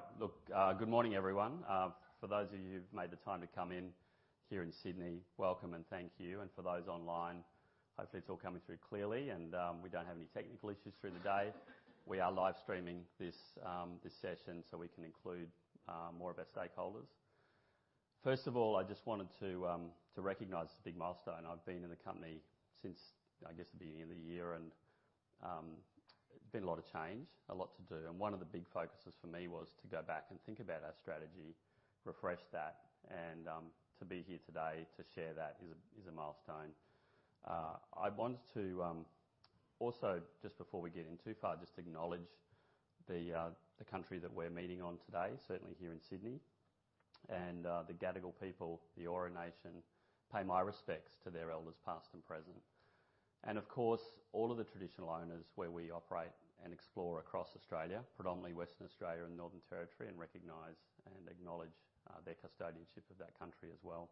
All right. Look, good morning, everyone. For those of you who've made the time to come in here in Sydney, welcome, and thank you, and for those online, hopefully, it's all coming through clearly, and we don't have any technical issues through the day. We are live streaming this session so we can include more of our stakeholders. First of all, I just wanted to recognize this big milestone. I've been in the company since I guess the beginning of the year, and been a lot of change, a lot to do and one of the big focuses for me was to go back and think about our strategy, refresh that, and to be here today to share that is a milestone. I want to also, just before we get in too far, just acknowledge the country that we're meeting on today, certainly here in Sydney, and the Gadigal people, the Eora Nation. Pay my respects to their elders, past and present. And, of course, all of the traditional owners where we operate and explore across Australia, predominantly Western Australia and Northern Territory, and recognize and acknowledge their custodianship of that country as well.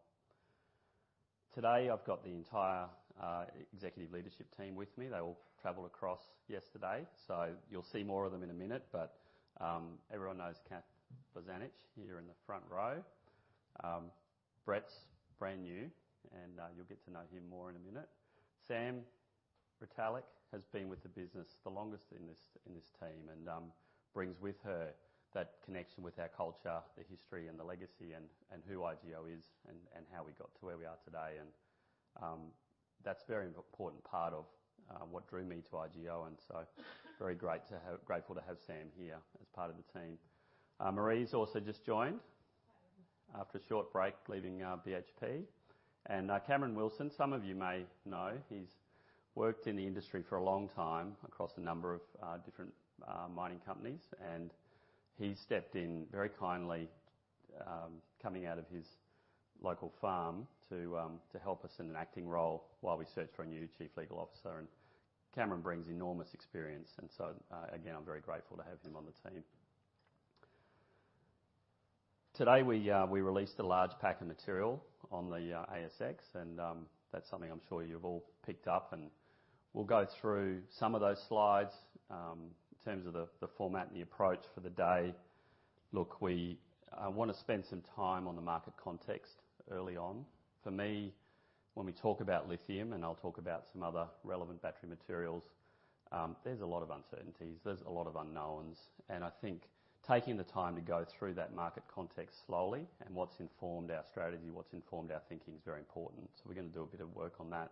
Today, I've got the entire executive leadership team with me. They all traveled across yesterday, so you'll see more of them in a minute. But everyone knows Kath Bozanic here in the front row. Brett's brand new, and you'll get to know him more in a minute. Sam Retallack has been with the business the longest in this team and brings with her that connection with our culture, the history and the legacy and who IGO is and how we got to where we are today. That's a very important part of what drew me to IGO, and so grateful to have Sam here as part of the team. Marie's also just joined after a short break, leaving BHP. Cameron Wilson, some of you may know, he's worked in the industry for a long time across a number of different mining companies, and he stepped in very kindly, coming out of his local farm to help us in an acting role while we search for a new chief legal officer. Cameron brings enormous experience, and so, again, I'm very grateful to have him on the team. Today, we released a large pack of material on the ASX, and, that's something I'm sure you've all picked up, and we'll go through some of those slides. In terms of the format and the approach for the day, look, I want to spend some time on the market context early on. For me, when we talk about lithium, and I'll talk about some other relevant battery materials, there's a lot of uncertainties, there's a lot of unknowns. I think taking the time to go through that market context slowly and what's informed our strategy, what's informed our thinking, is very important, so we're going to do a bit of work on that.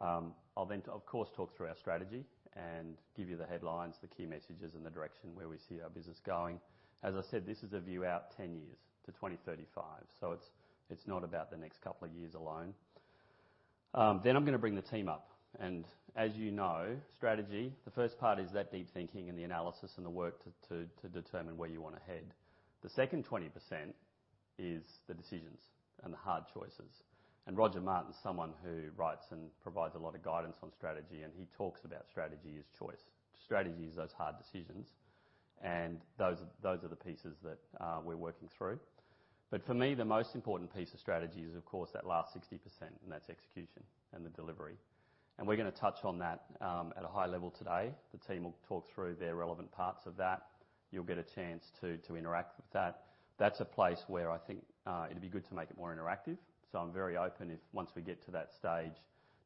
I'll then, of course, talk through our strategy and give you the headlines, the key messages, and the direction where we see our business going. As I said, this is a view out 10 years to 2035, so it's not about the next couple of years alone. Then I'm going to bring the team up, and as you know, strategy, the first part is that deep thinking and the analysis and the work to determine where you want to head. The second 20% is the decisions and the hard choices. Roger Martin's someone who writes and provides a lot of guidance on strategy, and he talks about strategy as choice. Strategy is those hard decisions, and those are the pieces that we're working through. But for me, the most important piece of strategy is, of course, that last 60%, and that's execution and the delivery. And we're going to touch on that, at a high level today. The team will talk through their relevant parts of that. You'll get a chance to interact with that. That's a place where I think, it'd be good to make it more interactive, so I'm very open if, once we get to that stage,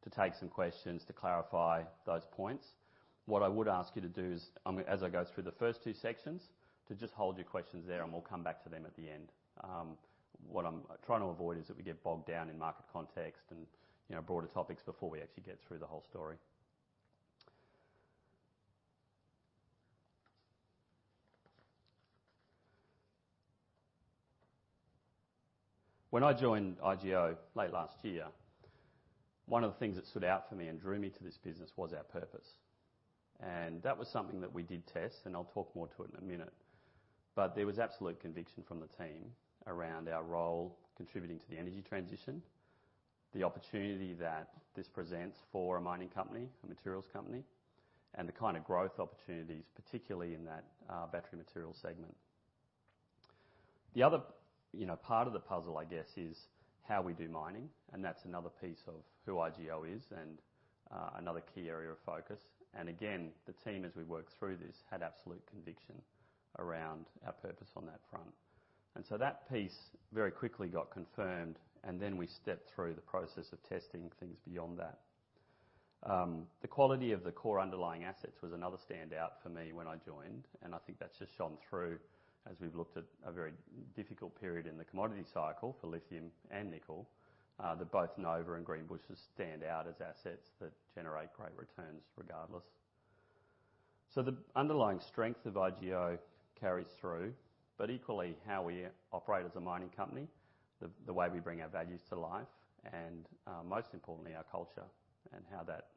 to take some questions to clarify those points. What I would ask you to do is, as I go through the first two sections, to just hold your questions there, and we'll come back to them at the end. What I'm trying to avoid is that we get bogged down in market context and, you know, broader topics before we actually get through the whole story. When I joined IGO late last year, one of the things that stood out for me and drew me to this business was our purpose, and that was something that we did test, and I'll talk more to it in a minute. But there was absolute conviction from the team around our role contributing to the energy transition, the opportunity that this presents for a mining company, a materials company, and the kind of growth opportunities, particularly in that, Battery Materials segment. The other, you know, part of the puzzle, I guess, is how we do mining, and that's another piece of who IGO is and, another key area of focus. And again, the team, as we worked through this, had absolute conviction around our purpose on that front. And so that piece very quickly got confirmed, and then we stepped through the process of testing things beyond that. The quality of the core underlying assets was another standout for me when I joined, and I think that's just shone through as we've looked at a very difficult period in the commodity cycle for lithium and nickel, that both Nova and Greenbushes stand out as assets that generate great returns regardless. So the underlying strength of IGO carries through, but equally, how we operate as a mining company, the way we bring our values to life and, most importantly, our culture and how that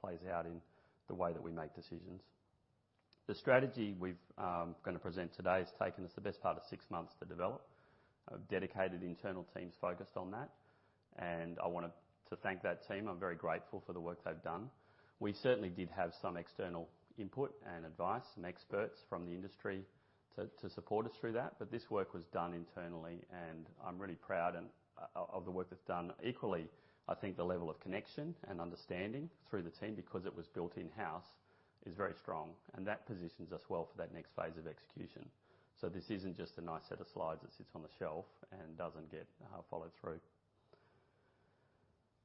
plays out in the way that we make decisions. The strategy we've going to present today has taken us the best part of six months to develop. I have dedicated internal teams focused on that, and I want to thank that team. I'm very grateful for the work they've done. We certainly did have some external input and advice and experts from the industry to support us through that, but this work was done internally, and I'm really proud and of the work that's done. Equally, I think the level of connection and understanding through the team, because it was built in-house, is very strong, and that positions us well for that next phase of execution. So this isn't just a nice set of slides that sits on the shelf and doesn't get followed through.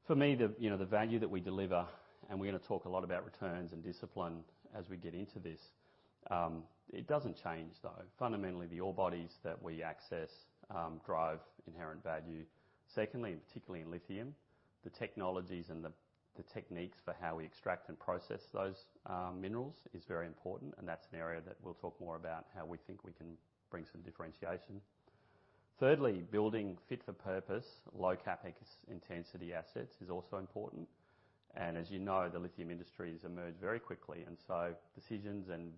For me, the, you know, the value that we deliver, and we're going to talk a lot about returns and discipline as we get into this, it doesn't change though. Fundamentally, the ore bodies that we access drive inherent value. Secondly, and particularly in lithium, the technologies and the techniques for how we extract and process those minerals is very important, and that's an area that we'll talk more about, how we think we can bring some differentiation. Thirdly, building fit for purpose, low CapEx intensity assets is also important, and as you know, the lithium industry has emerged very quickly, and so decisions and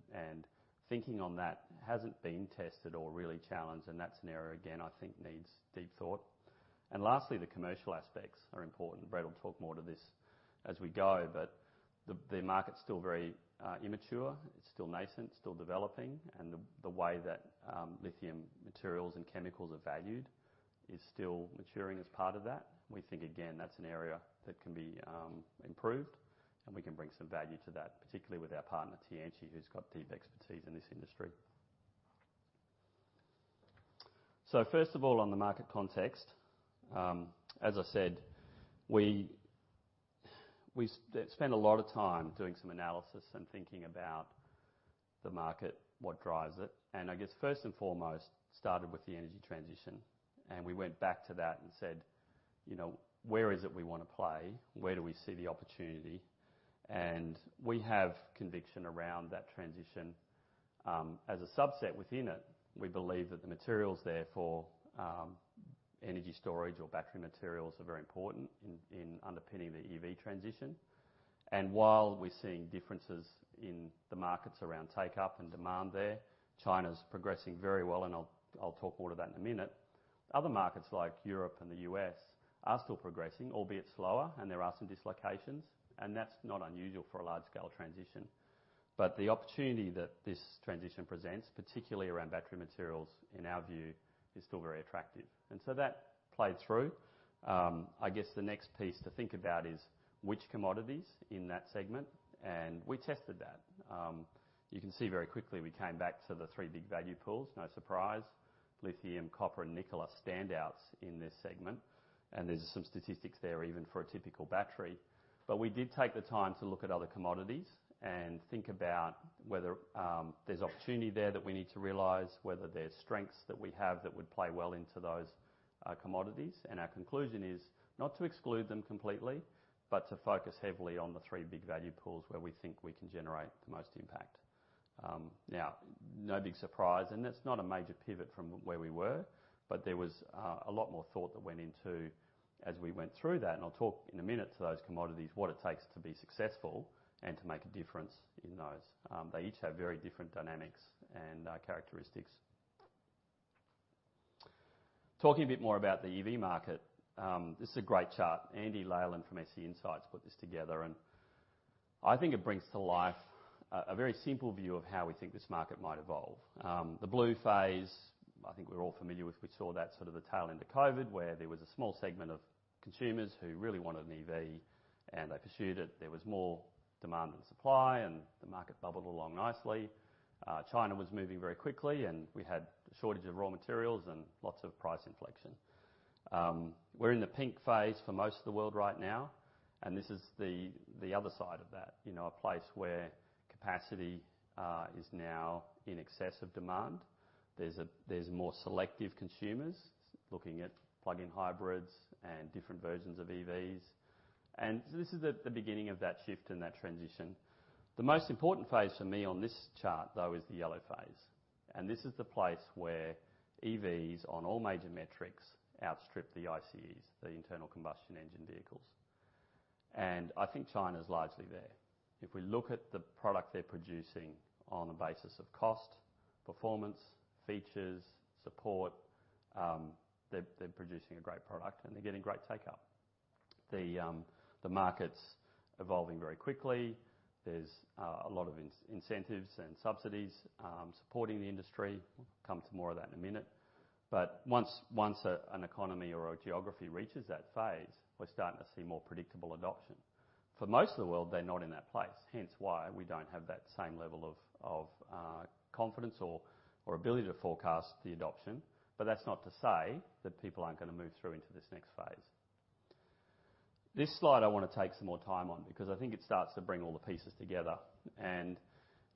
thinking on that hasn't been tested or really challenged, and that's an area, again, I think needs deep thought, and lastly, the commercial aspects are important. Brett will talk more to this as we go, but the market's still very immature. It's still nascent, still developing, and the way that lithium materials and chemicals are valued is still maturing as part of that. We think, again, that's an area that can be improved, and we can bring some value to that, particularly with our partner, Tianqi, who's got deep expertise in this industry. So first of all, on the market context, as I said, we spent a lot of time doing some analysis and thinking about the market, what drives it, and I guess first and foremost, started with the energy transition. And we went back to that and said, "You know, where is it we want to play? Where do we see the opportunity?" And we have conviction around that transition. As a subset within it, we believe that the materials therefore for energy storage or battery materials are very important in underpinning the EV transition. While we're seeing differences in the markets around take-up and demand there, China's progressing very well, and I'll talk more to that in a minute. Other markets like Europe and the U.S. are still progressing, albeit slower, and there are some dislocations, and that's not unusual for a large-scale transition. But the opportunity that this transition presents, particularly around battery materials, in our view, is still very attractive. And so that played through. I guess the next piece to think about is which commodities in that segment, and we tested that. You can see very quickly we came back to the three big value pools. No surprise. Lithium, copper, and nickel are standouts in this segment, and there's some statistics there even for a typical battery. But we did take the time to look at other commodities and think about whether, there's opportunity there that we need to realize, whether there's strengths that we have that would play well into those, commodities. And our conclusion is not to exclude them completely, but to focus heavily on the three big value pools where we think we can generate the most impact. Now, no big surprise, and it's not a major pivot from where we were, but there was a lot more thought that went into as we went through that. And I'll talk in a minute to those commodities, what it takes to be successful and to make a difference in those. They each have very different dynamics and characteristics. Talking a bit more about the EV market, this is a great chart. Andy Leyland from SC Insights put this together, and I think it brings to life a very simple view of how we think this market might evolve. The blue phase, I think we're all familiar with. We saw that sort of the tail end of COVID, where there was a small segment of consumers who really wanted an EV, and they pursued it. There was more demand than supply, and the market bubbled along nicely. China was moving very quickly, and we had a shortage of raw materials and lots of price inflection. We're in the pink phase for most of the world right now, and this is the other side of that. You know, a place where capacity is now in excess of demand. There's more selective consumers looking at plug-in hybrids and different versions of EVs. And so this is the beginning of that shift and that transition. The most important phase for me on this chart, though, is the yellow phase, and this is the place where EVs, on all major metrics, outstrip the ICEs, the internal combustion engine vehicles. And I think China's largely there. If we look at the product they're producing on the basis of cost, performance, features, support, they're producing a great product, and they're getting great take-up. The market's evolving very quickly. There's a lot of incentives and subsidies supporting the industry. Come to more of that in a minute. But once an economy or a geography reaches that phase, we're starting to see more predictable adoption. For most of the world, they're not in that place, hence why we don't have that same level of confidence or ability to forecast the adoption. But that's not to say that people aren't going to move through into this next phase. This slide, I want to take some more time on, because I think it starts to bring all the pieces together, and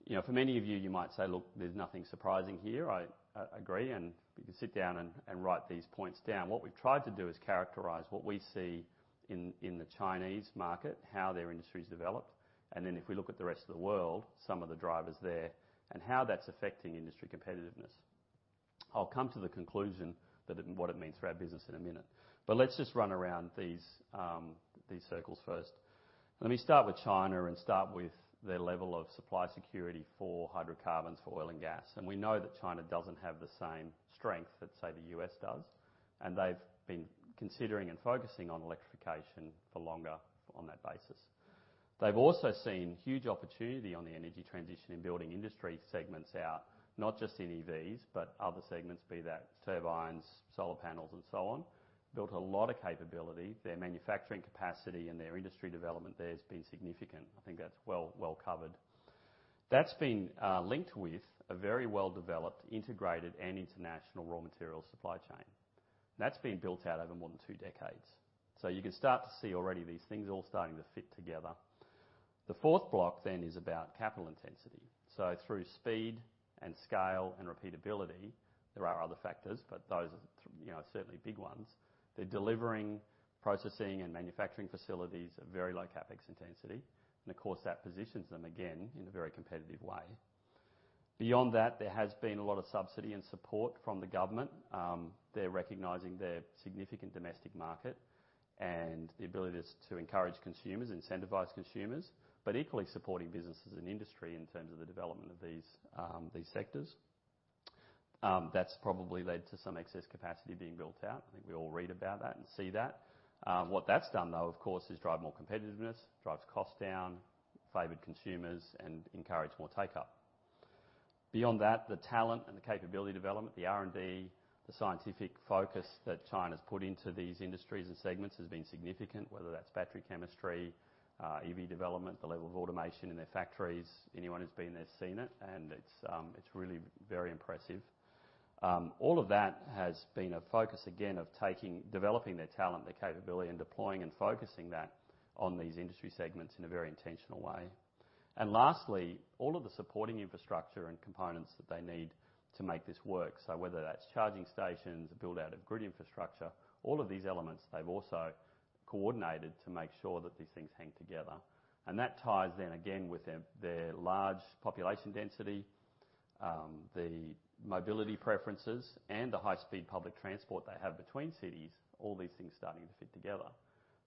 you know, for many of you, you might say, "Look, there's nothing surprising here." I agree, and you can sit down and write these points down. What we've tried to do is characterize what we see in the Chinese market, how their industry's developed, and then if we look at the rest of the world, some of the drivers there, and how that's affecting industry competitiveness. I'll come to the conclusion that what it means for our business in a minute, but let's just run around these circles first. Let me start with China and start with their level of supply security for hydrocarbons, for oil and gas. And we know that China doesn't have the same strength that, say, the U.S. does, and they've been considering and focusing on electrification for longer on that basis. They've also seen huge opportunity on the energy transition in Building Industry segments out, not just in EVs, but other segments, be that turbines, solar panels, and so on. Built a lot of capability. Their manufacturing capacity and their industry development there has been significant. I think that's well-covered. That's been linked with a very well-developed, integrated, and international raw material supply chain. That's been built out over more than two decades. So you can start to see already these things all starting to fit together. The fourth block then is about capital intensity. So through speed and scale and repeatability, there are other factors, but those are, you know, certainly big ones. They're delivering processing and manufacturing facilities at very low CapEx intensity, and of course, that positions them, again, in a very competitive way. Beyond that, there has been a lot of subsidy and support from the government. They're recognizing their significant domestic market and the ability to encourage consumers, incentivize consumers, but equally supporting businesses and industry in terms of the development of these sectors. That's probably led to some excess capacity being built out. I think we all read about that and see that. What that's done, though, of course, is drive more competitiveness, drives costs down, favored consumers, and encouraged more take-up. Beyond that, the talent and the capability development, the R&D, the scientific focus that China's put into these industries and segments has been significant, whether that's battery chemistry, EV development, the level of automation in their factories. Anyone who's been there has seen it, and it's really very impressive. All of that has been a focus, again, of developing their talent, their capability, and deploying and focusing that on these industry segments in a very intentional way. And lastly, all of the supporting infrastructure and components that they need to make this work. So whether that's charging stations or build-out of grid infrastructure, all of these elements, they've also coordinated to make sure that these things hang together. That ties in again with their, their large population density, the mobility preferences, and the high-speed public transport they have between cities, all these things starting to fit together.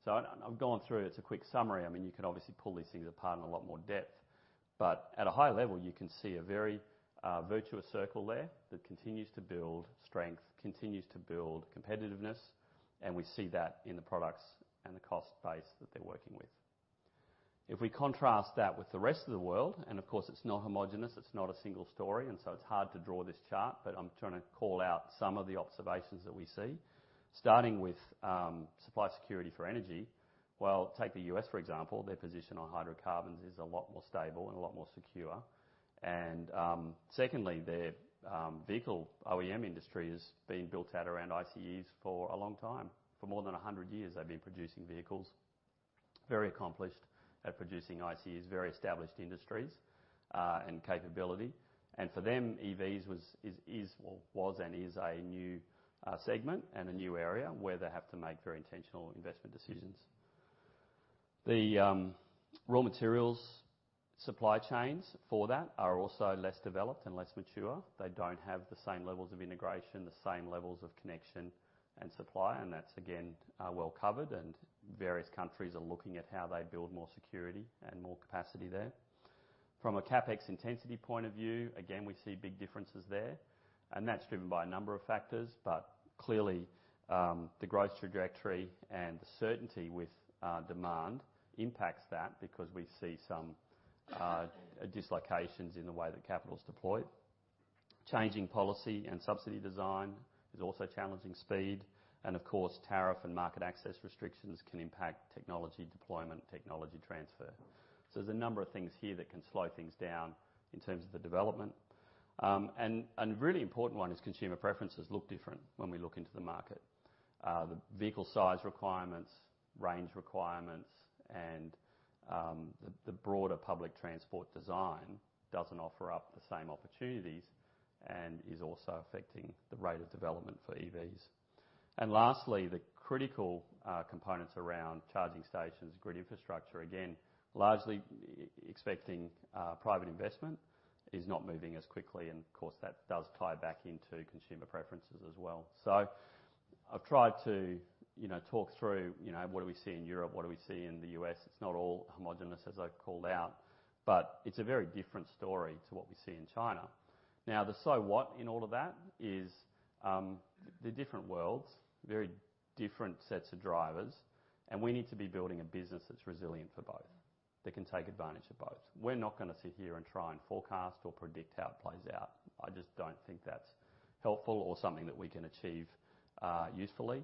So I, I've gone through it. It's a quick summary. I mean, you can obviously pull these things apart in a lot more depth, but at a high level, you can see a very virtuous circle there that continues to build strength, continues to build competitiveness, and we see that in the products and the cost base that they're working with. If we contrast that with the rest of the world, and of course, it's not homogeneous, it's not a single story, and so it's hard to draw this chart, but I'm trying to call out some of the observations that we see. Starting with supply security for energy. Well, take the U.S., for example. Their position on hydrocarbons is a lot more stable and a lot more secure. And secondly, their vehicle OEM industry has been built out around ICEs for a long time. For more than 100 years, they've been producing vehicles. Very accomplished at producing ICEs, very established industries, and capability. And for them, EVs was, is well, was and is a new segment and a new area where they have to make very intentional investment decisions. The raw materials supply chains for that are also less developed and less mature. They don't have the same levels of integration, the same levels of connection and supply, and that's, again, well covered, and various countries are looking at how they build more security and more capacity there. From a CapEx intensity point of view, again, we see big differences there, and that's driven by a number of factors, but clearly, the growth trajectory and the certainty with demand impacts that, because we see some dislocations in the way that capital is deployed. Changing policy and subsidy design is also challenging speed, and of course, tariff and market access restrictions can impact technology deployment, technology transfer. So there's a number of things here that can slow things down in terms of the development, and a really important one is consumer preferences look different when we look into the market. The vehicle size requirements, range requirements, and the broader public transport design doesn't offer up the same opportunities and is also affecting the rate of development for EVs. And lastly, the critical components around charging stations, grid infrastructure, again, largely expecting private investment, is not moving as quickly, and of course, that does tie back into consumer preferences as well. I've tried to, you know, talk through, you know, what do we see in Europe? What do we see in the U.S.? It's not all homogeneous, as I've called out, but it's a very different story to what we see in China. The so what in all of that is, they're different worlds, very different sets of drivers, and we need to be building a business that's resilient for both, that can take advantage of both. We're not gonna sit here and try and forecast or predict how it plays out. I just don't think that's helpful or something that we can achieve usefully.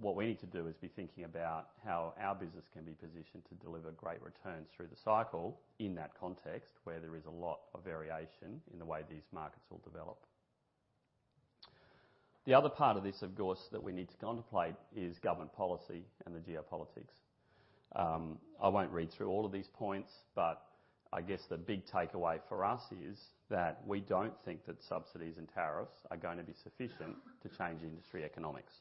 What we need to do is be thinking about how our business can be positioned to deliver great returns through the cycle in that context, where there is a lot of variation in the way these markets will develop. The other part of this, of course, that we need to contemplate is government policy and the geopolitics. I won't read through all of these points, but I guess the big takeaway for us is that we don't think that subsidies and tariffs are going to be sufficient to change industry economics.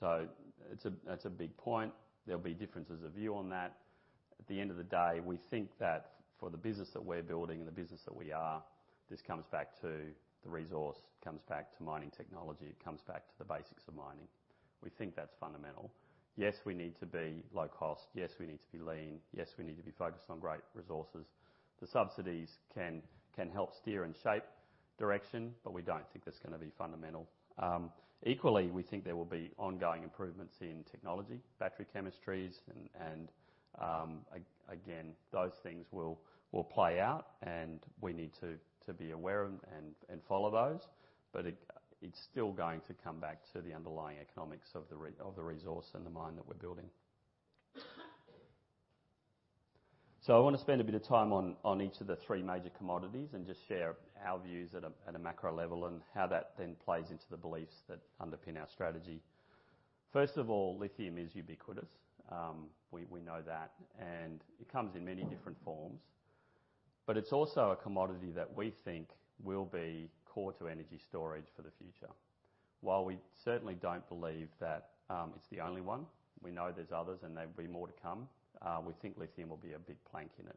So it's a big point. There'll be differences of view on that. At the end of the day, we think that for the business that we're building and the business that we are, this comes back to the resource, it comes back to mining technology, it comes back to the basics of mining. We think that's fundamental. Yes, we need to be low cost. Yes, we need to be lean. Yes, we need to be focused on great resources. The subsidies can help steer and shape direction, but we don't think that's gonna be fundamental. Equally, we think there will be ongoing improvements in technology, battery chemistries, and again, those things will play out, and we need to be aware and follow those, but it's still going to come back to the underlying economics of the resource and the mine that we're building. I want to spend a bit of time on each of the three major commodities and just share our views at a macro level and how that then plays into the beliefs that underpin our strategy. First of all, lithium is ubiquitous. We know that, and it comes in many different forms, but it's also a commodity that we think will be core to energy storage for the future. While we certainly don't believe that it's the only one, we know there's others, and there'll be more to come. We think lithium will be a big plank in it,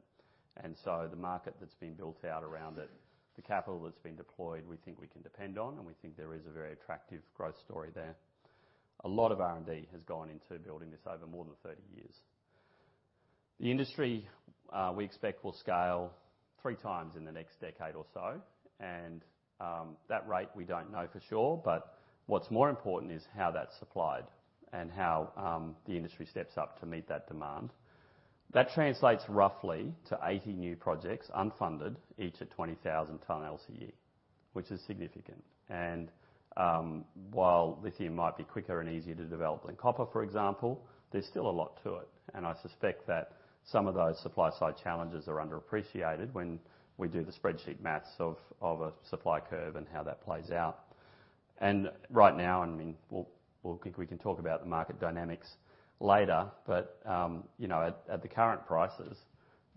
and so the market that's been built out around it, the capital that's been deployed, we think we can depend on, and we think there is a very attractive growth story there. A lot of R&D has gone into building this over more than 30 years. The industry we expect will scale three times in the next decade or so, and that rate we don't know for sure, but what's more important is how that's supplied and how the industry steps up to meet that demand. That translates roughly to 80 new projects, unfunded, each at 20,000 ton LCE, which is significant. And, while lithium might be quicker and easier to develop than copper, for example, there's still a lot to it. And I suspect that some of those supply-side challenges are underappreciated when we do the spreadsheet math of a supply curve and how that plays out. And right now, I mean, we can talk about the market dynamics later, but, you know, at the current prices,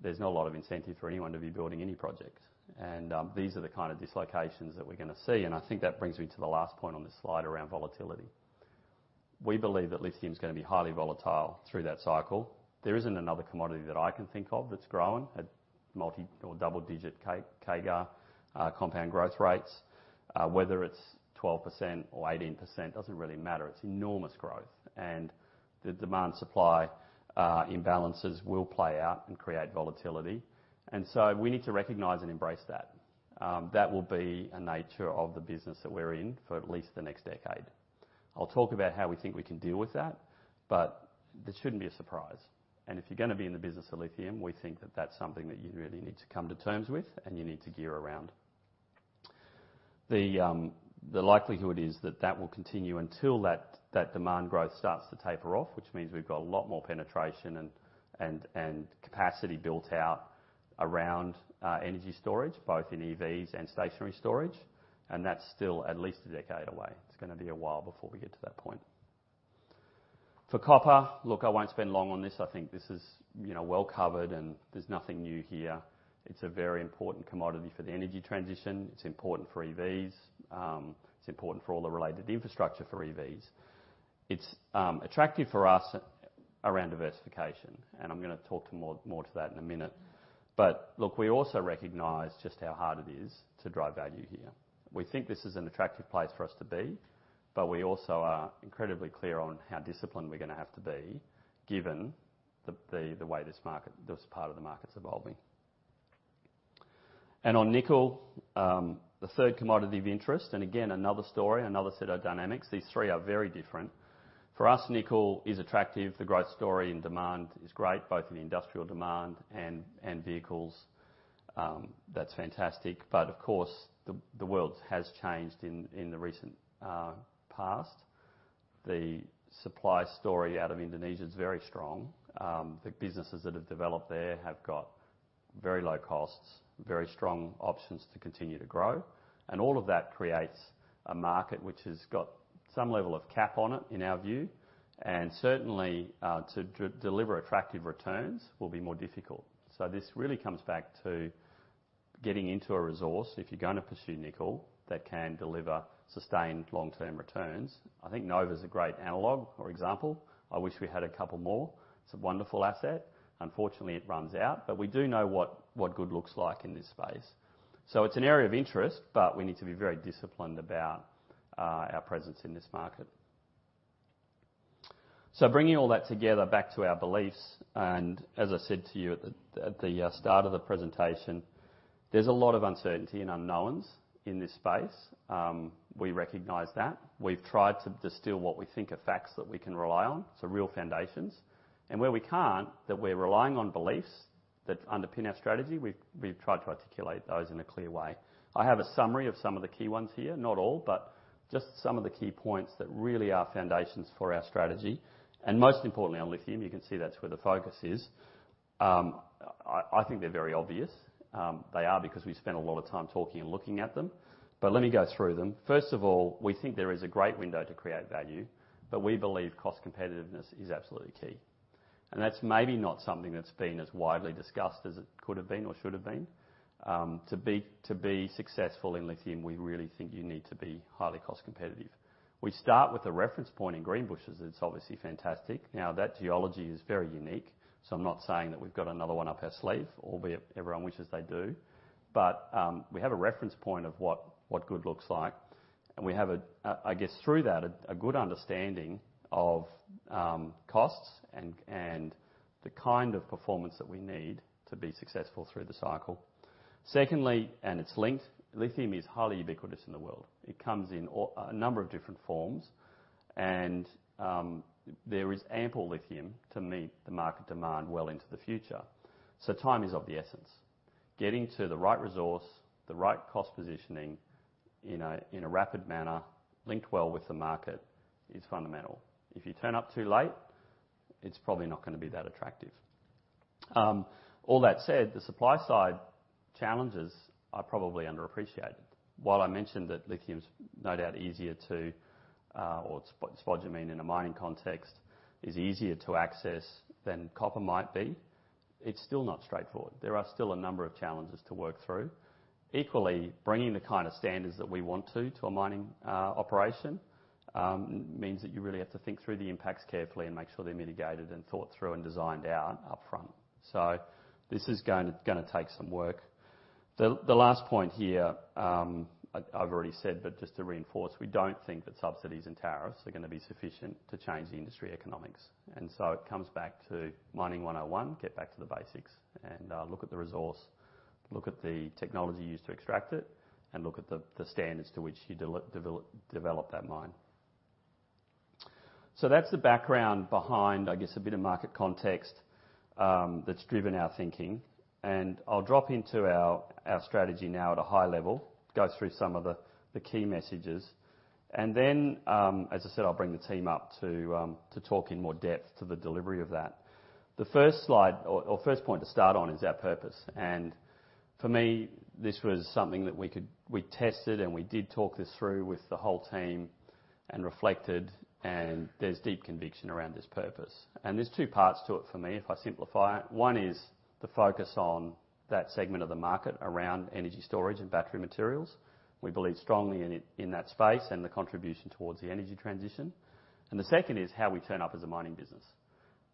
there's not a lot of incentive for anyone to be building any projects. And, these are the kind of dislocations that we're going to see, and I think that brings me to the last point on this slide around volatility. We believe that lithium is going to be highly volatile through that cycle. There isn't another commodity that I can think of that's growing at multi or double-digit CAGR, compound growth rates. Whether it's 12% or 18% doesn't really matter. It's enormous growth, and the demand-supply imbalances will play out and create volatility, and so we need to recognize and embrace that. That will be a nature of the business that we're in for at least the next decade. I'll talk about how we think we can deal with that, but this shouldn't be a surprise, and if you're going to be in the business of lithium, we think that that's something that you really need to come to terms with, and you need to gear around. The likelihood is that that will continue until that demand growth starts to taper off, which means we've got a lot more penetration and capacity built out around energy storage, both in EVs and stationary storage, and that's still at least a decade away. It's going to be a while before we get to that point. For copper, look, I won't spend long on this. I think this is, you know, well-covered, and there's nothing new here. It's a very important commodity for the energy transition. It's important for EVs. It's important for all the related infrastructure for EVs. It's attractive for us around diversification, and I'm going to talk more to that in a minute. But look, we also recognize just how hard it is to drive value here. We think this is an attractive place for us to be, but we also are incredibly clear on how disciplined we're going to have to be, given the way this market, this part of the market's evolving, and on nickel, the third commodity of interest, and again, another story, another set of dynamics. These three are very different. For us, nickel is attractive. The growth story and demand is great, both in the industrial demand and vehicles. That's fantastic, but of course, the world has changed in the recent past. The supply story out of Indonesia is very strong. The businesses that have developed there have got very low costs, very strong options to continue to grow, and all of that creates a market which has got some level of cap on it, in our view. And certainly to deliver attractive returns will be more difficult. So this really comes back to getting into a resource, if you're going to pursue nickel, that can deliver sustained long-term returns. I think Nova's a great analog or example. I wish we had a couple more. It's a wonderful asset. Unfortunately, it runs out, but we do know what good looks like in this space. So it's an area of interest, but we need to be very disciplined about our presence in this market. So bringing all that together back to our beliefs, and as I said to you at the start of the presentation, there's a lot of uncertainty and unknowns in this space. We recognize that. We've tried to distill what we think are facts that we can rely on, so real foundations. Where we can't, that we're relying on beliefs that underpin our strategy, we've tried to articulate those in a clear way. I have a summary of some of the key ones here. Not all, but just some of the key points that really are foundations for our strategy, and most importantly, on lithium, you can see that's where the focus is. I think they're very obvious. They are, because we've spent a lot of time talking and looking at them. But let me go through them. First of all, we think there is a great window to create value, but we believe cost competitiveness is absolutely key. And that's maybe not something that's been as widely discussed as it could have been or should have been. To be successful in lithium, we really think you need to be highly cost competitive. We start with a reference point in Greenbushes. It's obviously fantastic. Now, that geology is very unique, so I'm not saying that we've got another one up our sleeve, albeit everyone wishes they do, but we have a reference point of what good looks like, and we have, I guess through that, a good understanding of costs and the kind of performance that we need to be successful through the cycle. Secondly, and it's linked, lithium is highly ubiquitous in the world. It comes in all a number of different forms, and there is ample lithium to meet the market demand well into the future. So time is of the essence, getting to the right resource, the right cost positioning in a rapid manner, linked well with the market, is fundamental. If you turn up too late, it's probably not gonna be that attractive. All that said, the supply side challenges are probably underappreciated. While I mentioned that lithium is no doubt easier to, or spodumene, in a mining context, is easier to access than copper might be, it's still not straightforward. There are still a number of challenges to work through. Equally, bringing the kind of standards that we want to, to a mining operation, means that you really have to think through the impacts carefully and make sure they're mitigated and thought through and designed out upfront, so this is gonna take some work. The last point here, I've already said, but just to reinforce, we don't think that subsidies and tariffs are gonna be sufficient to change the industry economics, and so it comes back to Mining 101: get back to the basics and look at the resource, look at the technology used to extract it, and look at the standards to which you develop that mine. So that's the background behind, I guess, a bit of market context that's driven our thinking. And I'll drop into our strategy now at a high level, go through some of the key messages, and then, as I said, I'll bring the team up to talk in more depth to the delivery of that. The first slide or first point to start on is our purpose, and for me, this was something that we tested, and we did talk this through with the whole team and reflected, and there's deep conviction around this purpose, and there's two parts to it for me, if I simplify it. One is the focus on that segment of the market around energy storage and battery materials. We believe strongly in it, in that space and the contribution towards the energy transition, and the second is how we turn up as a mining business.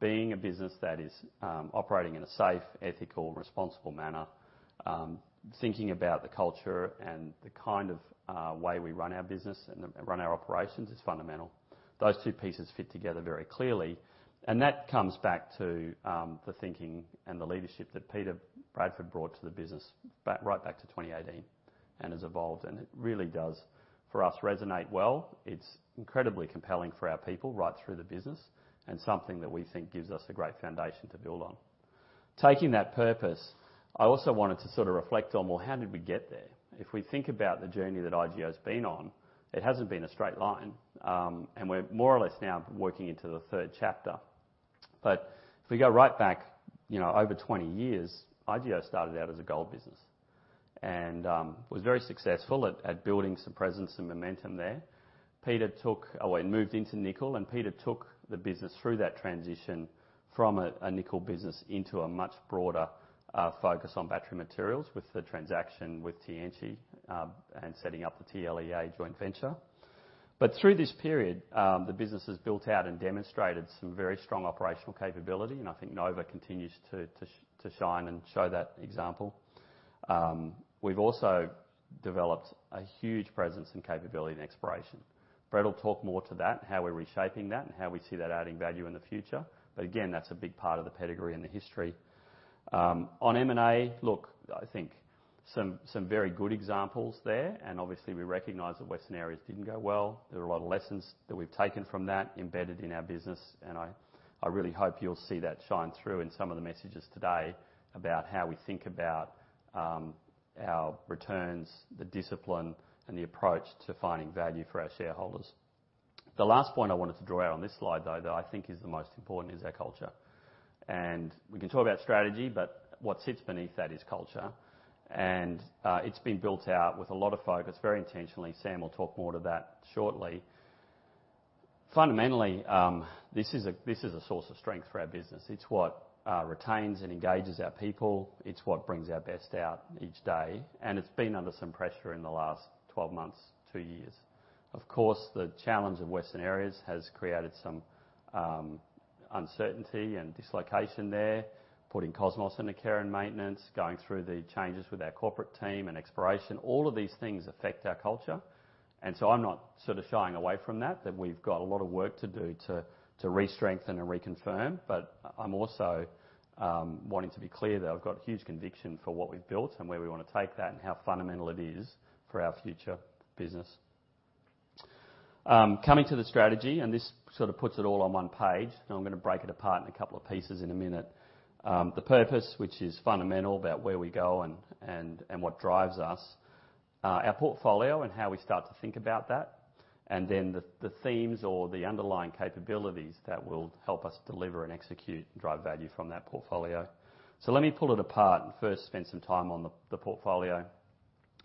Being a business that is operating in a safe, ethical, responsible manner, thinking about the culture and the kind of way we run our business and run our operations is fundamental. Those two pieces fit together very clearly, and that comes back to the thinking and the leadership that Peter Bradford brought to the business back, right back to 2018, and has evolved, and it really does, for us, resonate well. It's incredibly compelling for our people right through the business and something that we think gives us a great foundation to build on. Taking that purpose, I also wanted to sort of reflect on, well, how did we get there? If we think about the journey that IGO's been on, it hasn't been a straight line. And we're more or less now working into the third chapter. But if we go right back, you know, over 20 years, IGO started out as a gold business and was very successful at building some presence and momentum there. Peter took... Moved into nickel, and Peter took the business through that transition from a nickel business into a much broader focus on battery materials with the transaction with Tianqi, and setting up the TLEA Joint Venture. But through this period, the business has built out and demonstrated some very strong operational capability, and I think Nova continues to shine and show that example. We've also developed a huge presence and capability in exploration. Brett will talk more to that, and how we're reshaping that, and how we see that adding value in the future. But again, that's a big part of the pedigree and the history. On M&A, look, I think some very good examples there, and obviously, we recognize that Western Areas didn't go well. There are a lot of lessons that we've taken from that, embedded in our business, and I really hope you'll see that shine through in some of the messages today about how we think about our returns, the discipline, and the approach to finding value for our shareholders. The last point I wanted to draw out on this slide, though, that I think is the most important, is our culture, and we can talk about strategy, but what sits beneath that is culture, and it's been built out with a lot of focus, very intentionally. Sam will talk more to that shortly. Fundamentally, this is a source of strength for our business. It's what retains and engages our people. It's what brings our best out each day, and it's been under some pressure in the last 12 months, two years. Of course, the challenge of Western Areas has created some uncertainty and dislocation there, putting Cosmos into care and maintenance, going through the changes with our corporate team and exploration. All of these things affect our culture, and so I'm not sort of shying away from that, that we've got a lot of work to do to restrengthen and reconfirm. But I'm also wanting to be clear that I've got huge conviction for what we've built and where we want to take that, and how fundamental it is for our future business. Coming to the strategy, and this sort of puts it all on one page, and I'm gonna break it apart in a couple of pieces in a minute. The purpose, which is fundamental, about where we go and what drives us. Our portfolio and how we start to think about that, and then the themes or the underlying capabilities that will help us deliver and execute and drive value from that portfolio. Let me pull it apart and first spend some time on the portfolio.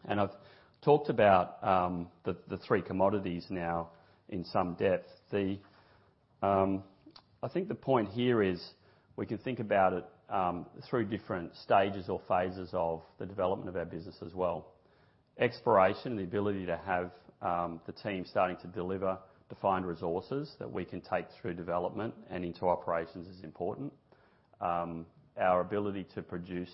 I've talked about the three commodities now in some depth. I think the point here is we can think about it through different stages or phases of the development of our business as well. Exploration, the ability to have the team starting to deliver defined resources that we can take through development and into operations is important. Our ability to produce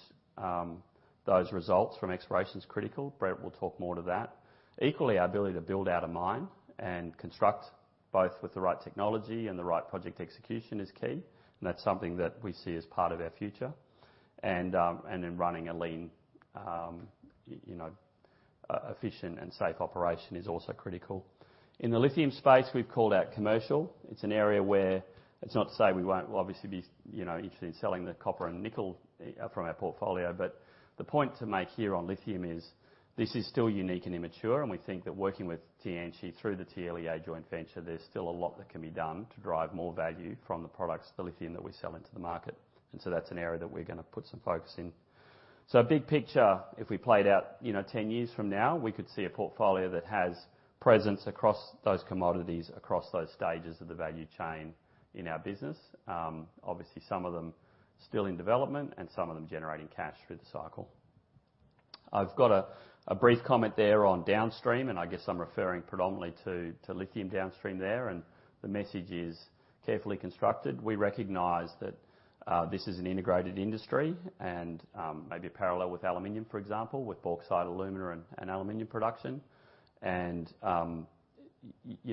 those results from exploration is critical. Brett will talk more to that. Equally, our ability to build out a mine and construct, both with the right technology and the right project execution, is key, and that's something that we see as part of our future. And, and in running a lean, you know, efficient and safe operation is also critical. In the lithium space, we've called out commercial. It's an area where, it's not to say we won't obviously be, you know, interested in selling the copper and nickel from our portfolio. But the point to make here on lithium is, this is still unique and immature, and we think that working with Tianqi through the TLEA Joint Venture, there's still a lot that can be done to drive more value from the products, the lithium that we sell into the market. And so that's an area that we're gonna put some focus in. Big picture, if we played out, you know, ten years from now, we could see a portfolio that has presence across those commodities, across those stages of the value chain in our business. Obviously, some of them still in development and some of them generating cash through the cycle. I've got a brief comment there on downstream, and I guess I'm referring predominantly to lithium downstream there, and the message is carefully constructed. We recognize that this is an integrated industry, and maybe parallel with aluminum, for example, with bauxite, alumina, and aluminum production. You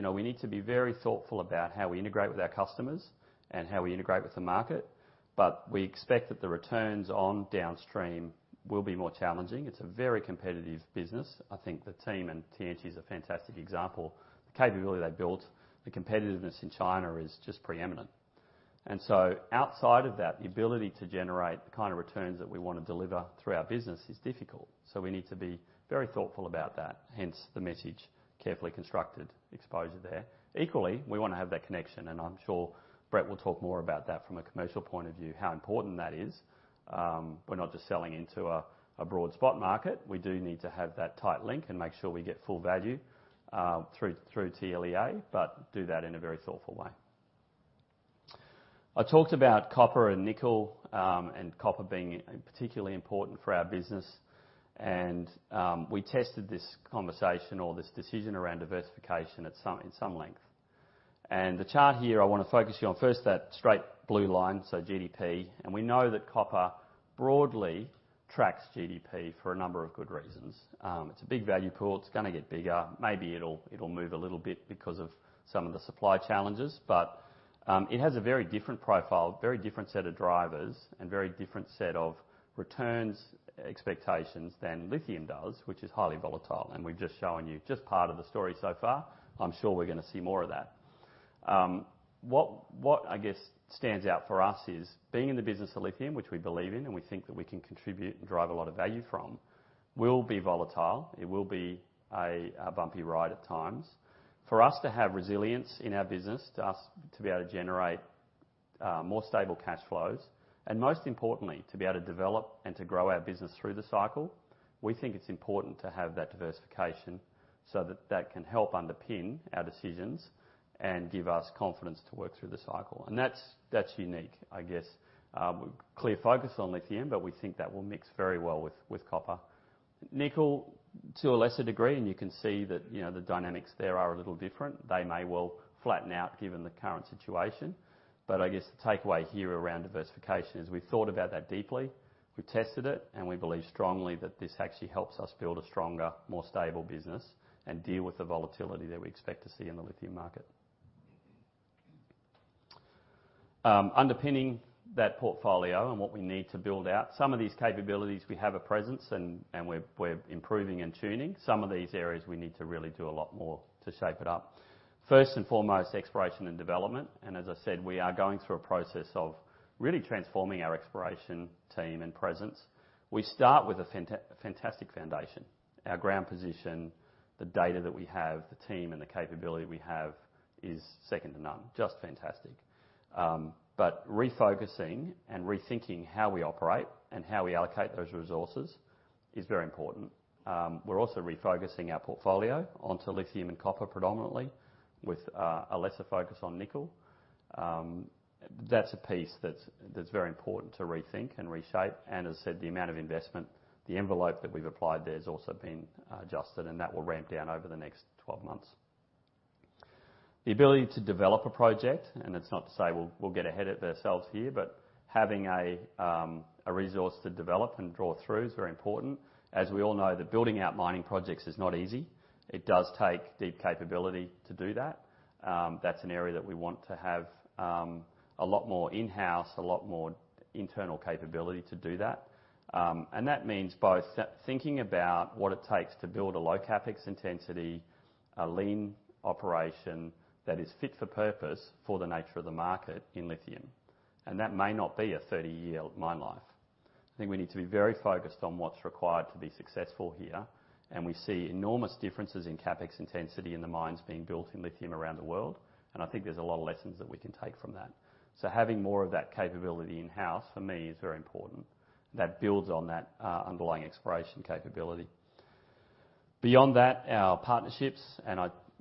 know, we need to be very thoughtful about how we integrate with our customers and how we integrate with the market, but we expect that the returns on downstream will be more challenging. It's a very competitive business. I think the team in Tianqi is a fantastic example. The capability they built, the competitiveness in China is just preeminent. And so outside of that, the ability to generate the kind of returns that we wanna deliver through our business is difficult, so we need to be very thoughtful about that, hence, the message, carefully constructed exposure there. Equally, we wanna have that connection, and I'm sure Brett will talk more about that from a commercial point of view, how important that is. We're not just selling into a broad spot market. We do need to have that tight link and make sure we get full value through TLEA, but do that in a very thoughtful way. I talked about copper and nickel, and copper being particularly important for our business. And we tested this conversation or this decision around diversification in some length. And the chart here, I wanna focus you on first that straight blue line, so GDP. And we know that copper broadly tracks GDP for a number of good reasons. It's a big value pool. It's gonna get bigger. Maybe it'll move a little bit because of some of the supply challenges. But it has a very different profile, very different set of drivers, and very different set of returns expectations than lithium does, which is highly volatile, and we've just shown you just part of the story so far. I'm sure we're gonna see more of that. What I guess stands out for us is being in the business of lithium, which we believe in, and we think that we can contribute and drive a lot of value from, will be volatile. It will be a bumpy ride at times. For us to have resilience in our business, to be able to generate more stable cash flows, and most importantly, to be able to develop and to grow our business through the cycle, we think it's important to have that diversification, so that can help underpin our decisions and give us confidence to work through the cycle. And that's unique, I guess. Clear focus on lithium, but we think that will mix very well with copper. Nickel, to a lesser degree, and you can see that, you know, the dynamics there are a little different. They may well flatten out given the current situation. But I guess the takeaway here around diversification is we've thought about that deeply, we tested it, and we believe strongly that this actually helps us build a stronger, more stable business and deal with the volatility that we expect to see in the lithium market. Underpinning that portfolio and what we need to build out, some of these capabilities we have a presence and we're improving and tuning. Some of these areas, we need to really do a lot more to shape it up. First and foremost, exploration and development. And as I said, we are going through a process of really transforming our exploration team and presence. We start with a fantastic foundation. Our ground position, the data that we have, the team and the capability we have is second to none, just fantastic. But refocusing and rethinking how we operate and how we allocate those resources is very important. We're also refocusing our portfolio onto lithium and copper, predominantly, with a lesser focus on nickel. That's a piece that's very important to rethink and reshape. And as I said, the amount of investment, the envelope that we've applied there has also been adjusted, and that will ramp down over the next 12 months. The ability to develop a project, and it's not to say we'll get ahead of ourselves here, but having a resource to develop and draw through is very important. As we all know, that building out mining projects is not easy. It does take deep capability to do that. That's an area that we want to have a lot more in-house, a lot more internal capability to do that. And that means both thinking about what it takes to build a low CapEx intensity, a lean operation that is fit for purpose for the nature of the market in lithium, and that may not be a 30-year mine life. I think we need to be very focused on what's required to be successful here, and we see enormous differences in CapEx intensity in the mines being built in lithium around the world. And I think there's a lot of lessons that we can take from that. So having more of that capability in-house, for me, is very important. That builds on that underlying exploration capability. Beyond that, our partnerships,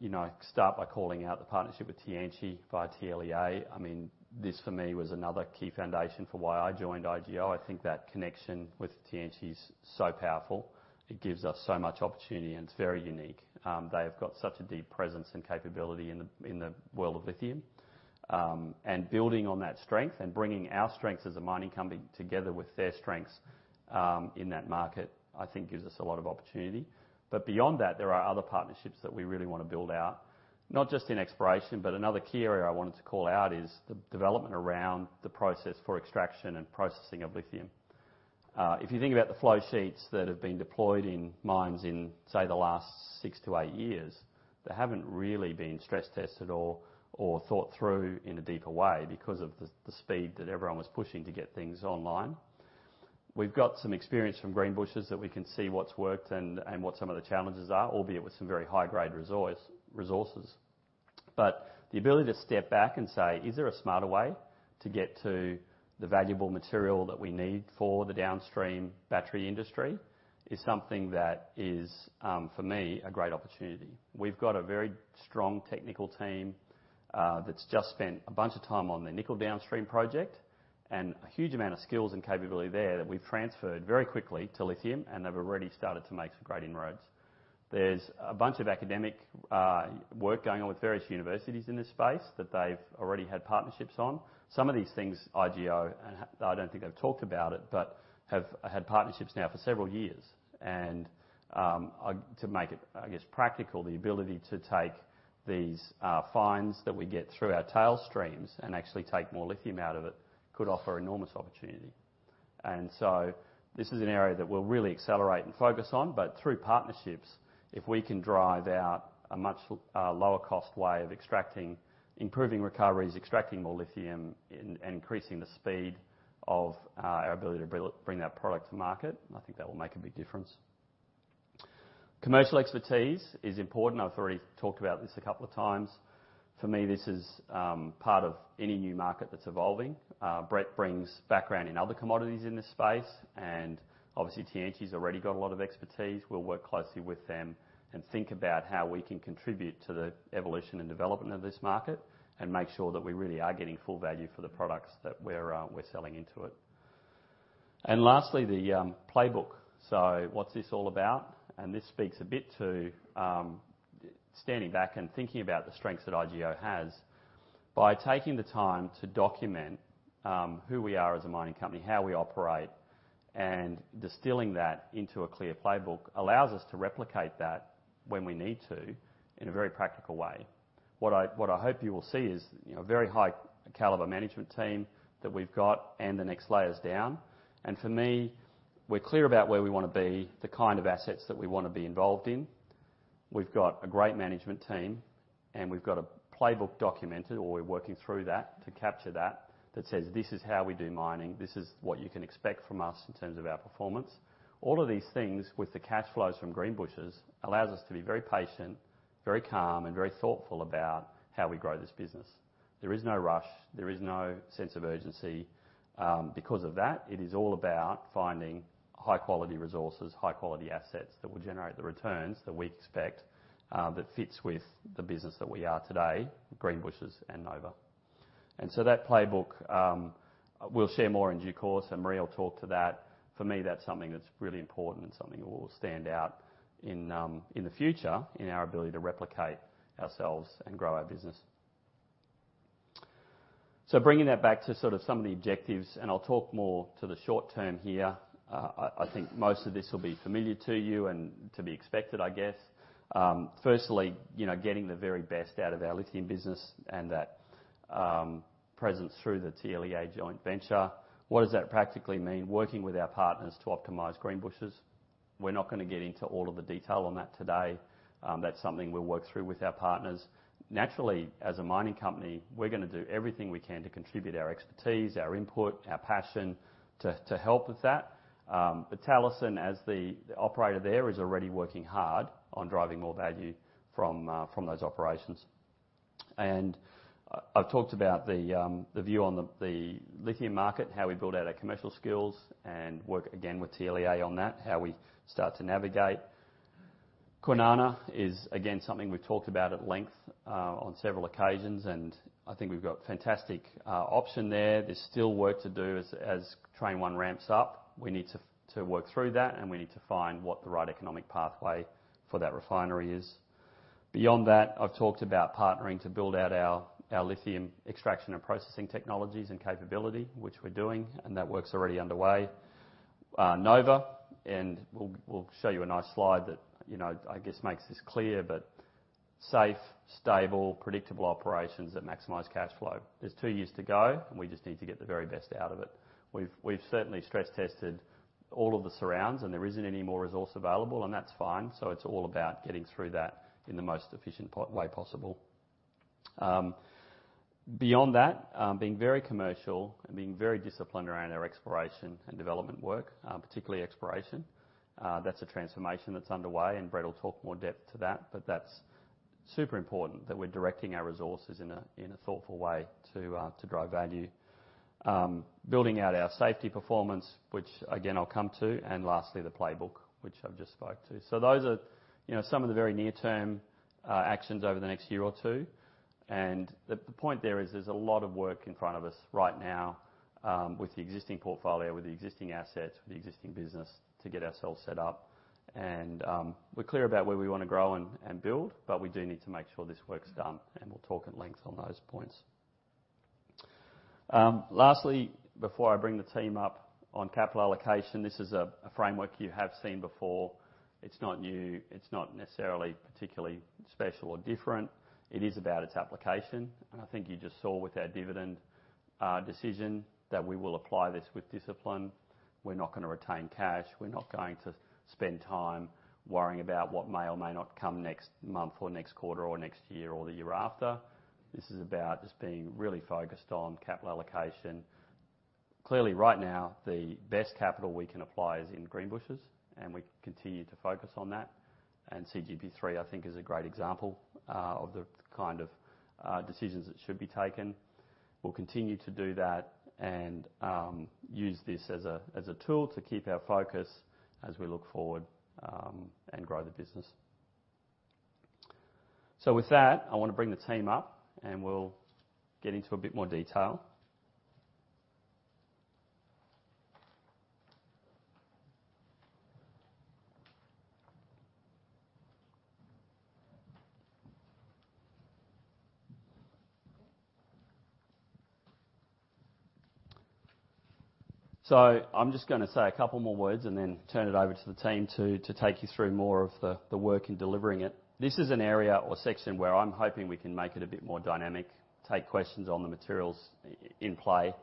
and I'd, you know, start by calling out the partnership with Tianqi via TLEA. I mean, this for me, was another key foundation for why I joined IGO. I think that connection with Tianqi is so powerful. It gives us so much opportunity, and it's very unique. They have got such a deep presence and capability in the world of lithium, and building on that strength and bringing our strengths as a mining company together with their strengths in that market, I think gives us a lot of opportunity. Beyond that, there are other partnerships that we really wanna build out, not just in exploration, but another key area I wanted to call out is the development around the process for extraction and processing of lithium. If you think about the flow sheets that have been deployed in mines in, say, the last six to eight years, they haven't really been stress tested or thought through in a deeper way because of the speed that everyone was pushing to get things online. We've got some experience from Greenbushes that we can see what's worked and what some of the challenges are, albeit with some very high-grade resources. But the ability to step back and say: Is there a smarter way to get to the valuable material that we need for the downstream battery industry? Is something that is, for me, a great opportunity. We've got a very strong technical team, that's just spent a bunch of time on the nickel downstream project, and a huge amount of skills and capability there that we've transferred very quickly to lithium, and they've already started to make some great inroads. There's a bunch of academic work going on with various universities in this space that they've already had partnerships on. Some of these things, IGO, and I don't think I've talked about it, but have had partnerships now for several years. And to make it, I guess, practical, the ability to take these fines that we get through our tailings streams and actually take more lithium out of it, could offer enormous opportunity. And so this is an area that we'll really accelerate and focus on. But through partnerships, if we can drive out a much lower-cost way of extracting, improving recoveries, extracting more lithium, and increasing the speed of our ability to bring that product to market, I think that will make a big difference. Commercial expertise is important. I've already talked about this a couple of times. For me, this is part of any new market that's evolving. Brett brings background in other commodities in this space, and obviously, Tianqi's already got a lot of expertise. We'll work closely with them and think about how we can contribute to the evolution and development of this market, and make sure that we really are getting full value for the products that we're selling into it, and lastly, the Playbook. So what's this all about, and this speaks a bit to standing back and thinking about the strengths that IGO has. By taking the time to document who we are as a mining company, how we operate, and distilling that into a clear playbook, allows us to replicate that when we need to, in a very practical way. What I hope you will see is, you know, a very high caliber management team that we've got and the next layers down. And for me, we're clear about where we wanna be, the kind of assets that we wanna be involved in. We've got a great management team, and we've got a playbook documented, or we're working through that to capture that, that says, "This is how we do mining. This is what you can expect from us in terms of our performance." All of these things, with the cash flows from Greenbushes, allows us to be very patient, very calm, and very thoughtful about how we grow this business. There is no rush. There is no sense of urgency. Because of that, it is all about finding high-quality resources, high-quality assets that will generate the returns that we expect, that fits with the business that we are today, Greenbushes and Nova. And so that Playbook, we'll share more in due course, and Marie will talk to that. For me, that's something that's really important and something that will stand out in the future in our ability to replicate ourselves and grow our business. So bringing that back to sort of some of the objectives, and I'll talk more to the short term here. I think most of this will be familiar to you and to be expected, I guess. Firstly, you know, getting the very best out of our lithium business and that presence through the TLEA Joint Venture. What does that practically mean? Working with our partners to optimize Greenbushes. We're not gonna get into all of the detail on that today. That's something we'll work through with our partners. Naturally, as a mining company, we're gonna do everything we can to contribute our expertise, our input, our passion, to help with that. But Talison, as the operator there, is already working hard on driving more value from those operations. And I've talked about the view on the lithium market, how we build out our commercial skills, and work again with TLEA on that, how we start to navigate. Kwinana is, again, something we've talked about at length on several occasions, and I think we've got a fantastic option there. There's still work to do as Train 1 ramps up. We need to work through that, and we need to find what the right economic pathway for that refinery is. Beyond that, I've talked about partnering to build out our lithium extraction and processing technologies and capability, which we're doing, and that work's already underway. Nova, and we'll show you a nice slide that, you know, I guess makes this clear, but safe, stable, predictable operations that maximize cash flow. There's two years to go, and we just need to get the very best out of it. We've certainly stress-tested all of the surrounds, and there isn't any more resource available, and that's fine. So it's all about getting through that in the most efficient way possible. Beyond that, being very commercial and being very disciplined around our exploration and development work, particularly exploration. That's a transformation that's underway, and Brett will talk more in depth to that, but that's super important that we're directing our resources in a thoughtful way to, to drive value. Building out our safety performance, which again, I'll come to, and lastly, the Playbook, which I've just spoke to. So those are, you know, some of the very near-term actions over the next year or two. And the point there is there's a lot of work in front of us right now with the existing portfolio, with the existing assets, with the existing business, to get ourselves set up. And we're clear about where we wanna grow and build, but we do need to make sure this work's done, and we'll talk at length on those points. Lastly, before I bring the team up on capital allocation, this is a framework you have seen before. It's not new. It's not necessarily particularly special or different. It is about its application, and I think you just saw with our dividend-... Decision that we will apply this with discipline. We're not going to retain cash. We're not going to spend time worrying about what may or may not come next month or next quarter or next year or the year after. This is about just being really focused on capital allocation. Clearly, right now, the best capital we can apply is in Greenbushes, and we continue to focus on that. And CGP3, I think, is a great example of the kind of decisions that should be taken. We'll continue to do that and use this as a tool to keep our focus as we look forward and grow the business. So with that, I want to bring the team up, and we'll get into a bit more detail. So I'm just going to say a couple more words and then turn it over to the team to take you through more of the work in delivering it. This is an area or section where I'm hoping we can make it a bit more dynamic, take questions on the materials in play.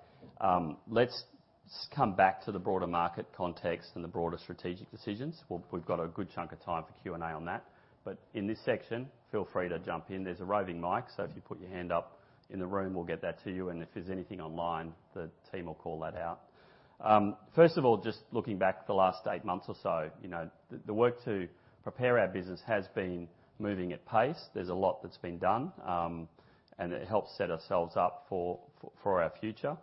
Let's come back to the broader market context and the broader strategic decisions. We've got a good chunk of time for Q&A on that. But in this section, feel free to jump in. There's a roving mic, so if you put your hand up in the room, we'll get that to you, and if there's anything online, the team will call that out. First of all, just looking back at the last eight months or so, you know, the work to prepare our business has been moving at pace. There's a lot that's been done, and it helps set ourselves up for our future.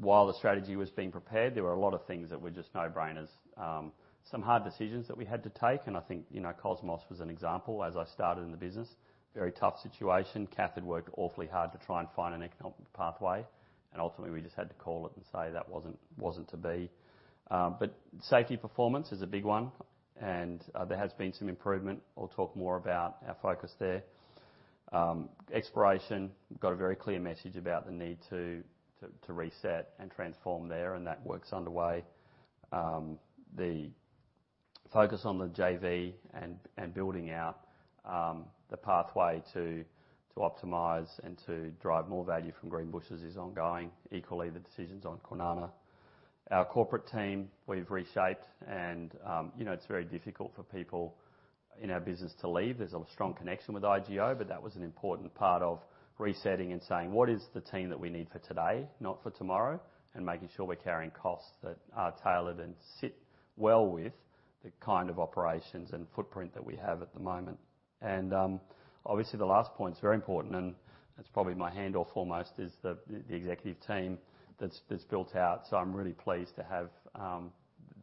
While the strategy was being prepared, there were a lot of things that were just no-brainers. Some hard decisions that we had to take, and I think, you know, Cosmos was an example, as I started in the business. Very tough situation. Kath had worked awfully hard to try and find an economic pathway, and ultimately, we just had to call it and say that wasn't to be. Safety performance is a big one, and there has been some improvement. We'll talk more about our focus there. Exploration got a very clear message about the need to reset and transform there, and that work's underway. The focus on the JV and building out the pathway to optimize and to drive more value from Greenbushes is ongoing. Equally, the decisions on Kwinana. Our corporate team, we've reshaped and, you know, it's very difficult for people in our business to leave. There's a strong connection with IGO, but that was an important part of resetting and saying: What is the team that we need for today, not for tomorrow? And making sure we're carrying costs that are tailored and sit well with the kind of operations and footprint that we have at the moment. And, obviously, the last point is very important, and that's probably my handoff foremost is the executive team that's built out. So I'm really pleased to have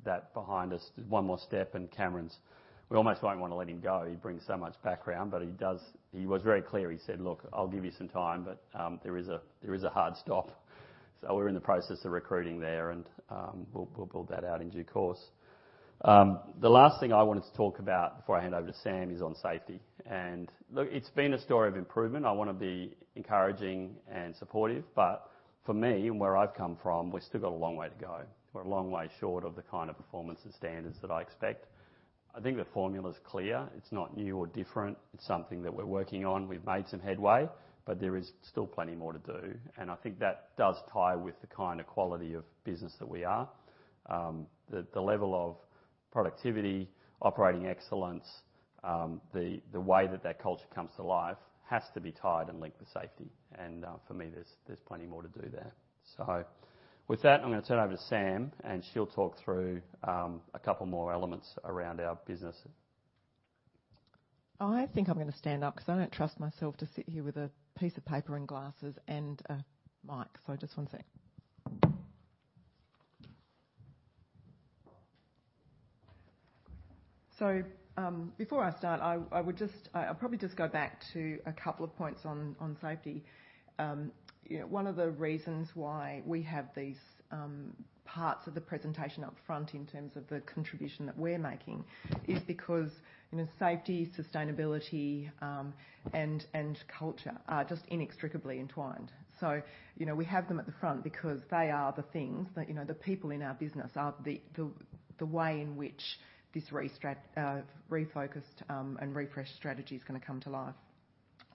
that behind us. One more step, and Cameron's. We almost won't want to let him go. He brings so much background, but he was very clear. He said, "Look, I'll give you some time, but there is a hard stop," so we're in the process of recruiting there, and we'll build that out in due course. The last thing I wanted to talk about before I hand over to Sam is on safety, and look, it's been a story of improvement. I want to be encouraging and supportive, but for me, and where I've come from, we've still got a long way to go. We're a long way short of the kind of performance and standards that I expect. I think the formula is clear. It's not new or different. It's something that we're working on. We've made some headway, but there is still plenty more to do, and I think that does tie with the kind of quality of business that we are. The level of productivity, operating excellence, the way that culture comes to life has to be tied and linked to safety, and for me, there's plenty more to do there. So with that, I'm going to turn over to Sam, and she'll talk through a couple more elements around our business. I think I'm going to stand up because I don't trust myself to sit here with a piece of paper and glasses and a mic, so just one second, so before I start, I would just, I'll probably just go back to a couple of points on safety. You know, one of the reasons why we have these parts of the presentation up front in terms of the contribution that we're making is because, you know, safety, sustainability, and culture are just inextricably entwined, so you know, we have them at the front because they are the things that, you know, the people in our business are the way in which this refocused and refreshed strategy is going to come to life.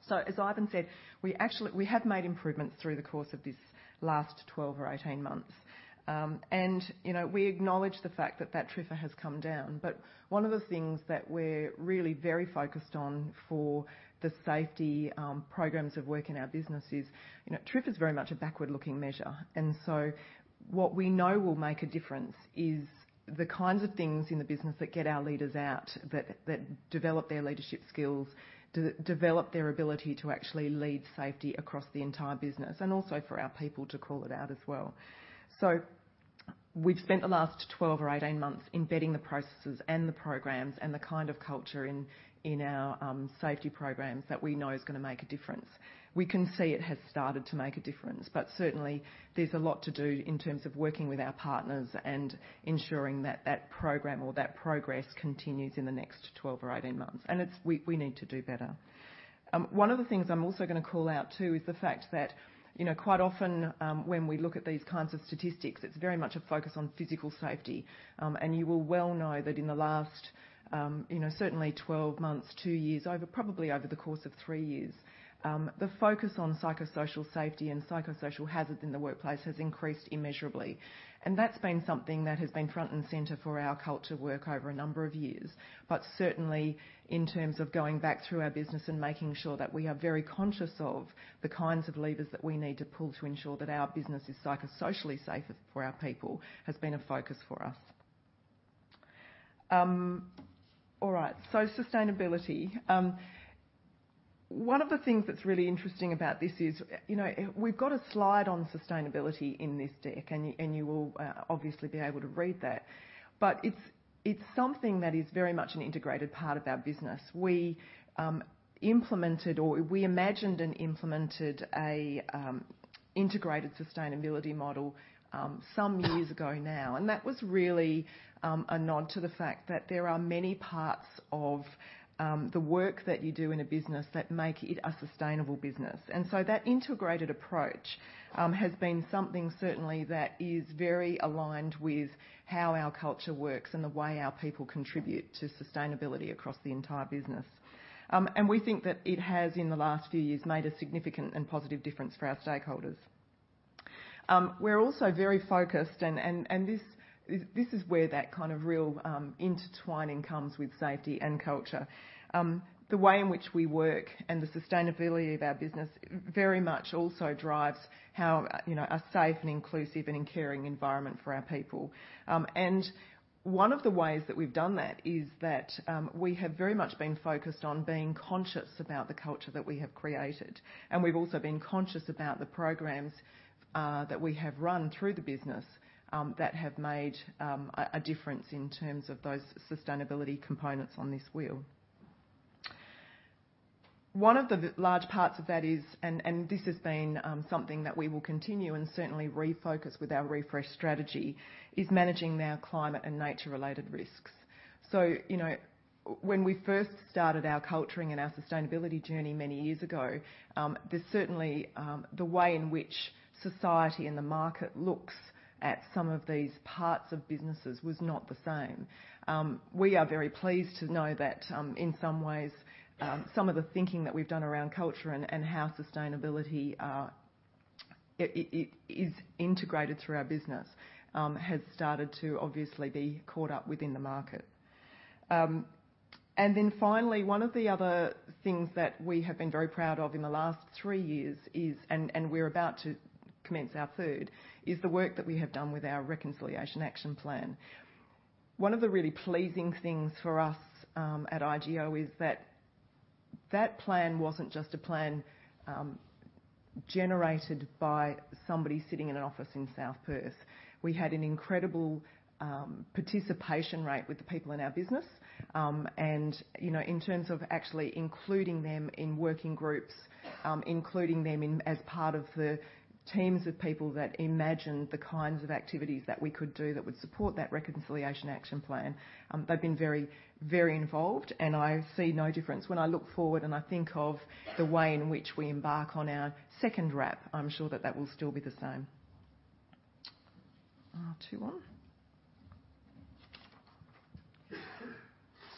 So as Ivan said, we actually have made improvements through the course of this last 12 or 18 months. And, you know, we acknowledge the fact that TRIFR has come down, but one of the things that we're really very focused on 12or the safety programs of work in our business is, you know, TRIFR is very much a backward-looking measure. And so what we know will make a difference is the kinds of things in the business that get our leaders out, that develop their leadership skills, develop their ability to actually lead safety across the entire business, and also for our people to call it out as well. So we've spent the last 12 or 18 months embedding the processes and the programs and the kind of culture in our safety programs that we know is going to make a difference. We can see it has started to make a difference, but certainly, there's a lot to do in terms of working with our partners and ensuring that that program or that progress continues in the next 12 or 18 months, and we need to do better. One of the things I'm also going to call out, too, is the fact that, you know, quite often, when we look at these kinds of statistics, it's very much a focus on physical safety. And you will well know that in the last, you know, certainly 12 months, two years, probably over the course of three years, the focus on psychosocial safety and psychosocial hazards in the workplace has increased immeasurably. And that's been something that has been front and center for our culture work over a number of years. But certainly, in terms of going back through our business and making sure that we are very conscious of the kinds of levers that we need to pull to ensure that our business is psychosocially safe for our people, has been a focus for us. All right, so sustainability. One of the things that's really interesting about this is, you know, we've got a slide on sustainability in this deck, and you, and you will obviously be able to read that. But it's, it's something that is very much an integrated part of our business. We implemented or we imagined and implemented a integrated sustainability model some years ago now, and that was really a nod to the fact that there are many parts of the work that you do in a business that make it a sustainable business. That integrated approach has been something certainly that is very aligned with how our culture works and the way our people contribute to sustainability across the entire business. We think that it has, in the last few years, made a significant and positive difference for our stakeholders. We're also very focused and this is where that kind of real intertwining comes with safety and culture. The way in which we work and the sustainability of our business very much also drives how, you know, a safe and inclusive and caring environment for our people. One of the ways that we've done that is that we have very much been focused on being conscious about the culture that we have created. And we've also been conscious about the programs that we have run through the business that have made a difference in terms of those sustainability components on this wheel. One of the large parts of that is, and this has been something that we will continue and certainly refocus with our Refresh Strategy, is managing our climate and nature-related risks. So, you know, when we first started our culture and our sustainability journey many years ago, there's certainly the way in which society and the market looks at some of these parts of businesses was not the same. We are very pleased to know that, in some ways, some of the thinking that we've done around culture and how sustainability is integrated through our business, has started to obviously be caught up within the market. And then finally, one of the other things that we have been very proud of in the last three years is - and we're about to commence our third, is the work that we have done with our Reconciliation Action Plan. One of the really pleasing things for us, at IGO is that that plan wasn't just a plan, generated by somebody sitting in an office in South Perth. We had an incredible participation rate with the people in our business. You know, in terms of actually including them in working groups, including them as part of the teams of people that imagined the kinds of activities that we could do that would support that Reconciliation Action Plan. They've been very, very involved, and I see no difference. When I look forward and I think of the way in which we embark on our second RAP, I'm sure that that will still be the same.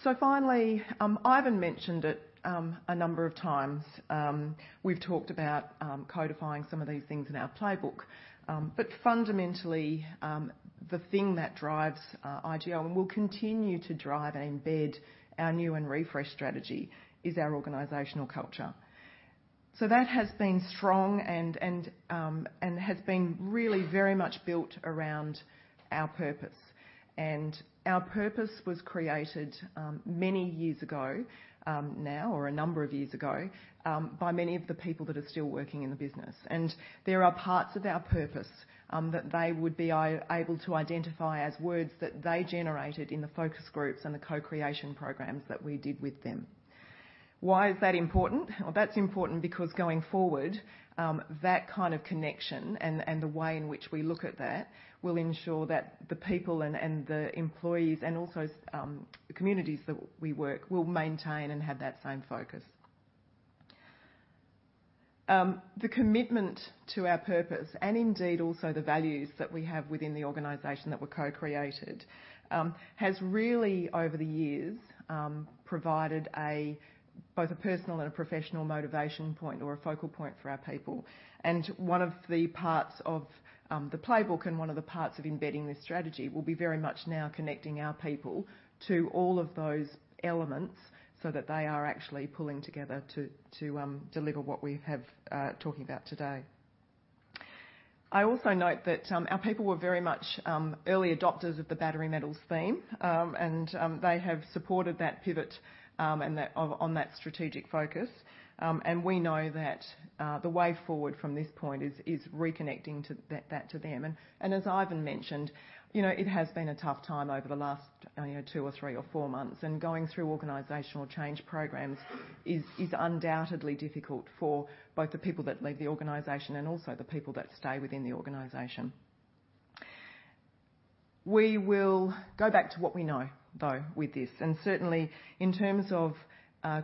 So finally, Ivan mentioned it a number of times. We've talked about codifying some of these things in our Playbook. But fundamentally, the thing that drives IGO and will continue to drive and embed our new and refreshed strategy is our organizational culture. So that has been strong and has been really very much built around our purpose. And our purpose was created, many years ago, now, or a number of years ago, by many of the people that are still working in the business. And there are parts of our purpose, that they would be able to identify as words that they generated in the focus groups and the co-creation programs that we did with them. Why is that important? Well, that's important because going forward, that kind of connection and the way in which we look at that will ensure that the people and the employees and also the communities that we work with will maintain and have that same focus. The commitment to our purpose, and indeed, also the values that we have within the organization that were co-created has really, over the years, provided both a personal and a professional motivation point or a focal point for our people, and one of the parts of the Playbook and one of the parts of embedding this strategy will be very much now connecting our people to all of those elements so that they are actually pulling together to, to, deliver what we have talking about today. I also note that our people were very much early adopters of the Battery Materials theme, and they have supported that pivot, and that on, on that strategic focus, and we know that the way forward from this point is, is reconnecting to that, that to them. As Ivan mentioned, you know, it has been a tough time over the last two or three or four months, and going through organizational change programs is undoubtedly difficult for both the people that leave the organization and also the people that stay within the organization. We will go back to what we know, though, with this. Certainly, in terms of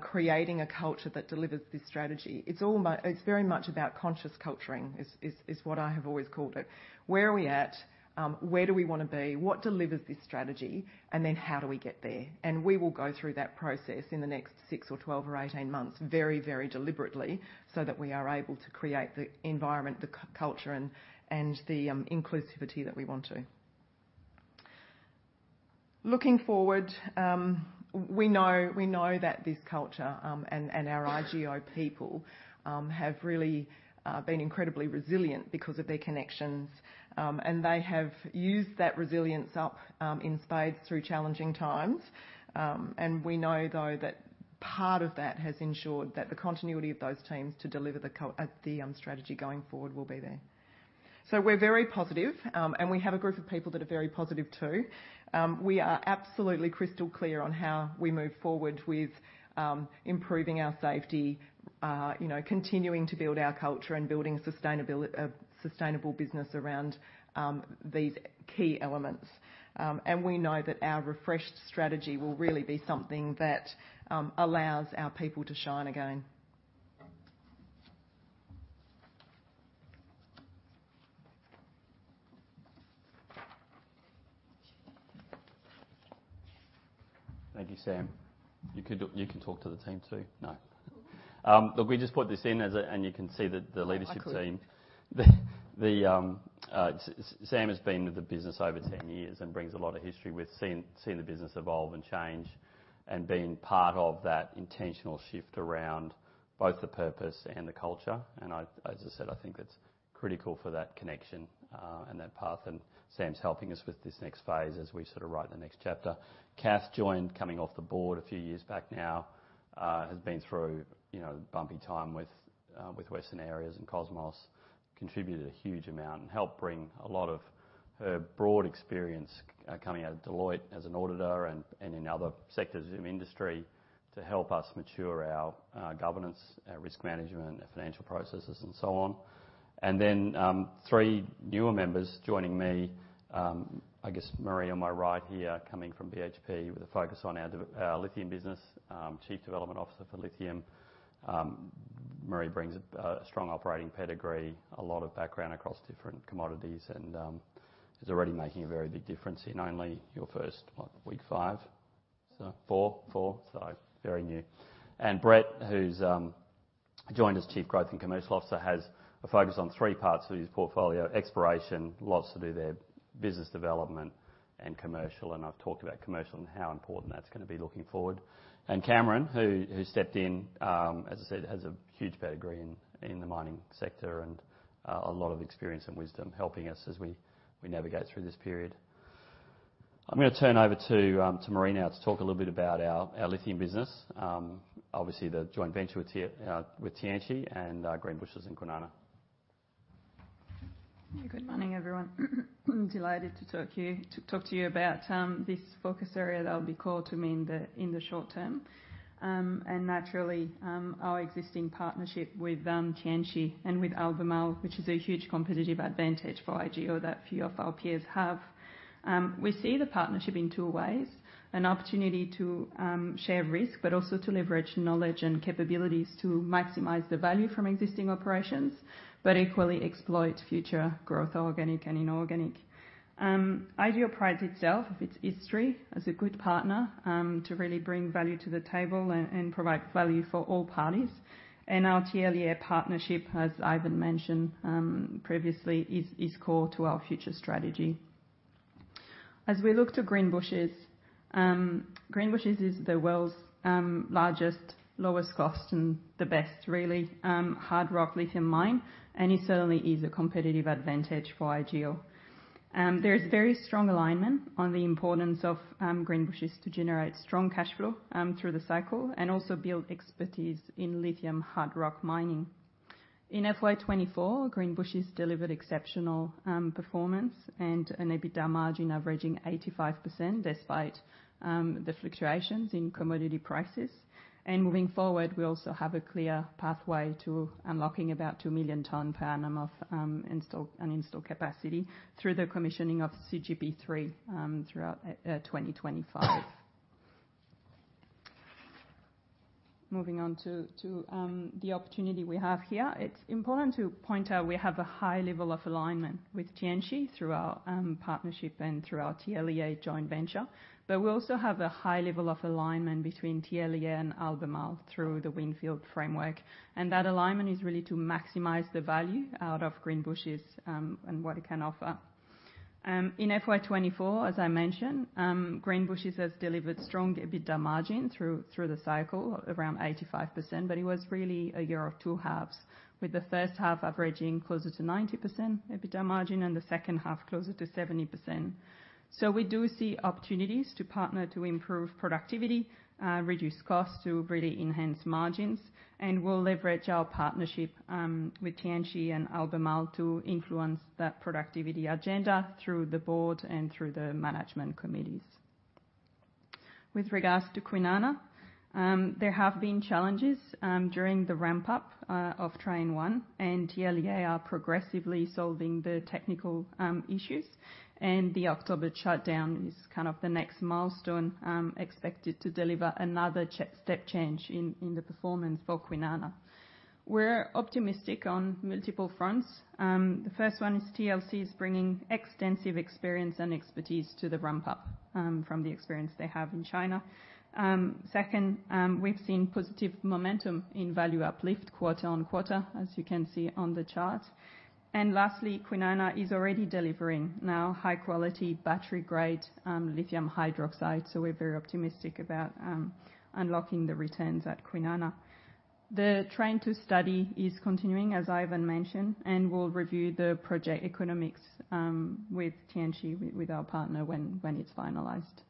creating a culture that delivers this strategy, it's all about, it's very much about conscious culturing, is what I have always called it. Where are we at? Where do we wanna be? What delivers this strategy? Then how do we get there? We will go through that process in the next six or 12 or 18 months, very, very deliberately, so that we are able to create the environment, the culture, and the inclusivity that we want to. Looking forward, we know, we know that this culture and our IGO people have really been incredibly resilient because of their connections. And they have used that resilience up in spades through challenging times. And we know, though, that part of that has ensured that the continuity of those teams to deliver the strategy going forward will be there. So we're very positive, and we have a group of people that are very positive, too. We are absolutely crystal clear on how we move forward with improving our safety, you know, continuing to build our culture and building a sustainable business around these key elements. And we know that our refreshed strategy will really be something that allows our people to shine again. Thank you, Sam. You can talk to the team, too. No? Look, we just put this in as and you can see that the leadership team- I could. Sam has been with the business over 10 years and brings a lot of history with seeing the business evolve and change, and being part of that intentional shift around both the purpose and the culture. I, as I said, I think that's critical for that connection, and that path, and Sam's helping us with this next phase as we sort of write the next chapter. Kath joined, coming off the board a few years back now, has been through, you know, a bumpy time with Western Areas and Cosmos. Contributed a huge amount, and helped bring a lot of her broad experience, coming out of Deloitte as an auditor and in other sectors of industry, to help us mature our governance, risk management, and financial processes, and so on. And then, three newer members joining me. I guess Marie, on my right here, coming from BHP with a focus on our development lithium business, Chief Development Officer for lithium. Marie brings a strong operating pedigree, a lot of background across different commodities, and is already making a very big difference in only your first, what, week five? So four, four. So very new. And Brett, who's joined as Chief Growth and Commercial Officer, has a focus on three parts of his portfolio: exploration, lots to do there, business development, and commercial. And I've talked about commercial and how important that's gonna be looking forward. And Cameron, who stepped in, as I said, has a huge pedigree in the mining sector and a lot of experience and wisdom helping us as we navigate through this period. I'm gonna turn over to Marie now to talk a little bit about our lithium business. Obviously, the Joint Venture with Tianqi and Greenbushes and Kwinana. Good morning, everyone. Delighted to talk to you about this focus area that will be core to me in the short term. And naturally, our existing partnership with Tianqi and with Albemarle, which is a huge competitive advantage for IGO that few of our peers have. We see the partnership in two ways: an opportunity to share risk, but also to leverage knowledge and capabilities to maximize the value from existing operations, but equally exploit future growth, organic and inorganic. IGO prides itself of its history as a good partner to really bring value to the table and provide value for all parties, and our TLEA partnership, as Ivan mentioned previously, is core to our future strategy. As we look to Greenbushes, Greenbushes is the world's largest, lowest cost, and the best really hard rock lithium mine, and it certainly is a competitive advantage for IGO. There is very strong alignment on the importance of Greenbushes to generate strong cash flow through the cycle, and also build expertise in lithium hard rock mining. In FY 2024, Greenbushes delivered exceptional performance and an EBITDA margin averaging 85%, despite the fluctuations in commodity prices. Moving forward, we also have a clear pathway to unlocking about 2 million ton per annum of installed capacity through the commissioning of CGP3 throughout 2025. Moving on to the opportunity we have here. It's important to point out we have a high level of alignment with Tianqi through our partnership and through our TLEA Joint Venture, but we also have a high level of alignment between TLEA and Albemarle through the Windfield framework, and that alignment is really to maximize the value out of Greenbushes and what it can offer. In FY 2024, as I mentioned, Greenbushes has delivered strong EBITDA margin through the cycle, around 85%, but it was really a year of two halves, with the first half averaging closer to 90% EBITDA margin and the second half closer to 70%. So we do see opportunities to partner to improve productivity, reduce costs to really enhance margins, and we'll leverage our partnership with Tianqi and Albemarle to influence that productivity agenda through the board and through the management committees. With regards to Kwinana, there have been challenges during the ramp-up of Train 1, and TLEA are progressively solving the technical issues, and the October shutdown is kind of the next milestone expected to deliver another step change in the performance for Kwinana. We're optimistic on multiple fronts. The first one is TLEA is bringing extensive experience and expertise to the ramp-up from the experience they have in China. Second, we've seen positive momentum in value uplift quarter on quarter, as you can see on the chart. And lastly, Kwinana is already delivering now high-quality, battery-grade lithium hydroxide, so we're very optimistic about unlocking the returns at Kwinana. The Train 2 study is continuing, as Ivan mentioned, and we'll review the project economics with Tianqi, with our partner, when it's finalized.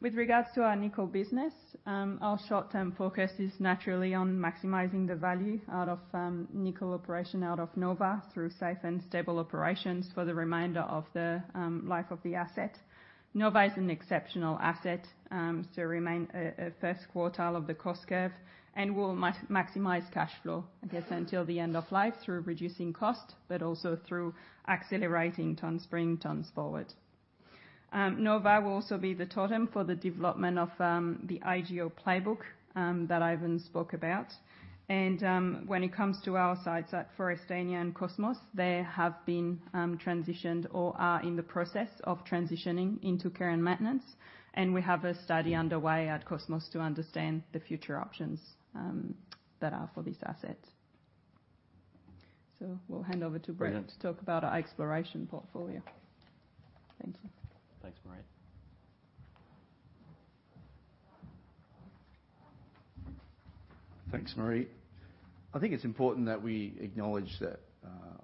With regards to our nickel business, our short-term focus is naturally on maximizing the value out of nickel operation out of Nova through safe and stable operations for the remainder of the life of the asset. Nova is an exceptional asset, so remain a first quartile of the cost curve and will maximize cash flow, I guess, until the end of life, through reducing cost, but also through accelerating tonnes produced, tonnes forward. Nova will also be the totem for the development of the IGO Playbook that Ivan spoke about. When it comes to our sites at Forrestania and Cosmos, they have been transitioned or are in the process of transitioning into care and maintenance. We have a study underway at Cosmos to understand the future options that are for this asset. So we'll hand over to Brett to talk about our exploration portfolio. Thank you. Thanks, Marie. Thanks, Marie. I think it's important that we acknowledge that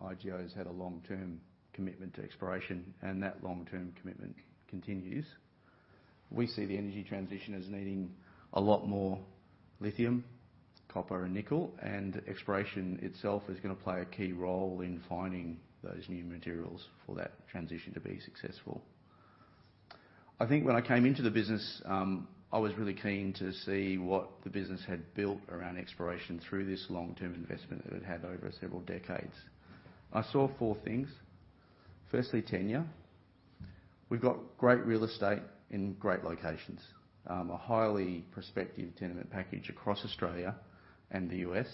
IGO's had a long-term commitment to exploration, and that long-term commitment continues. We see the energy transition as needing a lot more lithium, copper and nickel, and exploration itself is gonna play a key role in finding those new materials for that transition to be successful. I think when I came into the business, I was really keen to see what the business had built around exploration through this long-term investment that it had over several decades. I saw four things. Firstly, tenure. We've got great real estate in great locations. A highly prospective tenement package across Australia and the US,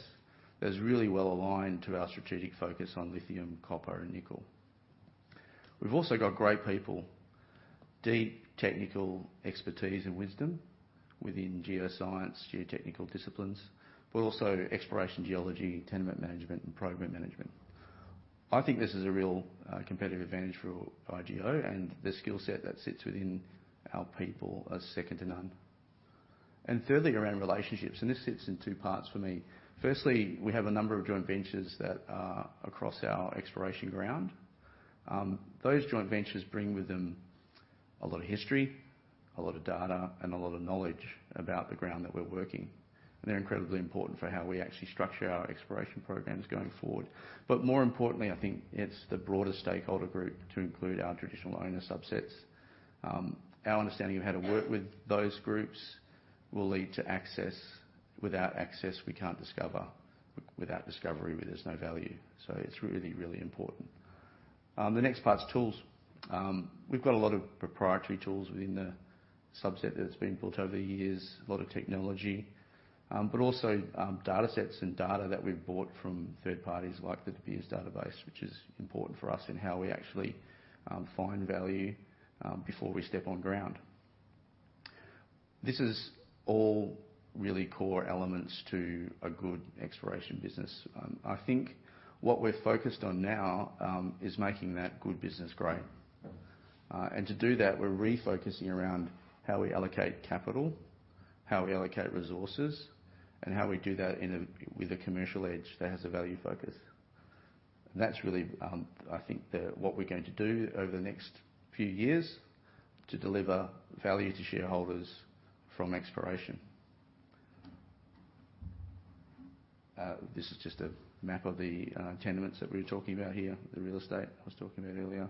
that's really well aligned to our strategic focus on lithium, copper and nickel. We've also got great people. Deep technical expertise and wisdom within geoscience, geotechnical disciplines, but also exploration, geology, tenement management and program management. I think this is a real competitive advantage for IGO, and the skill set that sits within our people are second to none, and thirdly, around relationships, and this sits in two parts for me. Firstly, we have a number of joint ventures that are across our exploration ground. Those joint ventures bring with them a lot of history, a lot of data, and a lot of knowledge about the ground that we're working, and they're incredibly important for how we actually structure our exploration programs going forward. But more importantly, I think it's the broader stakeholder group to include our traditional owner subsets. Our understanding of how to work with those groups will lead to access. Without access, we can't discover. Without discovery, there's no value. So it's really, really important. The next part is tools. We've got a lot of proprietary tools within the subset that's been built over the years, a lot of technology, but also, datasets and data that we've bought from third parties, like the De Beers database, which is important for us in how we actually find value before we step on ground. This is all really core elements to a good exploration business. I think what we're focused on now is making that good business great. And to do that, we're refocusing around how we allocate capital, how we allocate resources, and how we do that in a with a commercial edge that has a value focus. And that's really, I think, the what we're going to do over the next few years to deliver value to shareholders from exploration. This is just a map of the tenements that we were talking about here, the real estate I was talking about earlier.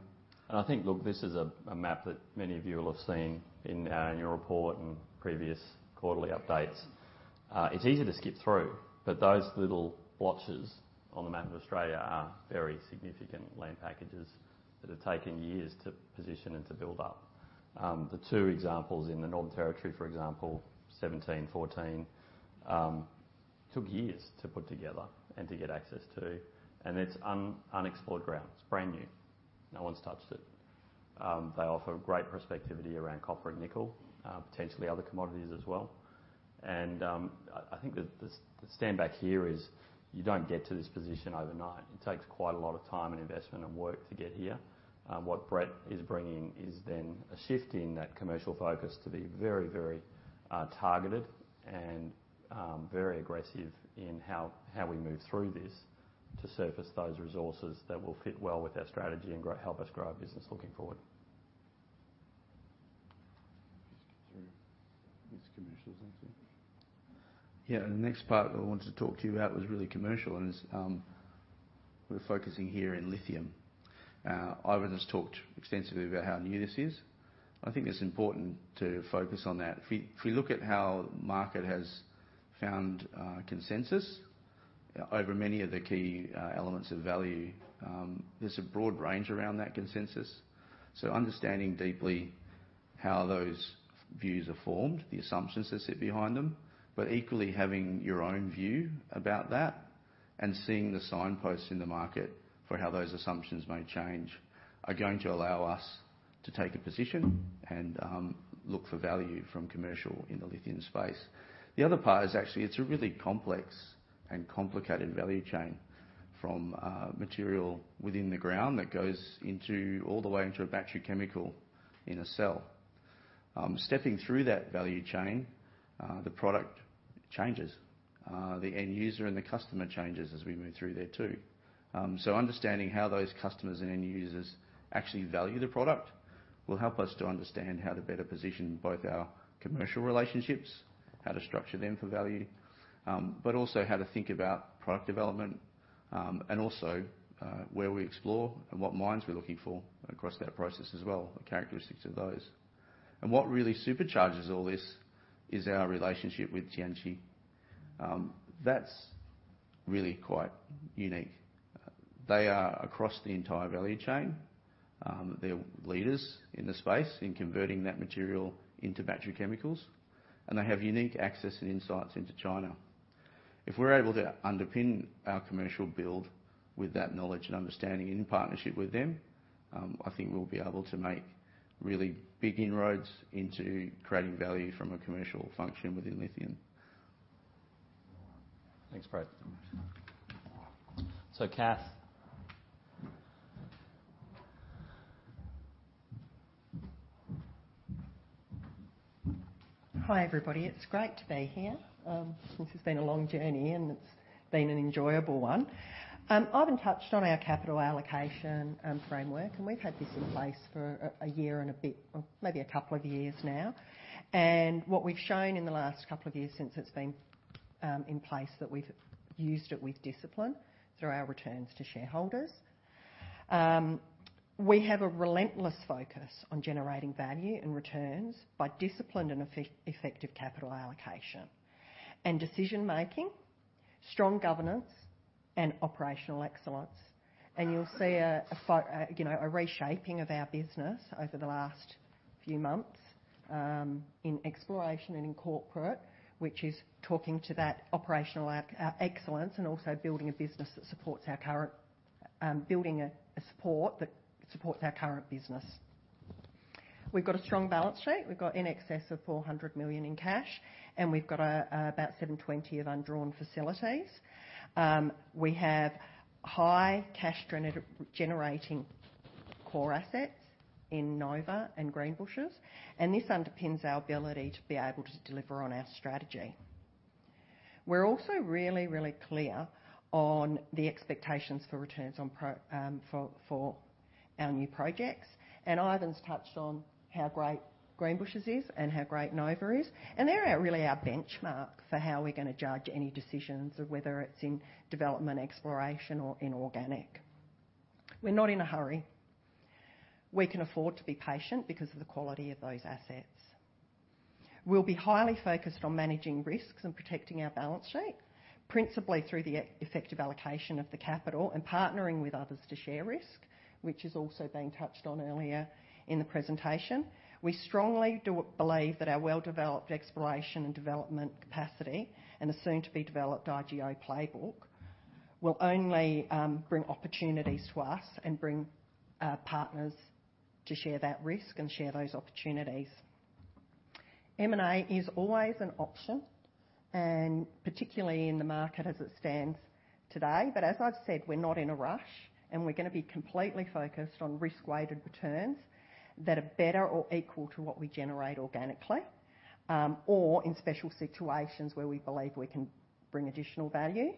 I think, look, this is a map that many of you will have seen in your report and previous quarterly updates. It's easy to skip through, but those little blotches on the map of Australia are very significant land packages that have taken years to position and to build up. The two examples in the Northern Territory, for example, 1,714 took years to put together and to get access to, and it's unexplored ground. It's brand new. No one's touched it. They offer great prospectivity around copper and nickel, potentially other commodities as well. I think the standout here is, you don't get to this position overnight. It takes quite a lot of time and investment and work to get here. What Brett is bringing is then a shift in that commercial focus to be very, very, targeted and, very aggressive in how we move through this to surface those resources that will fit well with our strategy and help us grow our business looking forward. Just get through this commercial, don't you? Yeah, the next part I wanted to talk to you about was really commercial, and is, we're focusing here in lithium. Ivan has talked extensively about how new this is. I think it's important to focus on that. If we, if we look at how market has found consensus over many of the key elements of value, there's a broad range around that consensus. So understanding deeply how those views are formed, the assumptions that sit behind them, but equally having your own view about that and seeing the signposts in the market for how those assumptions may change, are going to allow us to take a position and look for value from commercial in the lithium space. The other part is actually, it's a really complex and complicated value chain from material within the ground that goes into all the way into a battery chemical in a cell. Stepping through that value chain, the product changes, the end user and the customer changes as we move through there, too. So understanding how those customers and end users actually value the product will help us to understand how to better position both our commercial relationships, how to structure them for value, but also how to think about product development. And also where we explore and what mines we're looking for across that process as well, the characteristics of those. And what really supercharges all this is our relationship with Tianqi. That's really quite unique. They are across the entire value chain. They're leaders in the space in converting that material into battery chemicals, and they have unique access and insights into China. If we're able to underpin our commercial build with that knowledge and understanding in partnership with them, I think we'll be able to make really big inroads into creating value from a commercial function within lithium. Thanks, Brett. So, Kath? Hi, everybody. It's great to be here. This has been a long journey, and it's been an enjoyable one. Ivan touched on our Capital Allocation framework, and we've had this in place for a year and a bit, or maybe a couple of years now, and what we've shown in the last couple of years since it's been in place, that we've used it with discipline through our returns to shareholders. We have a relentless focus on generating value and returns by disciplined and effective capital allocation and decision making, strong governance and operational excellence. And you'll see you know, a reshaping of our business over the last few months in exploration and in corporate, which is talking to that operational excellence, and also building a business that supports our current business. We've got a strong balance sheet. We've got in excess of 400 million in cash, and we've got about 720 million of undrawn facilities. We have high cash generating core assets in Nova and Greenbushes, and this underpins our ability to be able to deliver on our strategy. We're also really clear on the expectations for returns on projects. And Ivan's touched on how great Greenbushes is and how great Nova is, and they're really our benchmark for how we're gonna judge any decisions of whether it's in development, exploration, or inorganic. We're not in a hurry. We can afford to be patient because of the quality of those assets. We'll be highly focused on managing risks and protecting our balance sheet, principally through the effective allocation of the capital and partnering with others to share risk, which has also been touched on earlier in the presentation. We strongly believe that our well-developed exploration and development capacity, and the soon to be developed IGO Playbook, will only bring opportunities to us and bring our partners to share that risk and share those opportunities. M&A is always an option, and particularly in the market as it stands today. But as I've said, we're not in a rush, and we're gonna be completely focused on risk-weighted returns that are better or equal to what we generate organically, or in special situations where we believe we can bring additional value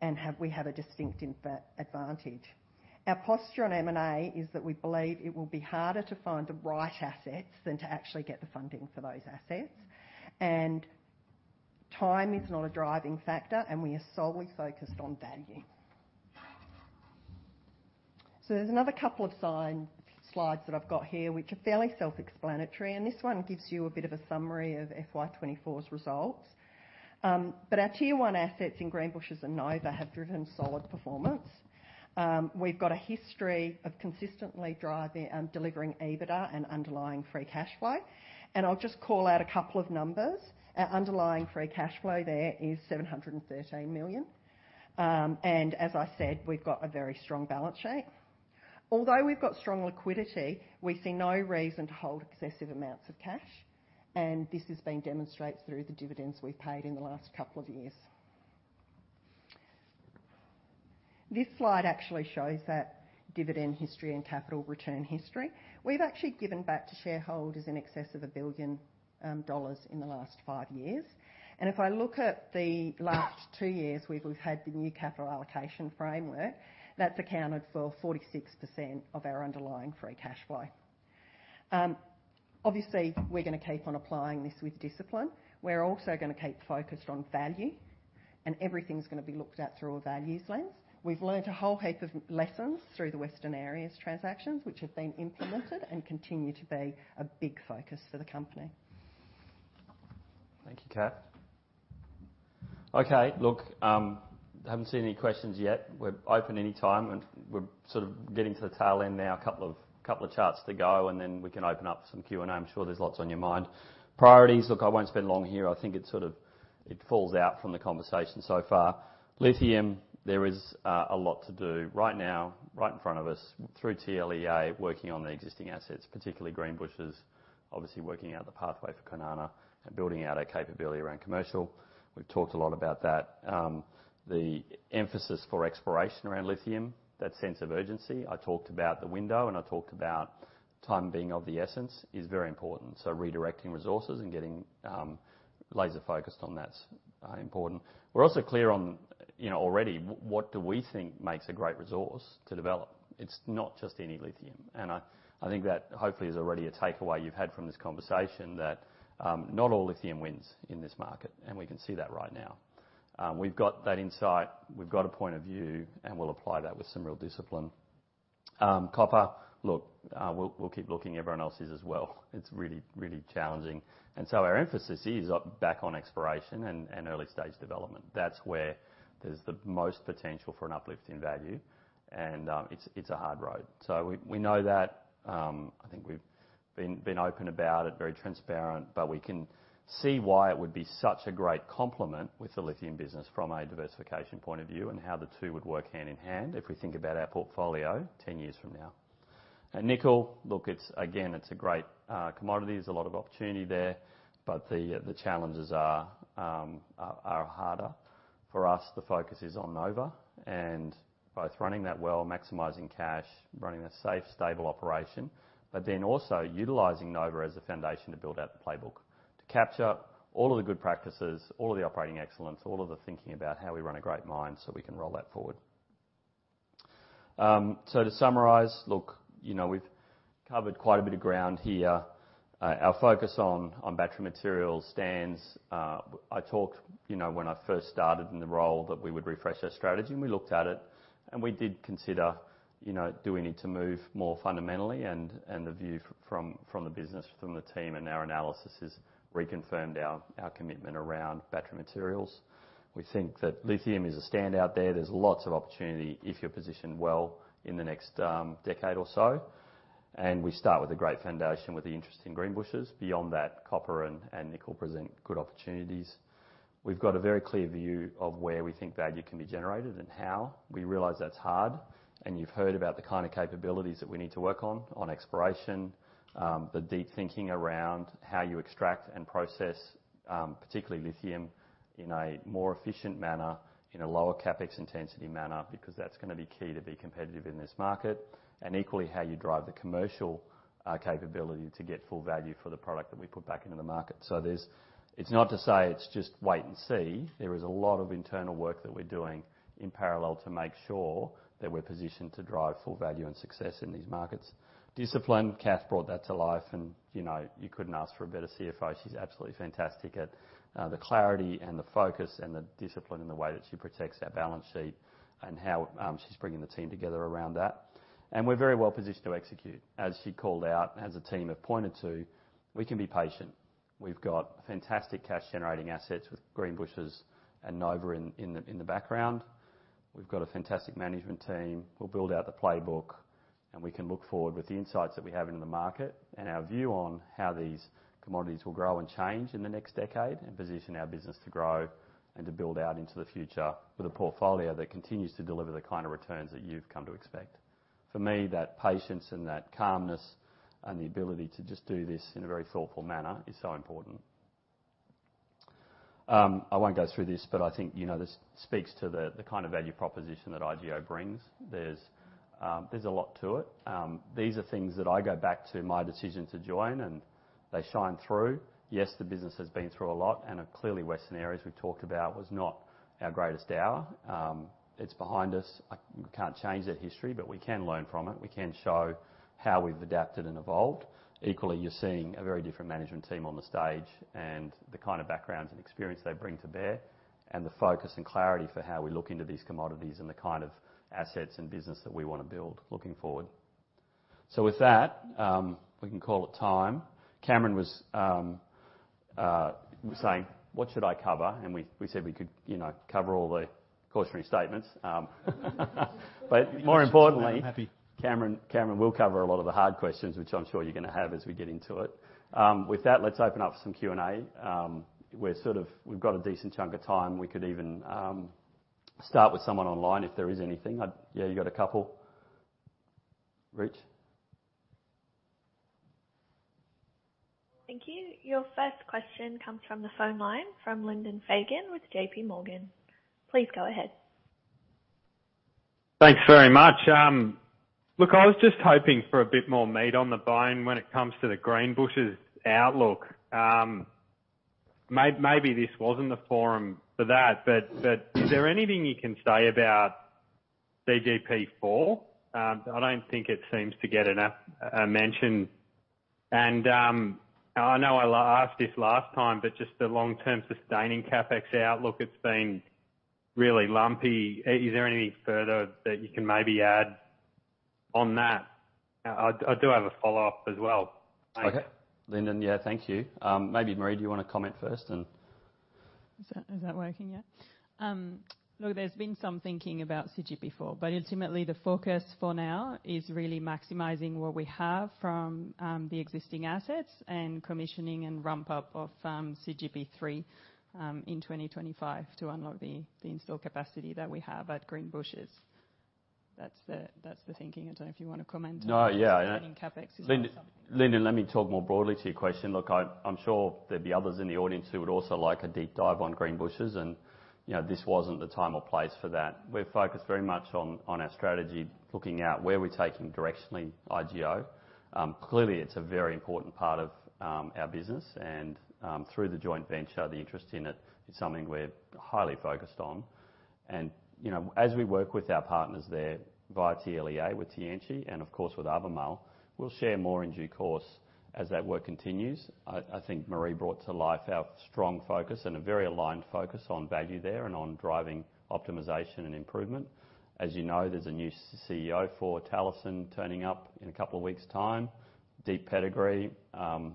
and we have a distinct advantage. Our posture on M&A is that we believe it will be harder to find the right assets than to actually get the funding for those assets. And time is not a driving factor, and we are solely focused on value. So there's another couple of slides that I've got here, which are fairly self-explanatory, and this one gives you a bit of a summary of FY 2024's results. But our tier one assets in Greenbushes and Nova have driven solid performance. We've got a history of consistently driving, delivering EBITDA and underlying free cash flow. And I'll just call out a couple of numbers. Our underlying free cash flow there is 713 million. And as I said, we've got a very strong balance sheet. Although we've got strong liquidity, we see no reason to hold excessive amounts of cash, and this has been demonstrated through the dividends we've paid in the last couple of years. This slide actually shows that dividend history and capital return history. We've actually given back to shareholders in excess of 1 billion dollars in the last five years. And if I look at the last two years, where we've had the new Capital Allocation framework, that's accounted for 46% of our underlying free cash flow. Obviously, we're gonna keep on applying this with discipline. We're also gonna keep focused on value, and everything's gonna be looked at through a values lens. We've learned a whole heap of lessons through the Western Areas transactions, which have been implemented and continue to be a big focus for the company. Thank you, Kath. Okay. Look, I haven't seen any questions yet. We're open anytime, and we're sort of getting to the tail end now. A couple of charts to go, and then we can open up some Q&A. I'm sure there's lots on your mind. Priorities. Look, I won't spend long here. I think it falls out from the conversation so far. Lithium, there is a lot to do right now, right in front of us through TLEA, working on the existing assets, particularly Greenbushes, obviously working out the pathway for Kwinana and building out our capability around commercial. We've talked a lot about that. The emphasis for exploration around lithium, that sense of urgency. I talked about the window, and I talked about time being of the essence, is very important. So redirecting resources and getting laser-focused on that's important. We're also clear on, you know, already, what do we think makes a great resource to develop? It's not just any lithium, and I think that hopefully is already a takeaway you've had from this conversation, that not all lithium wins in this market, and we can see that right now. We've got that insight, we've got a point of view, and we'll apply that with some real discipline. Copper, look, we'll keep looking. Everyone else is as well. It's really, really challenging, and so our emphasis is on back on exploration and early stage development. That's where there's the most potential for an uplift in value, and it's a hard road. So we know that. I think we've been open about it, very transparent, but we can see why it would be such a great complement with the lithium business from a diversification point of view, and how the two would work hand in hand if we think about our portfolio 10 years from now. And nickel, look, it's again a great commodity. There's a lot of opportunity there, but the challenges are harder. For us, the focus is on Nova and both running that well, maximizing cash, running a safe, stable operation, but then also utilizing Nova as a foundation to build out the Playbook, to capture all of the good practices, all of the operating excellence, all of the thinking about how we run a great mine, so we can roll that forward. So to summarize, look, you know, we've covered quite a bit of ground here. Our focus on battery materials stands. I talked, you know, when I first started in the role, that we would refresh our strategy, and we looked at it, and we did consider, you know, do we need to move more fundamentally? And the view from the business, from the team and our analysis, has reconfirmed our commitment around battery materials. We think that lithium is a standout there. There's lots of opportunity if you're positioned well in the next decade or so, and we start with a great foundation, with the interest in Greenbushes. Beyond that, copper and nickel present good opportunities. We've got a very clear view of where we think value can be generated and how. We realize that's hard, and you've heard about the kind of capabilities that we need to work on, on exploration. The deep thinking around how you extract and process, particularly lithium, in a more efficient manner, in a lower CapEx intensity manner, because that's gonna be key to be competitive in this market, and equally, how you drive the commercial capability to get full value for the product that we put back into the market. So there's. It's not to say it's just wait and see. There is a lot of internal work that we're doing in parallel to make sure that we're positioned to drive full value and success in these markets. Discipline, Kath brought that to life, and you know, you couldn't ask for a better CFO. She's absolutely fantastic at the clarity and the focus and the discipline in the way that she protects our balance sheet and how she's bringing the team together around that, and we're very well positioned to execute. As she called out, as the team have pointed to, we can be patient. We've got fantastic cash-generating assets with Greenbushes and Nova in the background. We've got a fantastic management team. We'll build out the Playbook, and we can look forward with the insights that we have into the market and our view on how these commodities will grow and change in the next decade, and position our business to grow and to build out into the future with a portfolio that continues to deliver the kind of returns that you've come to expect. For me, that patience and that calmness and the ability to just do this in a very thoughtful manner is so important. I won't go through this, but I think, you know, this speaks to the kind of value proposition that IGO brings. There's a lot to it. These are things that I go back to my decision to join, and they shine through. Yes, the business has been through a lot, and clearly, Western Areas we've talked about was not our greatest hour. It's behind us. We can't change that history, but we can learn from it. We can show how we've adapted and evolved. Equally, you're seeing a very different management team on the stage, and the kind of backgrounds and experience they bring to bear, and the focus and clarity for how we look into these commodities and the kind of assets and business that we want to build looking forward. So with that, we can call it time. Cameron was saying, "What should I cover?", and we said we could, you know, cover all the cautionary statements. But more importantly, Cameron will cover a lot of the hard questions, which I'm sure you're gonna have as we get into it. With that, let's open up for some Q&A. We've got a decent chunk of time. We could even start with someone online, if there is anything. Yeah, you got a couple. Rich? Thank you. Your first question comes from the phone line from Lyndon Fagan with JP Morgan. Please go ahead. Thanks very much. Look, I was just hoping for a bit more meat on the bone when it comes to the Greenbushes outlook. Maybe this wasn't the forum for that, but is there anything you can say about CGP4? I don't think it seems to get enough mention. And I know I asked this last time, but just the long-term sustaining CapEx outlook, it's been really lumpy. Is there anything further that you can maybe add on that? I do have a follow-up as well. Thanks. Okay. Lyndon, yeah, thank you. Maybe, Marie, do you want to comment first and. Is that working yet? Look, there's been some thinking about CGP4, but ultimately, the focus for now is really maximizing what we have from the existing assets and commissioning and ramp-up of CGP3 in 2025 to unlock the installed capacity that we have at Greenbushes. That's the thinking. I don't know if you want to comment on what the CapEx is. No, yeah, Lyndon, let me talk more broadly to your question. Look, I, I'm sure there'd be others in the audience who would also like a deep dive on Greenbushes, and, you know, this wasn't the time or place for that. We're focused very much on, on our strategy, looking at where we're taking directionally IGO. Clearly, it's a very important part of, our business, and, through the Joint Venture, the interest in it is something we're highly focused on. And, you know, as we work with our partners there via TLEA, with Tianqi and, of course, with Albemarle, we'll share more in due course as that work continues. I, I think Marie brought to life our strong focus and a very aligned focus on value there and on driving optimization and improvement. As you know, there's a new CEO for Talison turning up in a couple of weeks' time. Deep pedigree,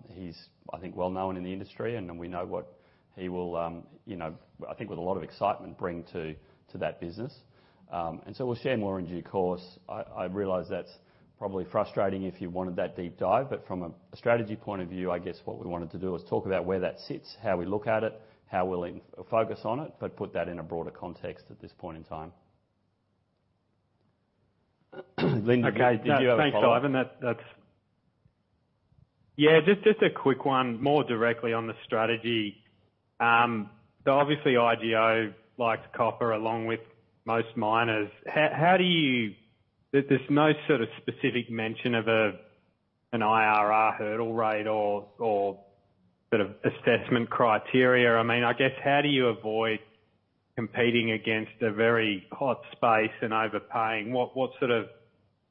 he's, I think, well known in the industry, and we know what he will, you know, I think with a lot of excitement bring to that business, and so we'll share more in due course. I realize that's probably frustrating if you wanted that deep dive, but from a strategy point of view, I guess what we wanted to do was talk about where that sits, how we look at it, how we'll focus on it, but put that in a broader context at this point in time. Lyndon, did you have a follow up? Okay. Thanks, Ivan. That's. Yeah, just a quick one, more directly on the strategy. So obviously, IGO likes copper along with most miners. There's no sort of specific mention of an IRR hurdle rate or sort of assessment criteria. I mean, I guess, how do you avoid competing against a very hot space and overpaying? What sort of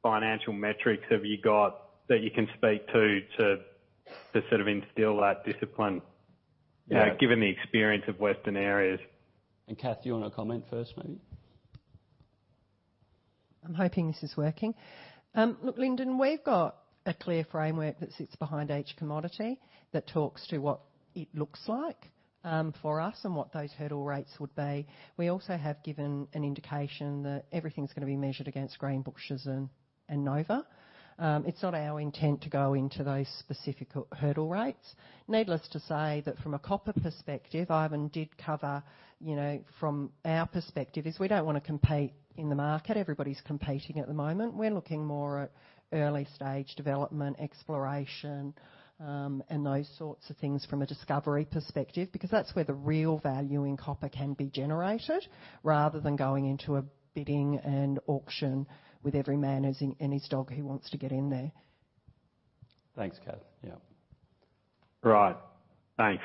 financial metrics have you got that you can speak to, to sort of instill that discipline, given the experience of Western Areas. Kath, do you want to comment first, maybe? I'm hoping this is working. Look, Lyndon, we've got a clear framework that sits behind each commodity, that talks to what it looks like for us, and what those hurdle rates would be. We also have given an indication that everything's gonna be measured against Greenbushes and Nova. It's not our intent to go into those specific hurdle rates. Needless to say that, from a copper perspective, Ivan did cover, you know, from our perspective, is we don't want to compete in the market. Everybody's competing at the moment. We're looking more at early-stage development, exploration, and those sorts of things from a discovery perspective, because that's where the real value in copper can be generated, rather than going into a bidding and auction with every man and his dog who wants to get in there. Thanks, Kath. Yeah. Right. Thanks.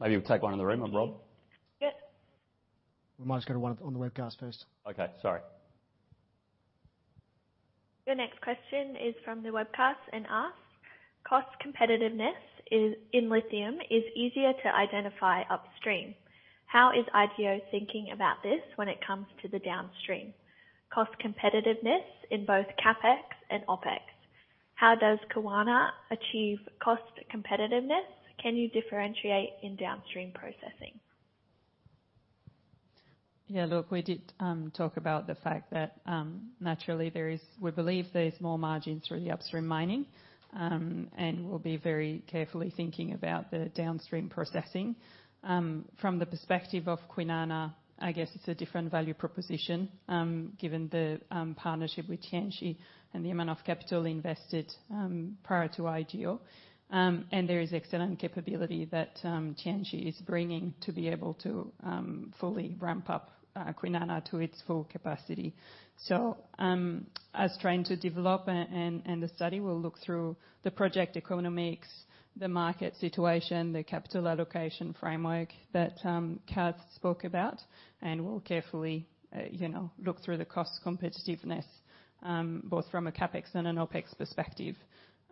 Maybe we'll take one in the room, Rob? Yep. We might just go to one on the webcast first. Okay, sorry. The next question is from the webcast and asks: Cost competitiveness in lithium is easier to identify upstream. How is IGO thinking about this when it comes to the downstream? Cost competitiveness in both CapEx and OpEx, how does Kwinana achieve cost competitiveness? Can you differentiate in downstream processing? Yeah, look, we did talk about the fact that naturally there is – we believe there's more margins through the upstream mining. We'll be very carefully thinking about the downstream processing. From the perspective of Kwinana, I guess it's a different value proposition, given the partnership with Tianqi and the amount of capital invested prior to IGO. There is excellent capability that Tianqi is bringing to be able to fully ramp up Kwinana to its full capacity. As trying to develop and the study, we'll look through the project economics, the market situation, the Capital Allocation framework that Kath spoke about, and we'll carefully you know look through the cost competitiveness both from a CapEx and an OpEx perspective.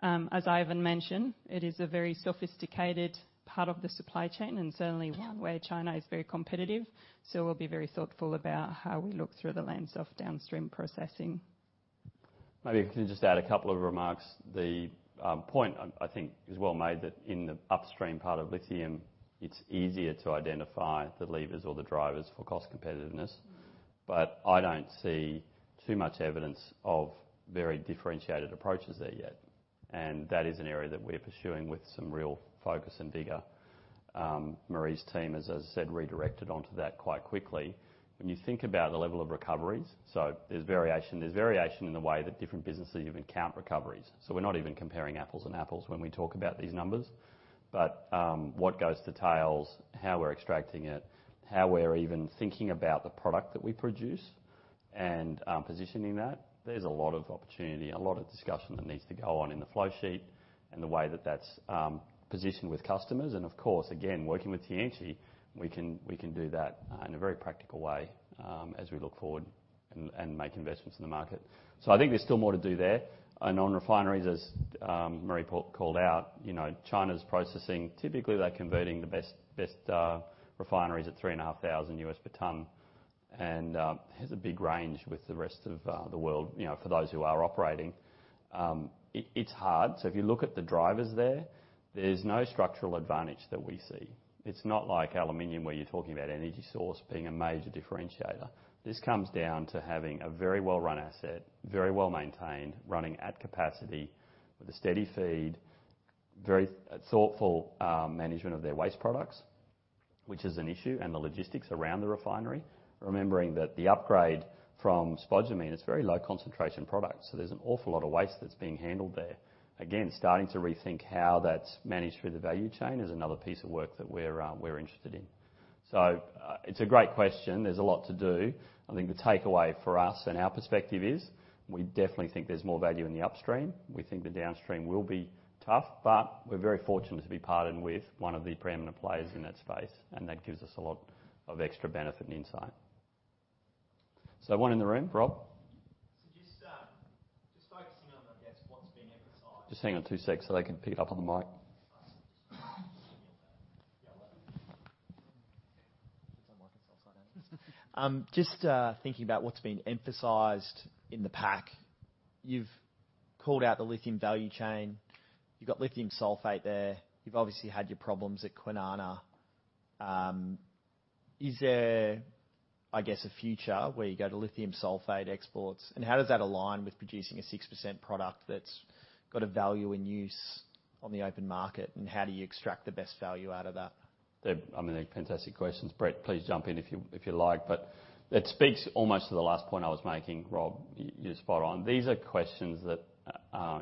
As Ivan mentioned, it is a very sophisticated part of the supply chain and certainly one where China is very competitive, so we'll be very thoughtful about how we look through the lens of downstream processing. Maybe I can just add a couple of remarks. The point, I think is well made, that in the upstream part of lithium, it's easier to identify the levers or the drivers for cost competitiveness. But I don't see too much evidence of very differentiated approaches there yet, and that is an area that we're pursuing with some real focus and vigor. Marie's team, as I said, redirected onto that quite quickly. When you think about the level of recoveries, so there's variation, there's variation in the way that different businesses even count recoveries, so we're not even comparing apples and apples when we talk about these numbers. But what goes to tailings, how we're extracting it, how we're even thinking about the product that we produce and positioning that, there's a lot of opportunity, a lot of discussion that needs to go on in the flow sheet and the way that that's positioned with customers. And of course, again, working with Tianqi, we can do that in a very practical way, as we look forward and make investments in the market. So I think there's still more to do there. And on refineries, as Marie called out, you know, China's processing, typically, they're converting the best refineries at $3,500 per ton. And there's a big range with the rest of the world, you know, for those who are operating. It's hard. So if you look at the drivers there, there's no structural advantage that we see. It's not like aluminum, where you're talking about energy source being a major differentiator. This comes down to having a very well-run asset, very well-maintained, running at capacity with a steady feed. Very thoughtful, management of their waste products, which is an issue, and the logistics around the refinery. Remembering that the upgrade from spodumene, it's very low concentration products, so there's an awful lot of waste that's being handled there. Again, starting to rethink how that's managed through the value chain is another piece of work that we're interested in. So, it's a great question. There's a lot to do. I think the takeaway for us and our perspective is, we definitely think there's more value in the upstream. We think the downstream will be tough, but we're very fortunate to be partnered with one of the preeminent players in that space, and that gives us a lot of extra benefit and insight. So one in the room, Rob? So, just focusing on, I guess, what's been emphasized- Just hang on two secs so they can pick up on the mic. Just thinking about what's been emphasized in the pack, you've called out the lithium value chain. You've got lithium sulfate there. You've obviously had your problems at Kwinana. Is there, I guess, a future where you go to lithium sulfate exports, and how does that align with producing a 6% product that's got a value and use on the open market? And how do you extract the best value out of that? I mean, they're fantastic questions. Brett, please jump in if you like, but it speaks almost to the last point I was making, Rob. You're spot on. These are questions that,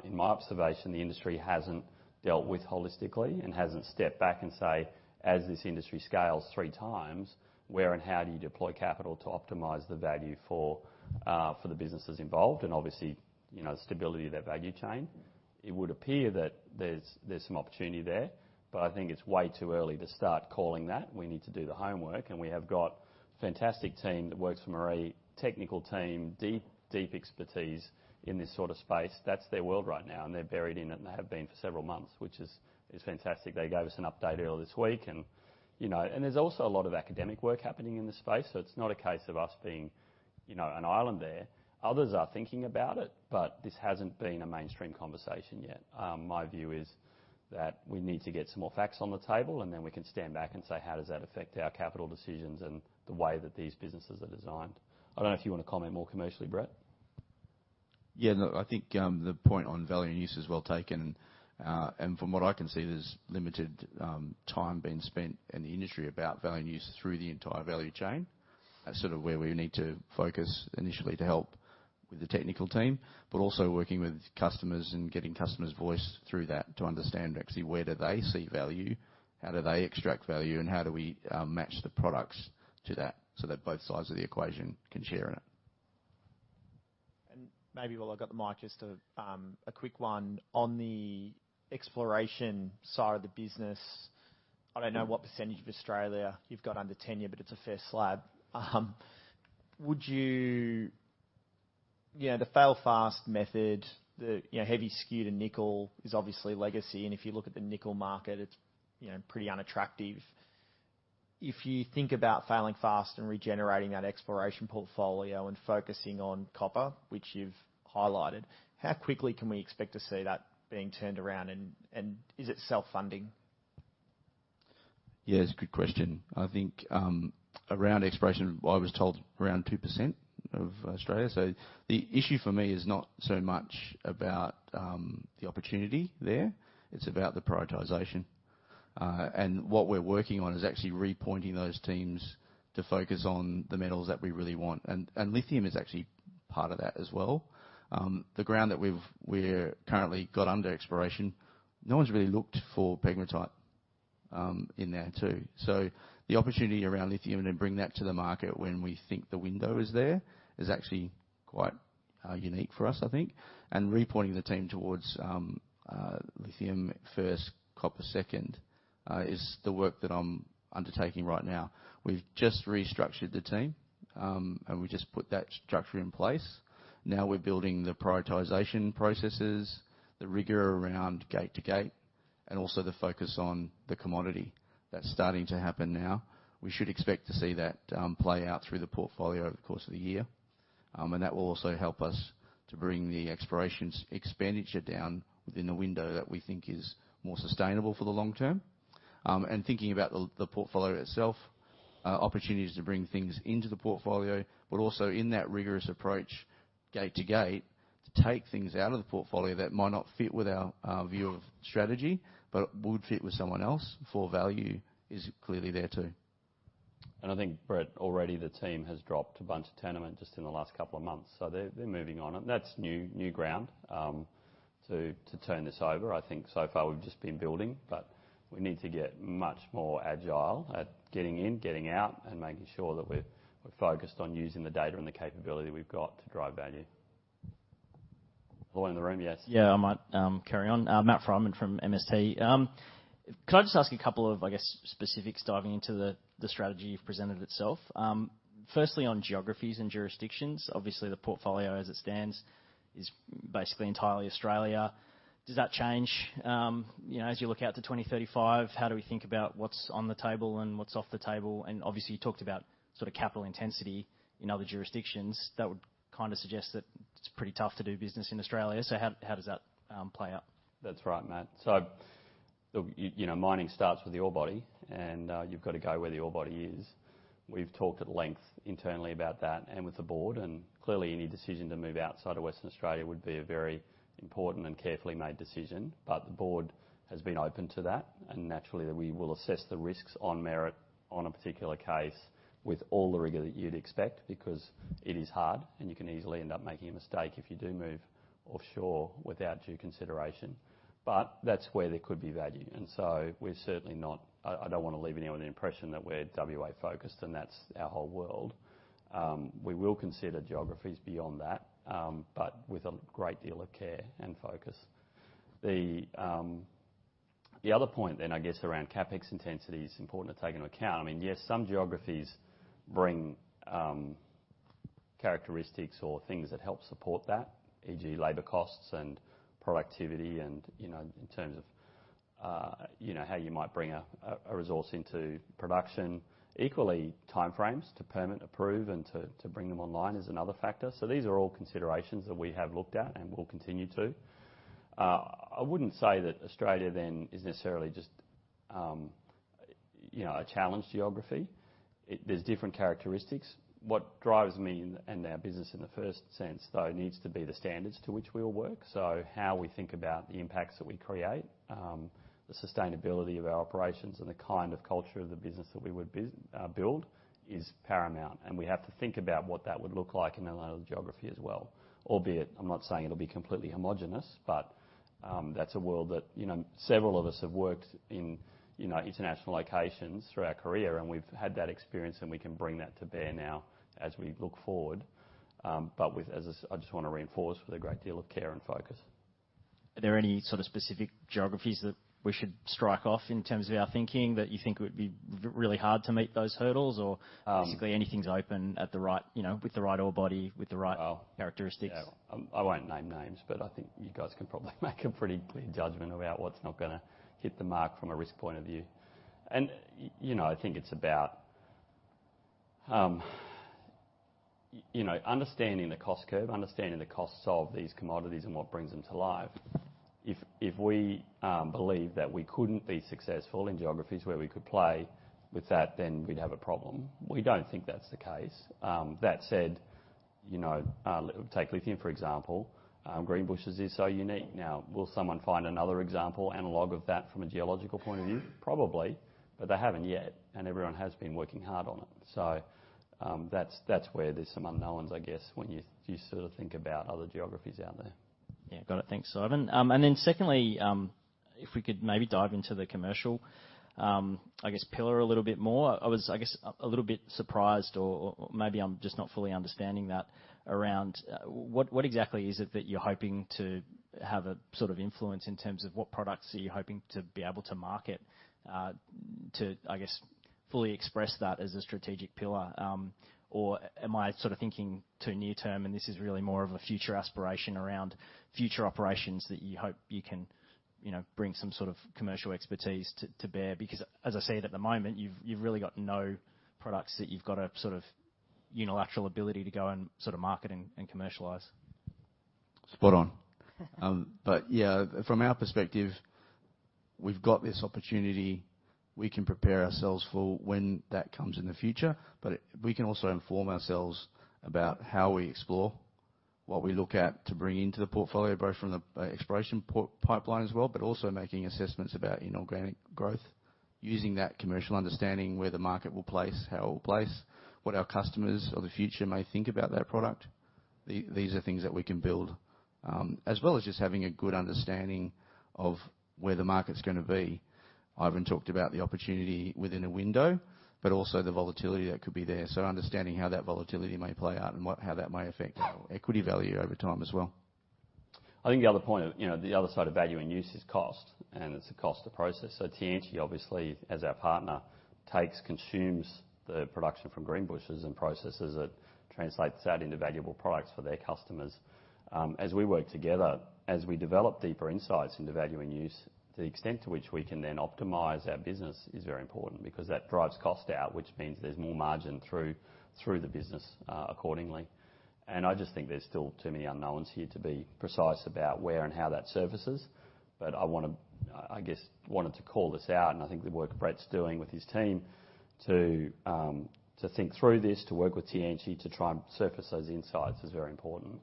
in my observation, the industry hasn't dealt with holistically and hasn't stepped back and say, "As this industry scales three times, where and how do you deploy capital to optimize the value for, for the businesses involved?" And obviously, you know, stability of their value chain. It would appear that there's some opportunity there, but I think it's way too early to start calling that. We need to do the homework, and we have got a fantastic team that works for Marie, technical team, deep, deep expertise in this sort of space. That's their world right now, and they're buried in it, and they have been for several months, which is fantastic. They gave us an update earlier this week and, you know... And there's also a lot of academic work happening in this space, so it's not a case of us being, you know, an island there. Others are thinking about it, but this hasn't been a mainstream conversation yet. My view is that we need to get some more facts on the table, and then we can stand back and say: How does that affect our capital decisions and the way that these businesses are designed? I don't know if you want to comment more commercially, Brett. Yeah. No, I think the point on value in use is well taken. And from what I can see, there's limited time being spent in the industry about value in use through the entire value chain. That's sort of where we need to focus initially to help with the technical team, but also working with customers and getting customers' voice through that to understand actually where do they see value, how do they extract value, and how do we match the products to that, so that both sides of the equation can share in it. And maybe while I've got the mic, just a quick one. On the exploration side of the business, I don't know what percentage of Australia you've got under tenure, but it's a fair slab. Would you, you know, the fail fast method, the, you know, heavy skew to nickel is obviously legacy, and if you look at the nickel market, it's, you know, pretty unattractive. If you think about failing fast and regenerating that exploration portfolio and focusing on copper, which you've highlighted, how quickly can we expect to see that being turned around, and is it self-funding? Yeah, it's a good question. I think, around exploration, I was told around 2% of Australia. So the issue for me is not so much about, the opportunity there, it's about the prioritization. And what we're working on is actually repointing those teams to focus on the metals that we really want, and lithium is actually part of that as well. The ground that we've currently got under exploration, no one's really looked for pegmatite, in there, too. So the opportunity around lithium and to bring that to the market when we think the window is there, is actually quite unique for us, I think. And repointing the team towards, lithium first, copper second, is the work that I'm undertaking right now. We've just restructured the team, and we just put that structure in place. Now, we're building the prioritization processes, the rigor around Gate to Gate, and also the focus on the commodity. That's starting to happen now. We should expect to see that play out through the portfolio over the course of the year. And that will also help us to bring the exploration expenditure down within a window that we think is more sustainable for the long term. And thinking about the portfolio itself, opportunities to bring things into the portfolio, but also in that rigorous approach, Gate to Gate, to take things out of the portfolio that might not fit with our view of strategy, but would fit with someone else, for value is clearly there, too. And I think, Brett, already the team has dropped a bunch of tenements just in the last couple of months, so they're moving on it. That's new ground to turn this over. I think so far we've just been building, but we need to get much more agile at getting in, getting out, and making sure that we're focused on using the data and the capability we've got to drive value. All in the room, yes. Yeah, I might carry on. Matt Frydman from MST. Could I just ask a couple of, I guess, specifics diving into the strategy you've presented itself? Firstly, on geographies and jurisdictions, obviously, the portfolio, as it stands, is basically entirely Australia. Does that change, you know, as you look out to 2035, how do we think about what's on the table and what's off the table? And obviously, you talked about sort of capital intensity in other jurisdictions, that would kind of suggest that it's pretty tough to do business in Australia. So how does that play out? That's right, Matt. So, you know, mining starts with the ore body, and you've got to go where the ore body is. We've talked at length internally about that and with the board, and clearly, any decision to move outside of Western Australia would be a very important and carefully made decision. But the board has been open to that, and naturally, we will assess the risks on merit on a particular case with all the rigor that you'd expect, because it is hard, and you can easily end up making a mistake if you do move offshore without due consideration. But that's where there could be value, and so we're certainly not. I don't wanna leave anyone with the impression that we're WA-focused, and that's our whole world. We will consider geographies beyond that, but with a great deal of care and focus. The other point then, I guess, around CapEx intensity is important to take into account. I mean, yes, some geographies bring characteristics or things that help support that, e.g., labor costs and productivity and, you know, in terms of you know, how you might bring a resource into production. Equally, time frames to permit, approve, and to bring them online is another factor. So these are all considerations that we have looked at and will continue to. I wouldn't say that Australia then is necessarily just you know, a challenge geography. There's different characteristics. What drives me and our business in the first sense, though, needs to be the standards to which we all work. So how we think about the impacts that we create, the sustainability of our operations and the kind of culture of the business that we would build is paramount, and we have to think about what that would look like in another geography as well. Albeit, I'm not saying it'll be completely homogeneous, but, that's a world that, you know, several of us have worked in, you know, international locations through our career, and we've had that experience, and we can bring that to bear now as we look forward. But with, I just wanna reinforce, with a great deal of care and focus. Are there any sort of specific geographies that we should strike off in terms of our thinking, that you think would be really hard to meet those hurdles? Or basically anything's open at the right, you know, with the right ore body, with the right characteristics? Yeah. I won't name names, but I think you guys can probably make a pretty clear judgment about what's not gonna hit the mark from a risk point of view. And you know, I think it's about you know, understanding the cost curve, understanding the costs of these commodities and what brings them to life. If we believe that we couldn't be successful in geographies where we could play with that, then we'd have a problem. We don't think that's the case. That said, you know, take lithium, for example. Greenbushes is so unique. Now, will someone find another example analog of that from a geological point of view? Probably, but they haven't yet, and everyone has been working hard on it. So, that's where there's some unknowns, I guess, when you sort of think about other geographies out there. Yeah. Got it. Thanks, Ivan. And then secondly, if we could maybe dive into the commercial, I guess, pillar a little bit more. I was, I guess, a little bit surprised, or maybe I'm just not fully understanding that, around, what exactly is it that you're hoping to have a sort of influence in terms of what products are you hoping to be able to market, to, I guess, fully express that as a strategic pillar? Or am I sort of thinking too near term, and this is really more of a future aspiration around future operations that you hope you can, you know, bring some sort of commercial expertise to bear? Because as I said, at the moment, you've really got no products that you've got a sort of unilateral ability to go and sort of market and commercialize. Spot on. But yeah, from our perspective, we've got this opportunity. We can prepare ourselves for when that comes in the future, but it, we can also inform ourselves about how we explore, what we look at to bring into the portfolio, both from the exploration pipeline as well, but also making assessments about inorganic growth, using that commercial understanding, where the market will place, how it will place, what our customers of the future may think about that product. These are things that we can build, as well as just having a good understanding of where the market's gonna be. Ivan talked about the opportunity within a window, but also the volatility that could be there, so understanding how that volatility may play out and what, how that may affect our equity value over time as well. I think the other point, you know, the other side of value in use is cost, and it's the cost to process. So Tianqi, obviously, as our partner, takes, consumes the production from Greenbushes and processes it, translates that into valuable products for their customers. As we work together, as we develop deeper insights into value and use, the extent to which we can then optimize our business is very important because that drives cost out, which means there's more margin through the business, accordingly. And I just think there's still too many unknowns here to be precise about where and how that surfaces. But I wanna, I guess, wanted to call this out, and I think the work Brett's doing with his team to think through this, to work with Tianqi, to try and surface those insights is very important.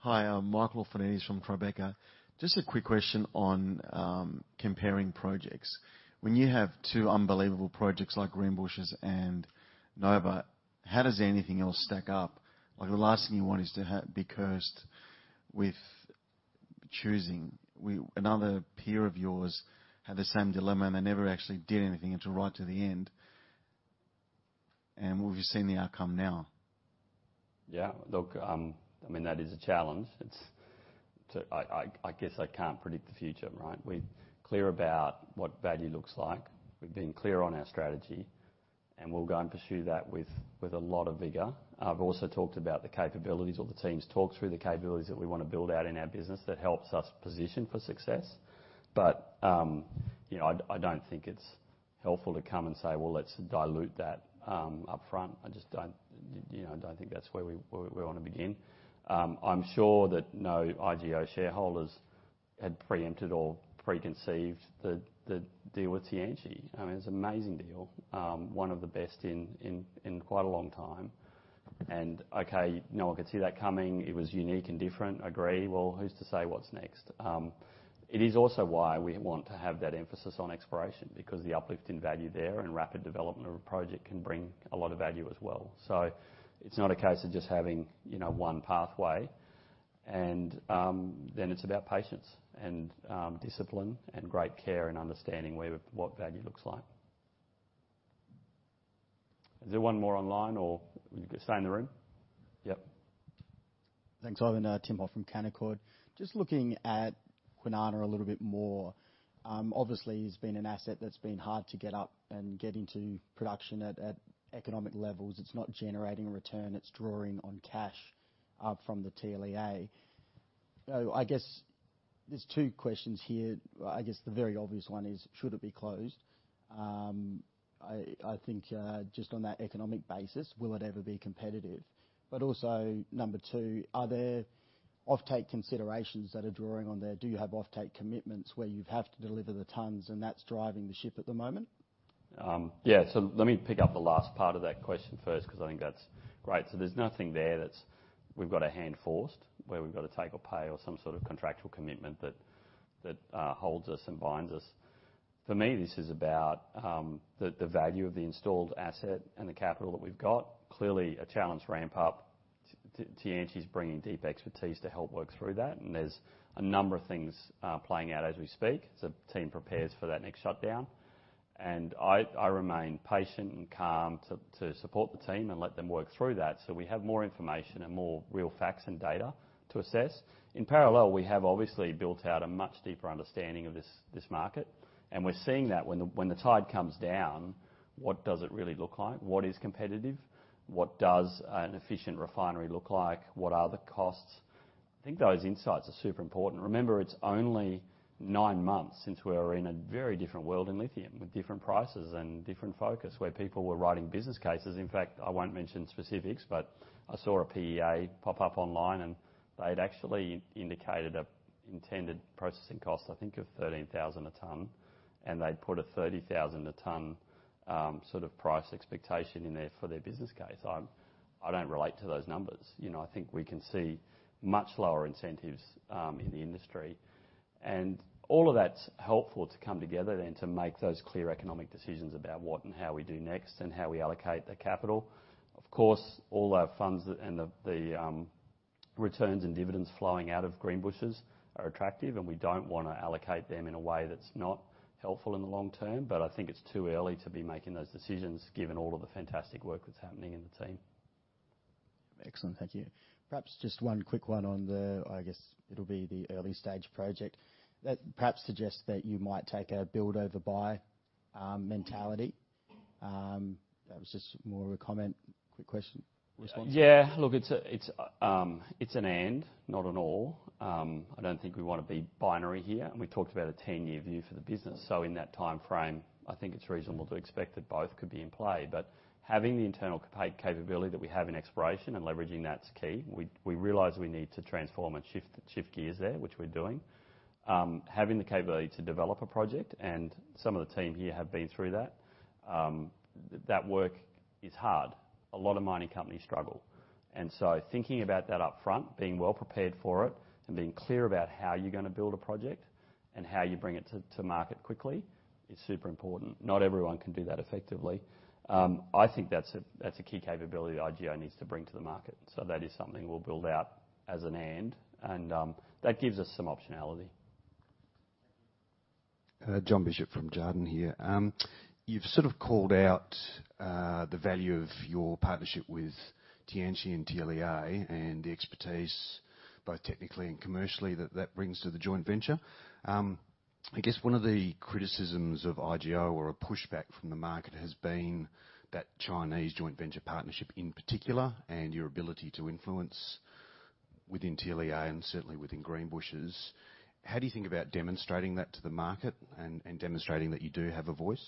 Hi, I'm Michael Orphanides from Tribeca. Just a quick question on comparing projects. When you have two unbelievable projects like Greenbushes and Nova, how does anything else stack up? Like, the last thing you want is to be cursed with choosing. Another peer of yours had the same dilemma, and they never actually did anything until right to the end, and we've seen the outcome now. Yeah. Look, I mean, that is a challenge. It's. I guess I can't predict the future, right? We're clear about what value looks like, we've been clear on our strategy, and we'll go and pursue that with a lot of vigor. I've also talked about the capabilities, or the teams talked through the capabilities that we wanna build out in our business that helps us position for success. But, you know, I don't think it's helpful to come and say, "Well, let's dilute that up front." I just don't, you know, I don't think that's where we wanna begin. I'm sure that no IGO shareholders had preempted or preconceived the deal with Tianqi. I mean, it's an amazing deal, one of the best in quite a long time. And okay, no one could see that coming. It was unique and different. Agree. Well, who's to say what's next? It is also why we want to have that emphasis on exploration, because the uplift in value there and rapid development of a project can bring a lot of value as well. So it's not a case of just having, you know, one pathway. And, then it's about patience, and, discipline, and great care and understanding where, what value looks like. Is there one more online, or we stay in the room? Yep. Thanks, Ivan. Tim Hoff from Canaccord. Just looking at Kwinana a little bit more, obviously, it's been an asset that's been hard to get up and get into production at, at economic levels. It's not generating return. It's drawing on cash from the TLEA. So I guess there's two questions here. I guess the very obvious one is, should it be closed? I think, just on that economic basis, will it ever be competitive? But also, number two, are there offtake considerations that are drawing on there? Do you have offtake commitments where you have to deliver the tons, and that's driving the ship at the moment? Yeah. So let me pick up the last part of that question first, 'cause I think that's great. So there's nothing there that's, we've got our hand forced, where we've got to take or pay or some sort of contractual commitment that, that, holds us and binds us. For me, this is about, the value of the installed asset and the capital that we've got. Clearly, a challenge to ramp up. Tianqi is bringing deep expertise to help work through that, and there's a number of things, playing out as we speak, as the team prepares for that next shutdown. And I remain patient and calm to support the team and let them work through that, so we have more information and more real facts and data to assess. In parallel, we have obviously built out a much deeper understanding of this market, and we're seeing that when the tide comes down, what does it really look like? What is competitive? What does an efficient refinery look like? What are the costs? I think those insights are super important. Remember, it's only nine months since we were in a very different world in lithium, with different prices and different focus, where people were writing business cases. In fact, I won't mention specifics, but I saw a PEA pop up online, and they'd actually indicated an intended processing cost, I think, of 13,000 a ton, and they'd put a 30,000 a ton sort of price expectation in there for their business case. I don't relate to those numbers. You know, I think we can see much lower incentives in the industry. And all of that's helpful to come together then to make those clear economic decisions about what and how we do next and how we allocate the capital. Of course, all our funds and the returns and dividends flowing out of Greenbushes are attractive, and we don't wanna allocate them in a way that's not helpful in the long term, but I think it's too early to be making those decisions, given all of the fantastic work that's happening in the team. Excellent. Thank you. Perhaps just one quick one on the... I guess it'll be the early stage project. That perhaps suggests that you might take a build over buy mentality. That was just more of a comment, quick question, response. Yeah. Look, it's an and, not an or. I don't think we wanna be binary here, and we talked about a 10-year view for the business. So in that time frame, I think it's reasonable to expect that both could be in play. But having the internal capability that we have in exploration and leveraging that's key. We realize we need to transform and shift gears there, which we're doing. Having the capability to develop a project, and some of the team here have been through that, that work is hard. A lot of mining companies struggle, and so thinking about that upfront, being well prepared for it, and being clear about how you're gonna build a project and how you bring it to market quickly, is super important. Not everyone can do that effectively. I think that's a key capability IGO needs to bring to the market, so that is something we'll build out, and that gives us some optionality. Jon Bishop from Jarden here. You've sort of called out the value of your partnership with Tianqi and TLEA and the expertise, both technically and commercially, that that brings to the Joint Venture. I guess one of the criticisms of IGO or a pushback from the market has been that Chinese Joint Venture partnership, in particular, and your ability to influence within TLEA and certainly within Greenbushes. How do you think about demonstrating that to the market and demonstrating that you do have a voice?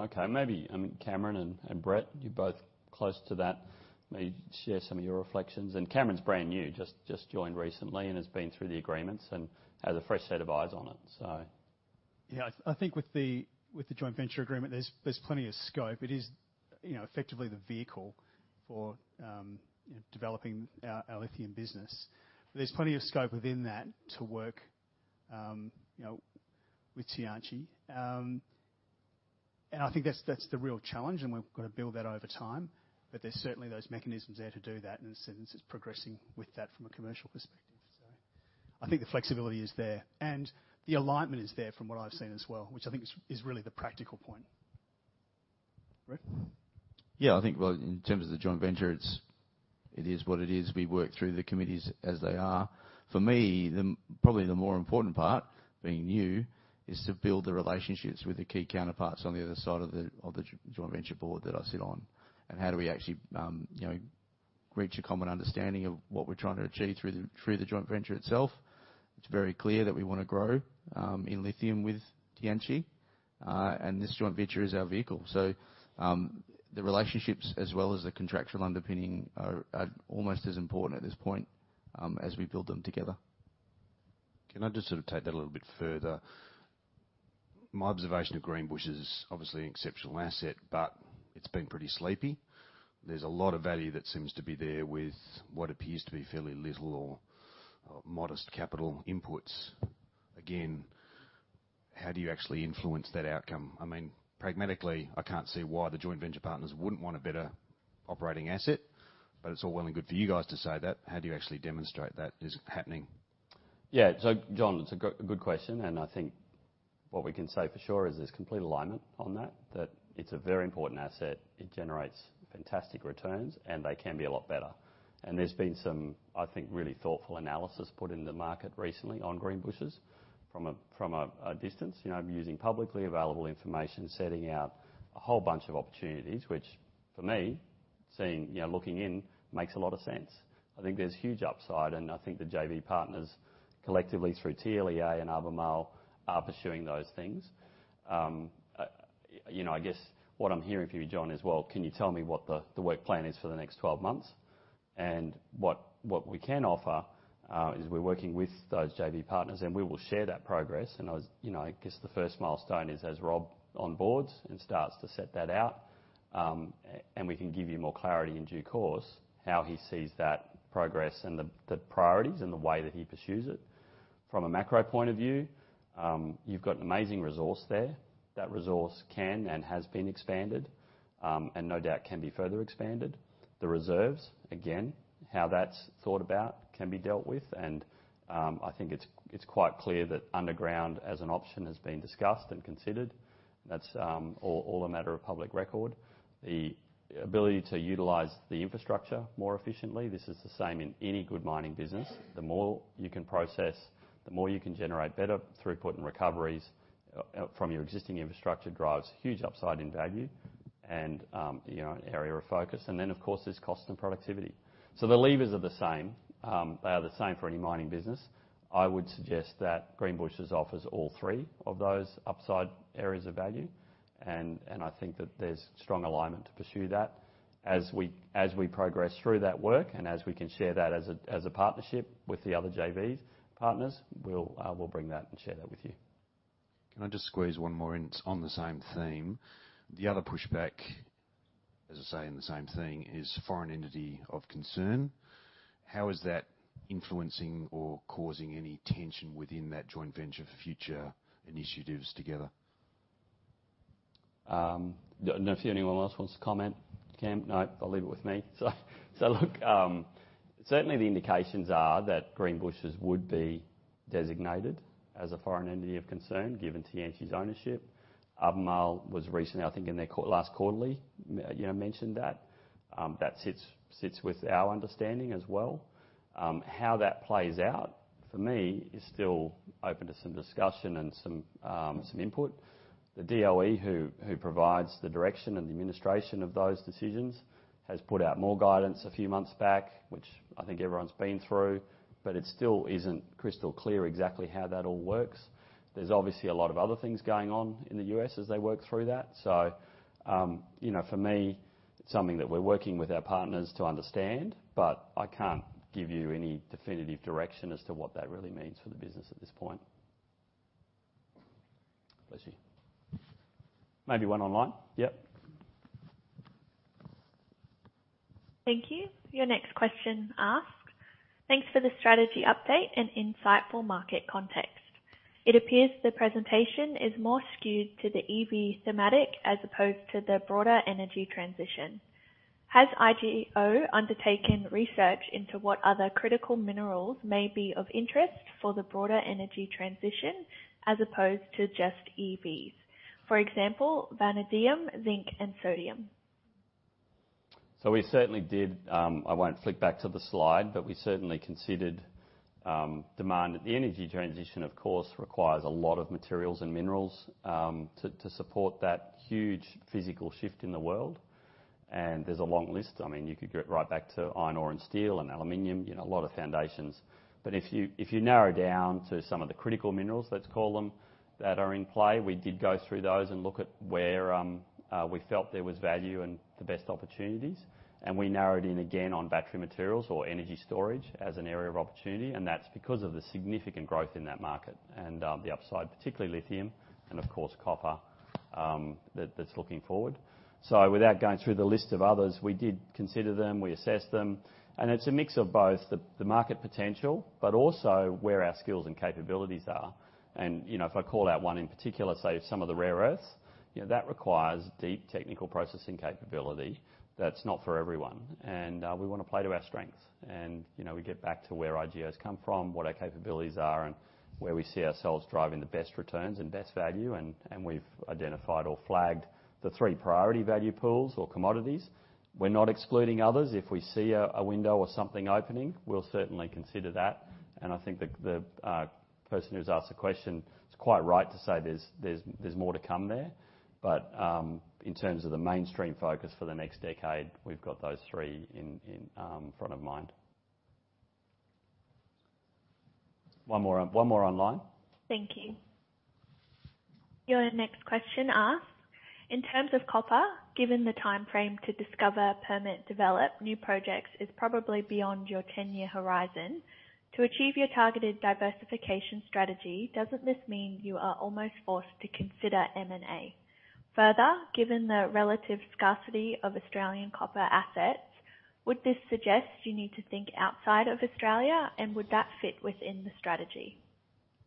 Okay. Maybe, I mean, Cameron and Brett, you're both close to that. Maybe share some of your reflections, and Cameron's brand new, just joined recently and has been through the agreements and has a fresh set of eyes on it, so. Yeah, I think with the Joint Venture agreement, there's plenty of scope. It is, you know, effectively the vehicle for developing our lithium business. There's plenty of scope within that to work, you know, with Tianqi. And I think that's the real challenge, and we've got to build that over time. But there's certainly those mechanisms there to do that, and Ascendant is progressing with that from a commercial perspective. So I think the flexibility is there, and the alignment is there from what I've seen as well, which I think is really the practical point. Brett? Yeah, I think, well, in terms of the Joint Venture, it's, it is what it is. We work through the committees as they are. For me, the, probably the more important part, being new, is to build the relationships with the key counterparts on the other side of the Joint Venture board that I sit on. And how do we actually, you know-reach a common understanding of what we're trying to achieve through the Joint Venture itself. It's very clear that we want to grow in lithium with Tianqi, and this Joint Venture is our vehicle. So, the relationships as well as the contractual underpinning are almost as important at this point, as we build them together. Can I just sort of take that a little bit further? My observation of Greenbushes, obviously, an exceptional asset, but it's been pretty sleepy. There's a lot of value that seems to be there with what appears to be fairly little or modest capital inputs. Again, how do you actually influence that outcome? I mean, pragmatically, I can't see why the Joint Venture partners wouldn't want a better operating asset, but it's all well and good for you guys to say that. How do you actually demonstrate that is happening? Yeah. So, Jon, it's a good question, and I think what we can say for sure is there's complete alignment on that, that it's a very important asset. It generates fantastic returns, and they can be a lot better. And there's been some, I think, really thoughtful analysis put into the market recently on Greenbushes from a distance, you know, using publicly available information, setting out a whole bunch of opportunities, which for me, seeing, you know, looking in, makes a lot of sense. I think there's huge upside, and I think the JV partners, collectively through TLEA and Albemarle, are pursuing those things. You know, I guess what I'm hearing from you, John, is, well, can you tell me what the work plan is for the next 12 months? What we can offer is we're working with those JV partners, and we will share that progress. You know, I guess the first milestone is as Rob onboards and starts to set that out, and we can give you more clarity in due course, how he sees that progress and the priorities and the way that he pursues it. From a macro point of view, you've got an amazing resource there. That resource can and has been expanded, and no doubt can be further expanded. The reserves, again, how that's thought about can be dealt with, and I think it's quite clear that underground as an option has been discussed and considered. That's all a matter of public record. The ability to utilize the infrastructure more efficiently. This is the same in any good mining business. The more you can process, the more you can generate better throughput and recoveries from your existing infrastructure, drives huge upside in value and, you know, an area of focus, then of course, there's cost and productivity, so the levers are the same. They are the same for any mining business. I would suggest that Greenbushes offers all three of those upside areas of value, and I think that there's strong alignment to pursue that. As we progress through that work, and as we can share that as a partnership with the other JV partners, we'll bring that and share that with you. Can I just squeeze one more in on the same theme? The other pushback, as I say, in the same thing, is Foreign Entity of Concern. How is that influencing or causing any tension within that Joint Venture for future initiatives together? I don't know if anyone else wants to comment, Cam? No, they'll leave it with me. Look, certainly the indications are that Greenbushes would be designated as a foreign entity of concern, given Tianqi's ownership. Albemarle was recently, I think, in their last quarterly, you know, mentioned that. That sits with our understanding as well. How that plays out, for me, is still open to some discussion and some input. The DOE, who provides the direction and the administration of those decisions, has put out more guidance a few months back, which I think everyone's been through, but it still isn't crystal clear exactly how that all works. There's obviously a lot of other things going on in the U.S. as they work through that. You know, for me, it's something that we're working with our partners to understand, but I can't give you any definitive direction as to what that really means for the business at this point. Bless you. Maybe one online. Yep. Thank you. Your next question asks: Thanks for the strategy update and insightful market context. It appears the presentation is more skewed to the EV thematic as opposed to the broader energy transition. Has IGO undertaken research into what other critical minerals may be of interest for the broader energy transition as opposed to just EVs? For example, vanadium, zinc, and sodium. So we certainly did. I won't flick back to the slide, but we certainly considered demand. The energy transition, of course, requires a lot of materials and minerals to support that huge physical shift in the world, and there's a long list. I mean, you could go right back to iron ore and steel and aluminum, you know, a lot of foundations. But if you narrow down to some of the critical minerals, let's call them, that are in play, we did go through those and look at where we felt there was value and the best opportunities, and we narrowed in again on battery materials or energy storage as an area of opportunity, and that's because of the significant growth in that market and the upside, particularly lithium and, of course, copper, that's looking forward. So without going through the list of others, we did consider them, we assessed them, and it's a mix of both the market potential, but also where our skills and capabilities are. You know, if I call out one in particular, say, some of the rare earths, you know, that requires deep technical processing capability that's not for everyone, and we wanna play to our strengths. You know, we get back to where IGO's come from, what our capabilities are, and where we see ourselves driving the best returns and best value, and we've identified or flagged the three priority value pools or commodities. We're not excluding others. If we see a window or something opening, we'll certainly consider that, and I think the person who's asked the question, it's quite right to say there's more to come there. But, in terms of the mainstream focus for the next decade, we've got those three in front of mind. One more online. Thank you. Your next question asks: In terms of copper, given the timeframe to discover, permit, develop new projects is probably beyond your 10-year horizon, to achieve your targeted diversification strategy, doesn't this mean you are almost forced to consider M&A? Further, given the relative scarcity of Australian copper assets, would this suggest you need to think outside of Australia, and would that fit within the strategy?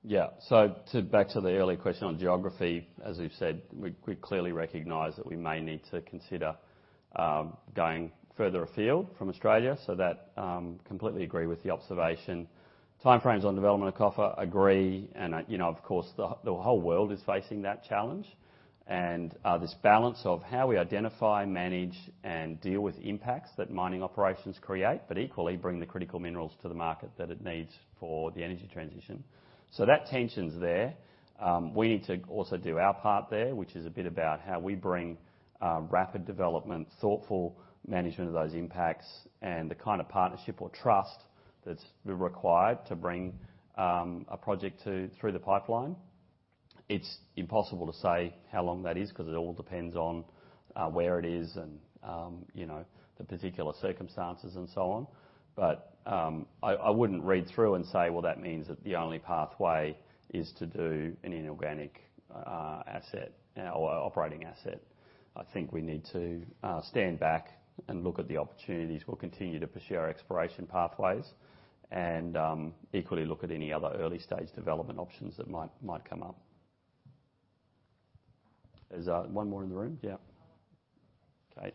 Yeah. So back to the earlier question on geography, as we've said, we clearly recognize that we may need to consider going further afield from Australia. So that completely agree with the observation. Timeframes on development of copper, agree, and, you know, of course, the whole world is facing that challenge. And this balance of how we identify, manage, and deal with impacts that mining operations create, but equally bring the critical minerals to the market that it needs for the energy transition. So that tension's there. We need to also do our part there, which is a bit about how we bring rapid development, thoughtful management of those impacts, and the kind of partnership or trust that's required to bring a project through the pipeline. It's impossible to say how long that is, 'cause it all depends on where it is and, you know, the particular circumstances and so on. But I wouldn't read through and say, "Well, that means that the only pathway is to do an inorganic asset or operating asset." I think we need to stand back and look at the opportunities. We'll continue to pursue our exploration pathways and equally look at any other early-stage development options that might come up. There's one more in the room? Yeah. Kate?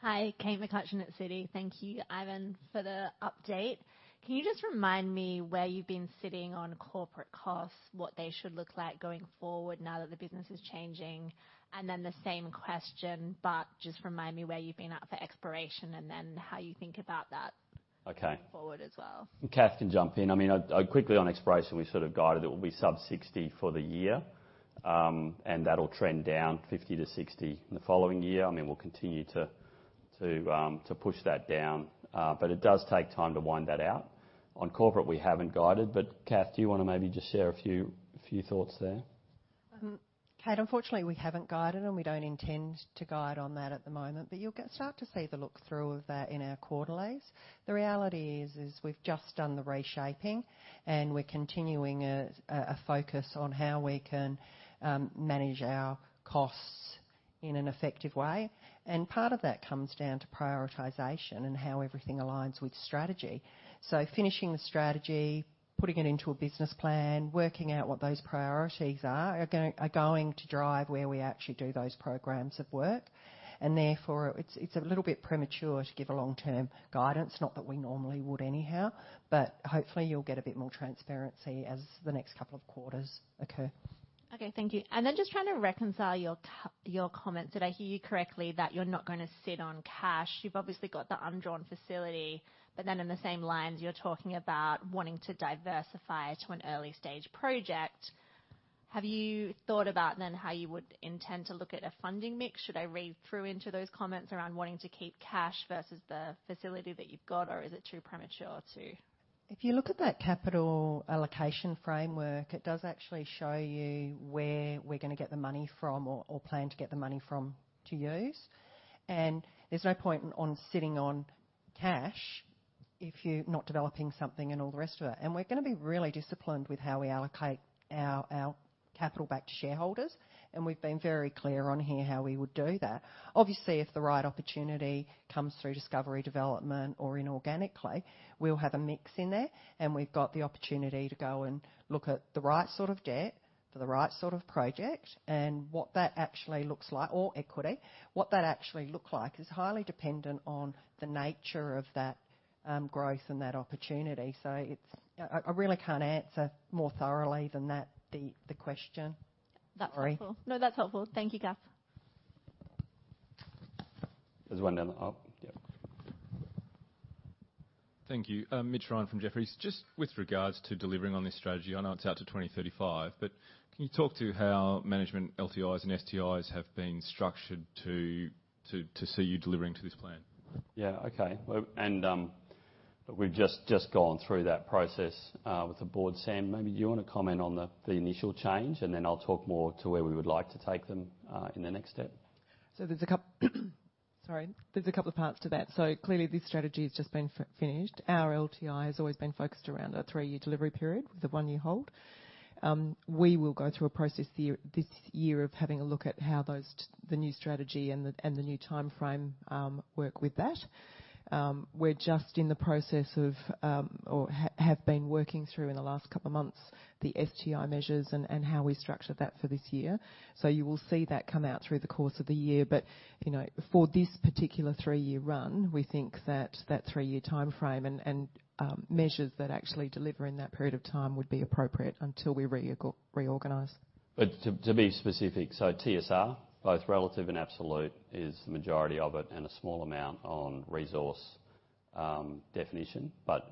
Hi, Kate McCutcheon at Citi. Thank you, Ivan, for the update. Can you just remind me where you've been sitting on corporate costs, what they should look like going forward now that the business is changing? And then the same question, but just remind me where you've been at for exploration, and then how you think about that-moving forward as well. Kath can jump in. I mean, quickly on exploration, we sort of guided it will be sub-60% for the year. And that'll trend down 50%-60% in the following year, and then we'll continue to push that down. But it does take time to wind that out. On corporate, we haven't guided, but Kath, do you wanna maybe just share a few thoughts there? Kate, unfortunately, we haven't guided, and we don't intend to guide on that at the moment, but you'll get start to see the look-through of that in our quarterlies. The reality is we've just done the reshaping, and we're continuing a focus on how we can manage our costs in an effective way. And part of that comes down to prioritization and how everything aligns with strategy. So finishing the strategy, putting it into a business plan, working out what those priorities are are going to drive where we actually do those programs of work. And therefore, it's a little bit premature to give a long-term guidance, not that we normally would anyhow. But hopefully you'll get a bit more transparency as the next couple of quarters occur. Okay, thank you. And then just trying to reconcile your comment. Did I hear you correctly, that you're not gonna sit on cash? You've obviously got the undrawn facility, but then in the same line, you're talking about wanting to diversify to an early-stage project. Have you thought about then how you would intend to look at a funding mix? Should I read through into those comments around wanting to keep cash versus the facility that you've got, or is it too premature to? If you look at that Capital Allocation Framework, it does actually show you where we're gonna get the money from or plan to get the money from, to use. And there's no point on sitting on cash if you're not developing something and all the rest of it. And we're gonna be really disciplined with how we allocate our capital back to shareholders, and we've been very clear on here how we would do that. Obviously, if the right opportunity comes through discovery, development, or inorganically, we'll have a mix in there, and we've got the opportunity to go and look at the right sort of debt for the right sort of project, and what that actually looks like, or equity. What that actually looks like is highly dependent on the nature of that growth and that opportunity. So it's...I really can't answer more thoroughly than that, the question. Sorry. That's helpful. No, that's helpful. Thank you, Kath. There's one down the, oh, yep. Thank you. Mitch Ryan from Jefferies. Just with regards to delivering on this strategy, I know it's out to 2035, but can you talk to how management LTIs and STIs have been structured to see you delivering to this plan? Yeah, okay. Well, and we've just gone through that process with the board. Sam, maybe you wanna comment on the initial change, and then I'll talk more to where we would like to take them in the next step. Sorry. There's a couple of parts to that. So clearly, this strategy has just been finished. Our LTI has always been focused around a three-year delivery period with a one-year hold. We will go through a process this year of having a look at how the new strategy and the new timeframe work with that. We're just in the process of, or have been working through in the last couple of months, the STI measures and how we structure that for this year. So you will see that come out through the course of the year. But, you know, for this particular three-year run, we think that that three-year timeframe and measures that actually deliver in that period of time would be appropriate until we reorganize. But to be specific, so TSR, both relative and absolute, is the majority of it and a small amount on resource definition, but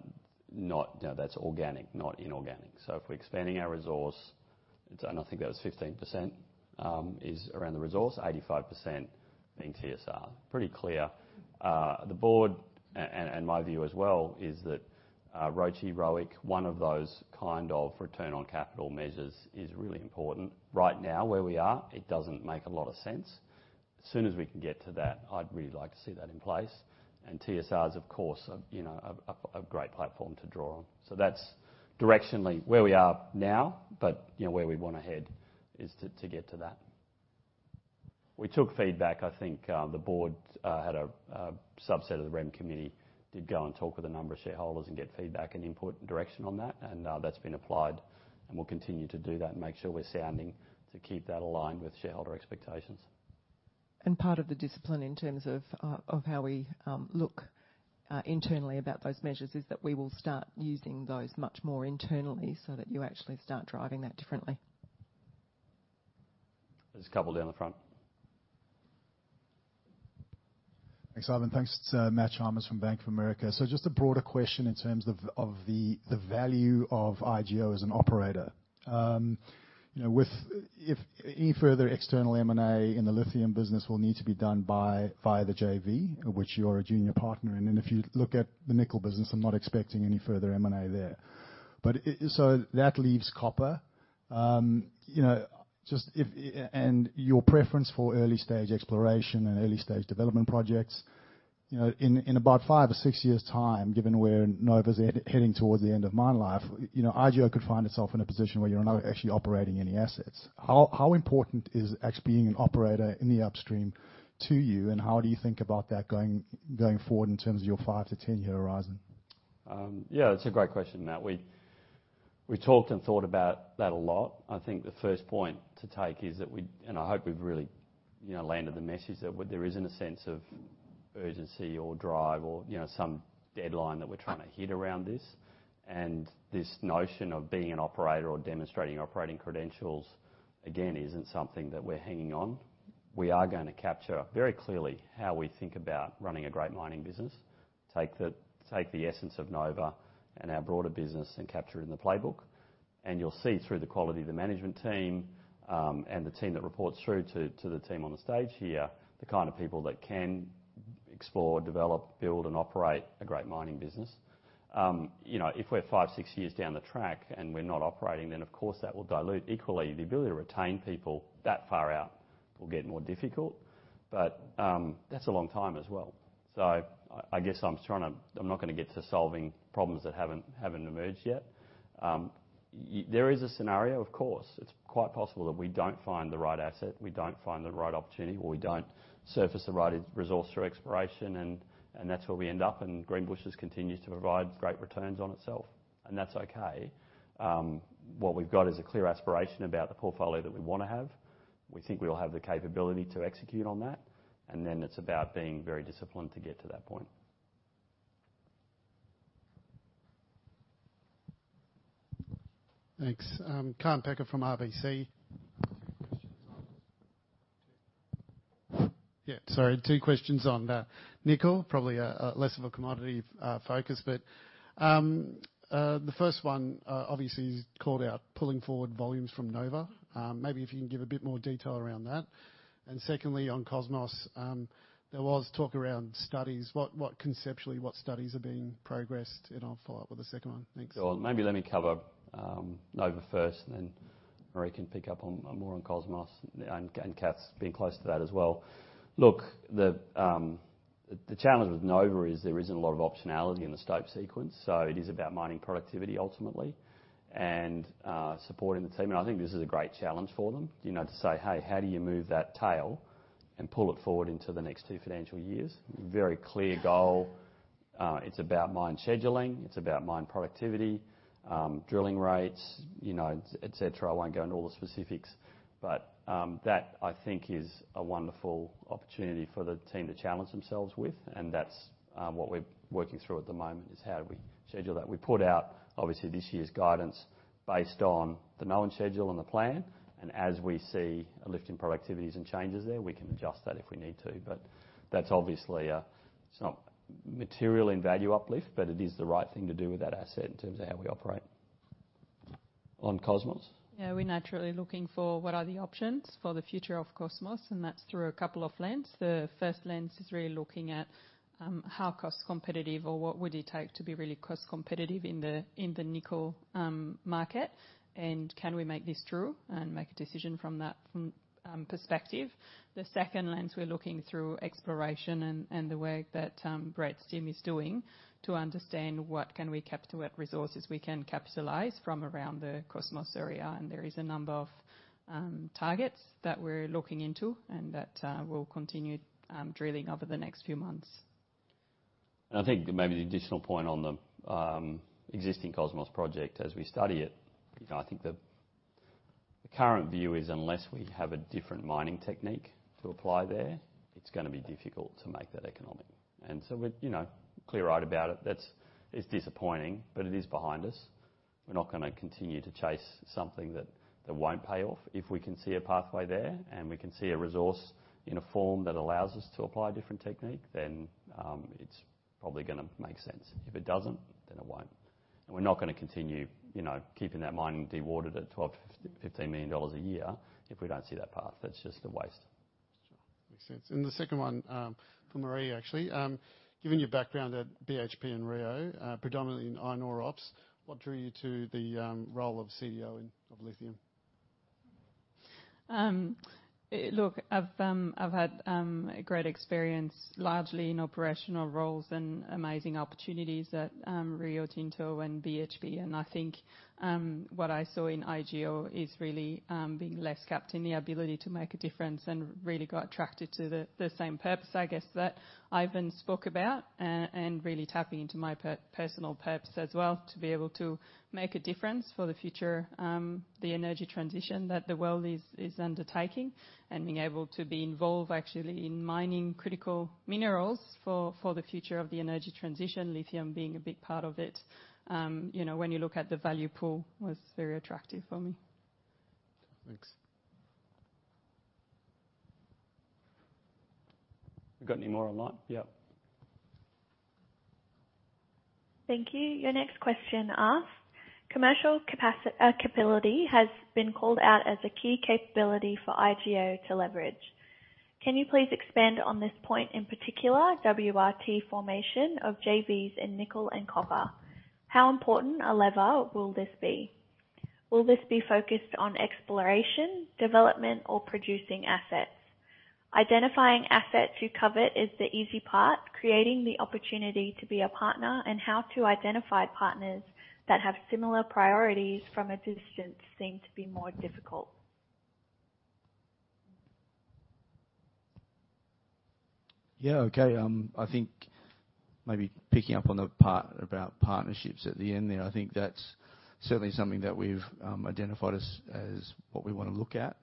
not. You know, that's organic, not inorganic. So if we're expanding our resource. And I think that was 15%, is around the resource, 85% being TSR. Pretty clear. The board and my view as well is that ROCE, ROIC, one of those kind of return on capital measures is really important. Right now, where we are, it doesn't make a lot of sense. As soon as we can get to that, I'd really like to see that in place, and TSR is, of course, you know, a great platform to draw on. So that's directionally where we are now, but you know, where we want to head is to get to that. We took feedback. I think, the board, had a subset of the REM committee, did go and talk with a number of shareholders and get feedback and input and direction on that. And, that's been applied, and we'll continue to do that and make sure we're sounding to keep that aligned with shareholder expectations. Part of the discipline in terms of how we look internally about those measures is that we will start using those much more internally so that you actually start driving that differently. There's a couple down the front. Thanks, Ivan. Thanks, Matt Chalmers from Bank of America. So just a broader question in terms of the value of IGO as an operator. You know, with if any further external M&A in the lithium business will need to be done by, via the JV, which you're a junior partner. And then if you look at the nickel business, I'm not expecting any further M&A there. But so that leaves copper. You know, just if and your preference for early-stage exploration and early-stage development projects, you know, in about five or six years' time, given where Nova's heading towards the end of mine life, you know, IGO could find itself in a position where you're not actually operating any assets. How important is actually being an operator in the upstream to you, and how do you think about that going forward in terms of your five- to 10-year horizon? Yeah, it's a great question, Matt. We talked and thought about that a lot. I think the first point to take is that we, and I hope we've really, you know, landed the message, that there isn't a sense of urgency or drive or, you know, some deadline that we're trying to hit around this. And this notion of being an operator or demonstrating operating credentials, again, isn't something that we're hanging on. We are gonna capture very clearly how we think about running a great mining business, take the essence of Nova and our broader business and capture it in the Playbook. And you'll see through the quality of the management team, and the team that reports through to the team on the stage here, the kind of people that can explore, develop, build and operate a great mining business. You know, if we're five, six years down the track and we're not operating, then of course that will dilute. Equally, the ability to retain people that far out will get more difficult, but that's a long time as well, so I guess I'm trying to. I'm not gonna get to solving problems that haven't emerged yet. There is a scenario, of course. It's quite possible that we don't find the right asset, we don't find the right opportunity, or we don't surface the right resource through exploration, and that's where we end up, and Greenbushes continues to provide great returns on itself, and that's okay. What we've got is a clear aspiration about the portfolio that we want to have. We think we'll have the capability to execute on that, and then it's about being very disciplined to get to that point. Thanks. Kaan Peker from RBC. Two questions. Yeah, sorry, two questions on nickel. Probably less of a commodity focus, but the first one obviously is called out pulling forward volumes from Nova. Maybe if you can give a bit more detail around that. And secondly, on Cosmos, there was talk around studies. What conceptually, what studies are being progressed? And I'll follow up with the second one. Thanks. Well, maybe let me cover Nova first, and then Marie can pick up on more on Cosmos, and Kat's been close to that as well. Look, the challenge with Nova is there isn't a lot of optionality in the stope sequence, so it is about mining productivity ultimately, and supporting the team. And I think this is a great challenge for them, you know, to say: "Hey, how do you move that tail and pull it forward into the next two financial years?" Very clear goal. It's about mine scheduling, it's about mine productivity, drilling rates, you know, et cetera. I won't go into all the specifics, but that I think is a wonderful opportunity for the team to challenge themselves with, and that's what we're working through at the moment: how do we schedule that? We put out, obviously, this year's guidance based on the known schedule and the plan, and as we see a lift in productivities and changes there, we can adjust that if we need to. But that's obviously. It's not material in value uplift, but it is the right thing to do with that asset in terms of how we operate. On Cosmos? Yeah, we're naturally looking for what are the options for the future of Cosmos, and that's through a couple of lens. The first lens is really looking at, how cost competitive or what would it take to be really cost competitive in the, in the nickel, market, and can we make this true and make a decision from that, perspective? The second lens we're looking through exploration and the work that Brett's team is doing to understand what resources we can capitalize from around the Cosmos area. And there is a number of, targets that we're looking into and that, we'll continue, drilling over the next few months. I think maybe the additional point on the existing Cosmos project, as we study it, you know, I think the current view is unless we have a different mining technique to apply there, it's gonna be difficult to make that economic. And so we're, you know, clear-eyed about it. That's... It's disappointing, but it is behind us. We're not gonna continue to chase something that won't pay off. If we can see a pathway there, and we can see a resource in a form that allows us to apply a different technique, then it's probably gonna make sense. If it doesn't, then it won't. And we're not gonna continue, you know, keeping that mine dewatered at 12-15 million dollars a year if we don't see that path. That's just a waste. Makes sense. And the second one, for Marie, actually. Given your background at BHP and Rio, predominantly in iron ore ops, what drew you to the role of CEO of lithium? Look, I've had a great experience, largely in operational roles and amazing opportunities at Rio Tinto and BHP. And I think what I saw in IGO is really being less capped in the ability to make a difference and really got attracted to the same purpose, I guess, that Ivan spoke about. And really tapping into my personal purpose as well, to be able to make a difference for the future, the energy transition that the world is undertaking. And being able to be involved actually in mining critical minerals for the future of the energy transition, lithium being a big part of it. You know, when you look at the value pool, was very attractive for me. Thanks. We got any more online? Yeah. Thank you. Your next question asks: Commercial capability has been called out as a key capability for IGO to leverage. Can you please expand on this point, in particular, WRT formation of JVs in nickel and copper? How important a lever will this be? Will this be focused on exploration, development, or producing assets? Identifying assets you covet is the easy part, creating the opportunity to be a partner and how to identify partners that have similar priorities from a distance seem to be more difficult. Yeah, okay. I think maybe picking up on the part about partnerships at the end there. I think that's certainly something that we've identified as what we want to look at,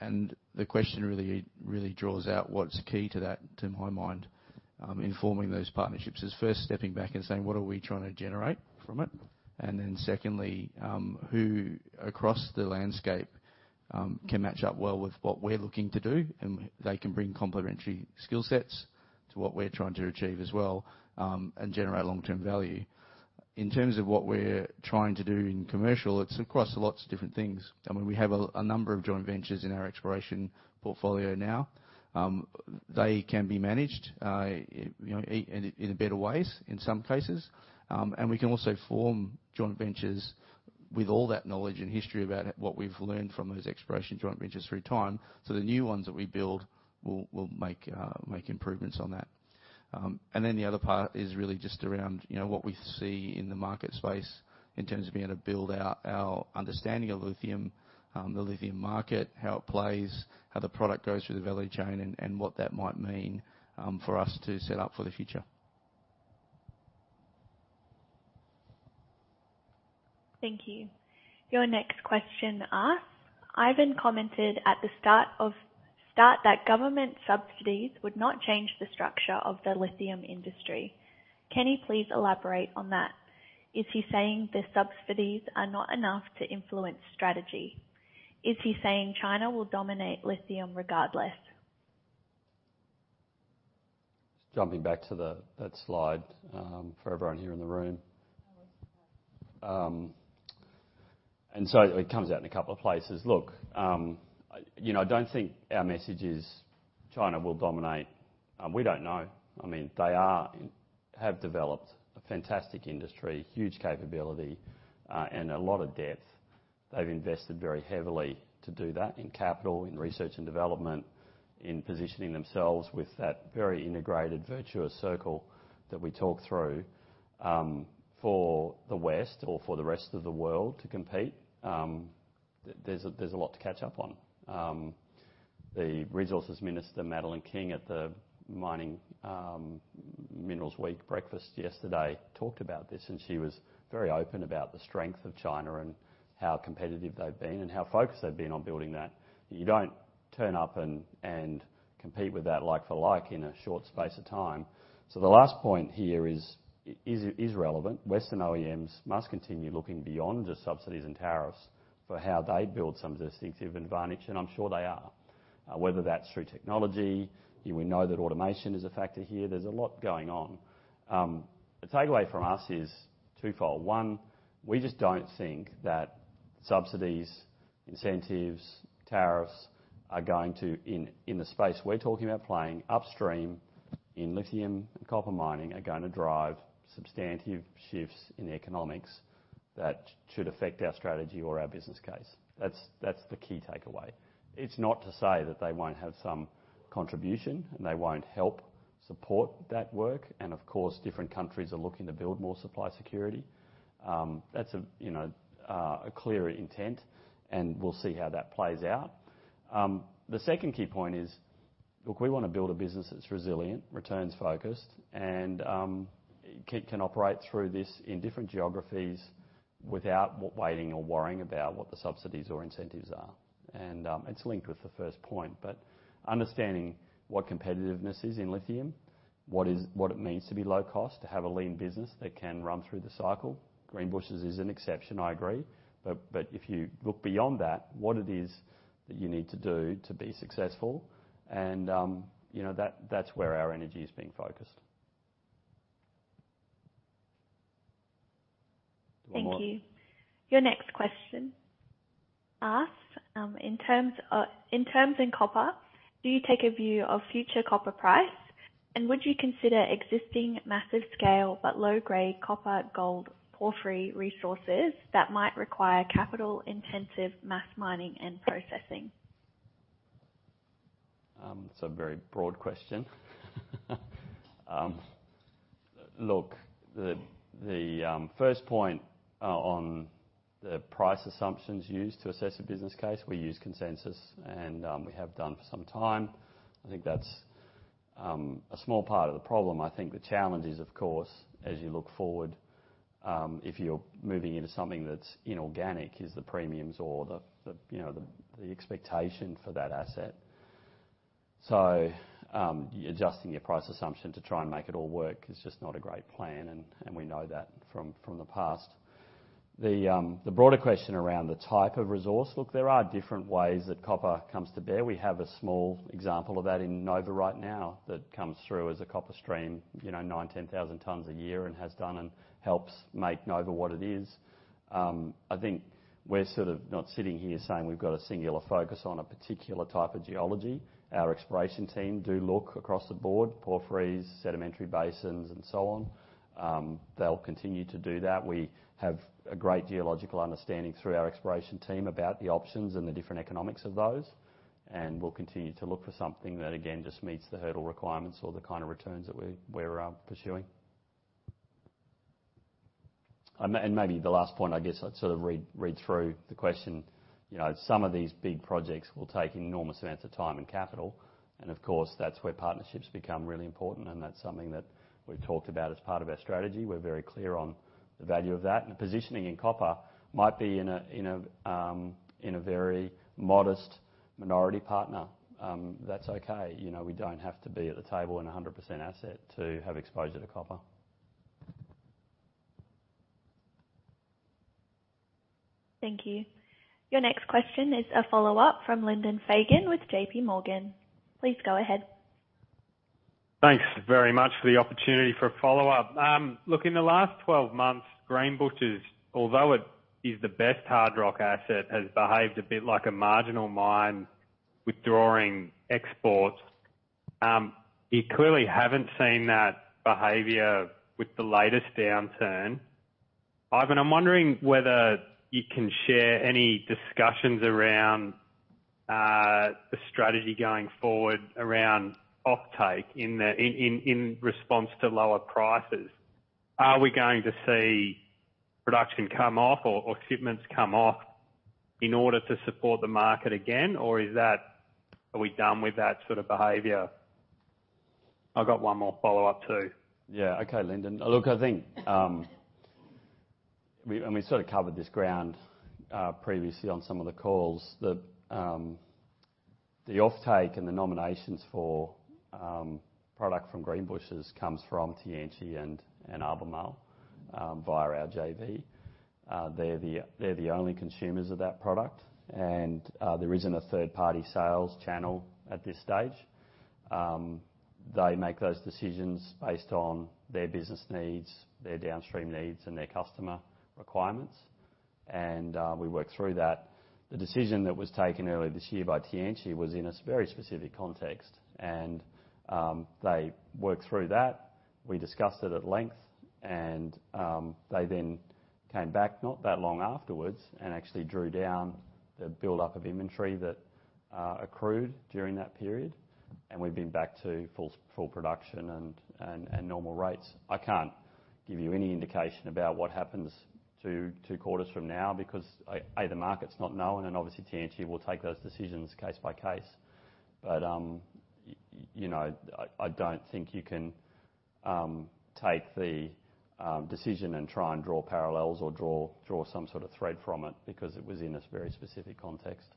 and the question really, really draws out what's key to that, to my mind, in forming those partnerships. Is first stepping back and saying, "What are we trying to generate from it?" And then secondly, who across the landscape can match up well with what we're looking to do, and they can bring complementary skill sets to what we're trying to achieve as well, and generate long-term value? In terms of what we're trying to do in commercial, it's across lots of different things. I mean, we have a number of joint ventures in our exploration portfolio now. They can be managed, you know, in better ways in some cases. And we can also form joint ventures with all that knowledge and history about what we've learned from those exploration joint ventures through time, so the new ones that we build will make improvements on that. And then the other part is really just around, you know, what we see in the market space in terms of being able to build out our understanding of lithium, the lithium market, how it plays, how the product goes through the value chain, and what that might mean for us to set up for the future. Thank you. Your next question asks: Ivan commented at the start, that government subsidies would not change the structure of the lithium industry. Can he please elaborate on that? Is he saying the subsidies are not enough to influence strategy? Is he saying China will dominate lithium regardless? Just jumping back to that slide for everyone here in the room. And so it comes out in a couple of places. Look, you know, I don't think our message is China will dominate. We don't know. I mean, they have developed a fantastic industry, huge capability, and a lot of depth. They've invested very heavily to do that in capital, in research and development, in positioning themselves with that very integrated virtuous circle that we talked through. For the West or for the rest of the world to compete, there's a lot to catch up on. The Resources Minister, Madeleine King, at the Mining Minerals Week Breakfast yesterday, talked about this, and she was very open about the strength of China and how competitive they've been and how focused they've been on building that. You don't turn up and compete with that like for like in a short space of time. So the last point here is relevant. Western OEMs must continue looking beyond just subsidies and tariffs for how they build some distinctive advantage, and I'm sure they are. Whether that's through technology, we know that automation is a factor here. There's a lot going on. The takeaway from us is twofold. One, we just don't think that subsidies, incentives, tariffs are going to, in the space we're talking about playing upstream in lithium and copper mining, are going to drive substantive shifts in economics that should affect our strategy or our business case. That's the key takeaway. It's not to say that they won't have some contribution, and they won't help support that work, and of course, different countries are looking to build more supply security. That's a, you know, a clear intent, and we'll see how that plays out. The second key point is, look, we want to build a business that's resilient, returns-focused, and can operate through this in different geographies without waiting or worrying about what the subsidies or incentives are. It's linked with the first point, but understanding what competitiveness is in lithium, what it means to be low cost, to have a lean business that can run through the cycle. Greenbushes is an exception, I agree, but if you look beyond that, what it is that you need to do to be successful, and, you know, that's where our energy is being focused. Thank you. Your next question asks, "In terms of, in terms of copper, do you take a view of future copper price? And would you consider existing massive scale but low-grade copper, gold, porphyry resources that might require capital-intensive mass mining and processing? That's a very broad question. Look, first point on the price assumptions used to assess a business case, we use consensus, and we have done for some time. I think that's a small part of the problem. I think the challenge is, of course, as you look forward, if you're moving into something that's inorganic, is the premiums or the, you know, the expectation for that asset. So, adjusting your price assumption to try and make it all work is just not a great plan, and we know that from the past. The broader question around the type of resource, look, there are different ways that copper comes to bear. We have a small example of that in Nova right now that comes through as a copper stream, you know, nine, ten thousand tons a year and has done and helps make Nova what it is. I think we're sort of not sitting here saying we've got a singular focus on a particular type of geology. Our exploration team do look across the board, porphyries, sedimentary basins, and so on. They'll continue to do that. We have a great geological understanding through our exploration team about the options and the different economics of those, and we'll continue to look for something that, again, just meets the hurdle requirements or the kind of returns that we're pursuing. And maybe the last point, I guess, I'd sort of read through the question. You know, some of these big projects will take enormous amounts of time and capital, and of course, that's where partnerships become really important, and that's something that we've talked about as part of our strategy. We're very clear on the value of that. And the positioning in copper might be in a very modest minority partner. That's okay. You know, we don't have to be at the table in a 100% asset to have exposure to copper. Thank you. Your next question is a follow-up from Lyndon Fagan with JPMorgan. Please go ahead. Thanks very much for the opportunity for a follow-up. Look, in the last 12 months, Greenbushes, although it is the best hard rock asset, has behaved a bit like a marginal mine withdrawing exports. You clearly haven't seen that behavior with the latest downturn. Ivan, I'm wondering whether you can share any discussions around the strategy going forward around offtake in response to lower prices. Are we going to see production come off or shipments come off in order to support the market again? Or is that, are we done with that sort of behavior? I've got one more follow-up, too. Yeah. Okay, Lyndon. Look, I think we sort of covered this ground previously on some of the calls, that the offtake and the nominations for product from Greenbushes comes from Tianqi and Albemarle via our JV. They're the only consumers of that product, and there isn't a third-party sales channel at this stage. They make those decisions based on their business needs, their downstream needs, and their customer requirements, and we work through that. The decision that was taken earlier this year by Tianqi was in a very specific context, and they worked through that. We discussed it at length, and they then came back not that long afterwards and actually drew down the buildup of inventory that accrued during that period, and we've been back to full production and normal rates. I can't give you any indication about what happens two quarters from now, because the market's not known, and obviously, Tianqi will take those decisions case by case. But you know, I don't think you can take the decision and try and draw parallels or draw some sort of thread from it, because it was in a very specific context.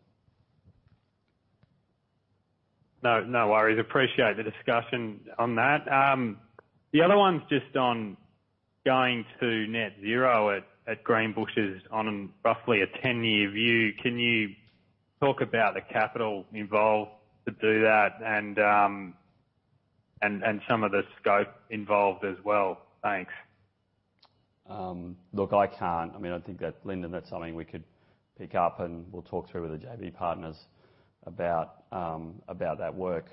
No, no worries. Appreciate the discussion on that. The other one's just on going to Net Zero at Greenbushes on roughly a 10-year view. Can you talk about the capital involved to do that and some of the scope involved as well? Thanks. Look, I can't. I mean, I think that, Lyndon, that's something we could pick up, and we'll talk through with the JV partners about that work.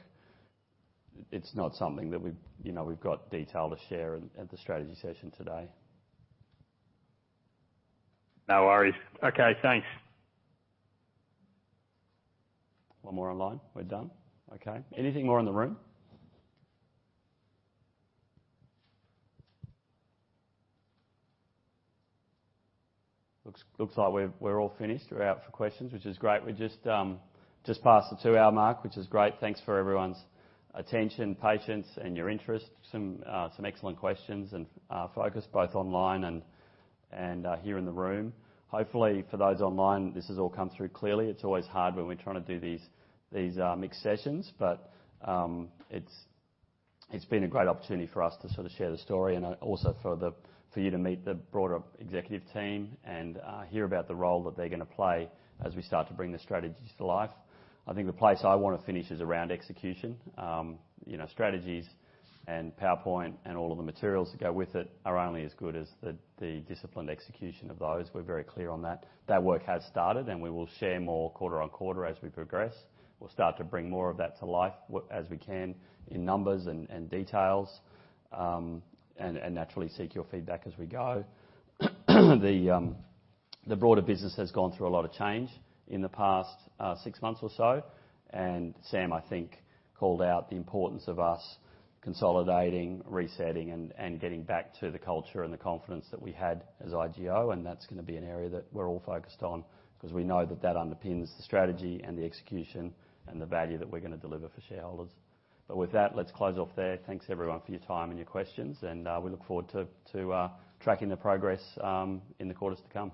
It's not something that we've, you know, we've got detail to share at the strategy session today. No worries. Okay, thanks. One more online? We're done. Okay, anything more in the room? Looks like we've all finished. We're out for questions, which is great. We just passed the two-hour mark, which is great. Thanks for everyone's attention, patience, and your interest. Some excellent questions and focus, both online and here in the room. Hopefully, for those online, this has all come through clearly. It's always hard when we're trying to do these mixed sessions, but it's been a great opportunity for us to sort of share the story and also for you to meet the broader executive team and hear about the role that they're gonna play as we start to bring the strategies to life. I think the place I want to finish is around execution. You know, strategies and PowerPoint and all of the materials that go with it are only as good as the disciplined execution of those. We're very clear on that. That work has started, and we will share more quarter on quarter as we progress. We'll start to bring more of that to life as we can in numbers and details, and naturally seek your feedback as we go. The broader business has gone through a lot of change in the past six months or so, and Sam, I think, called out the importance of us consolidating, resetting, and getting back to the culture and the confidence that we had as IGO, and that's gonna be an area that we're all focused on, 'cause we know that underpins the strategy and the execution and the value that we're gonna deliver for shareholders. But with that, let's close off there. Thanks, everyone, for your time and your questions, and we look forward to tracking the progress in the quarters to come.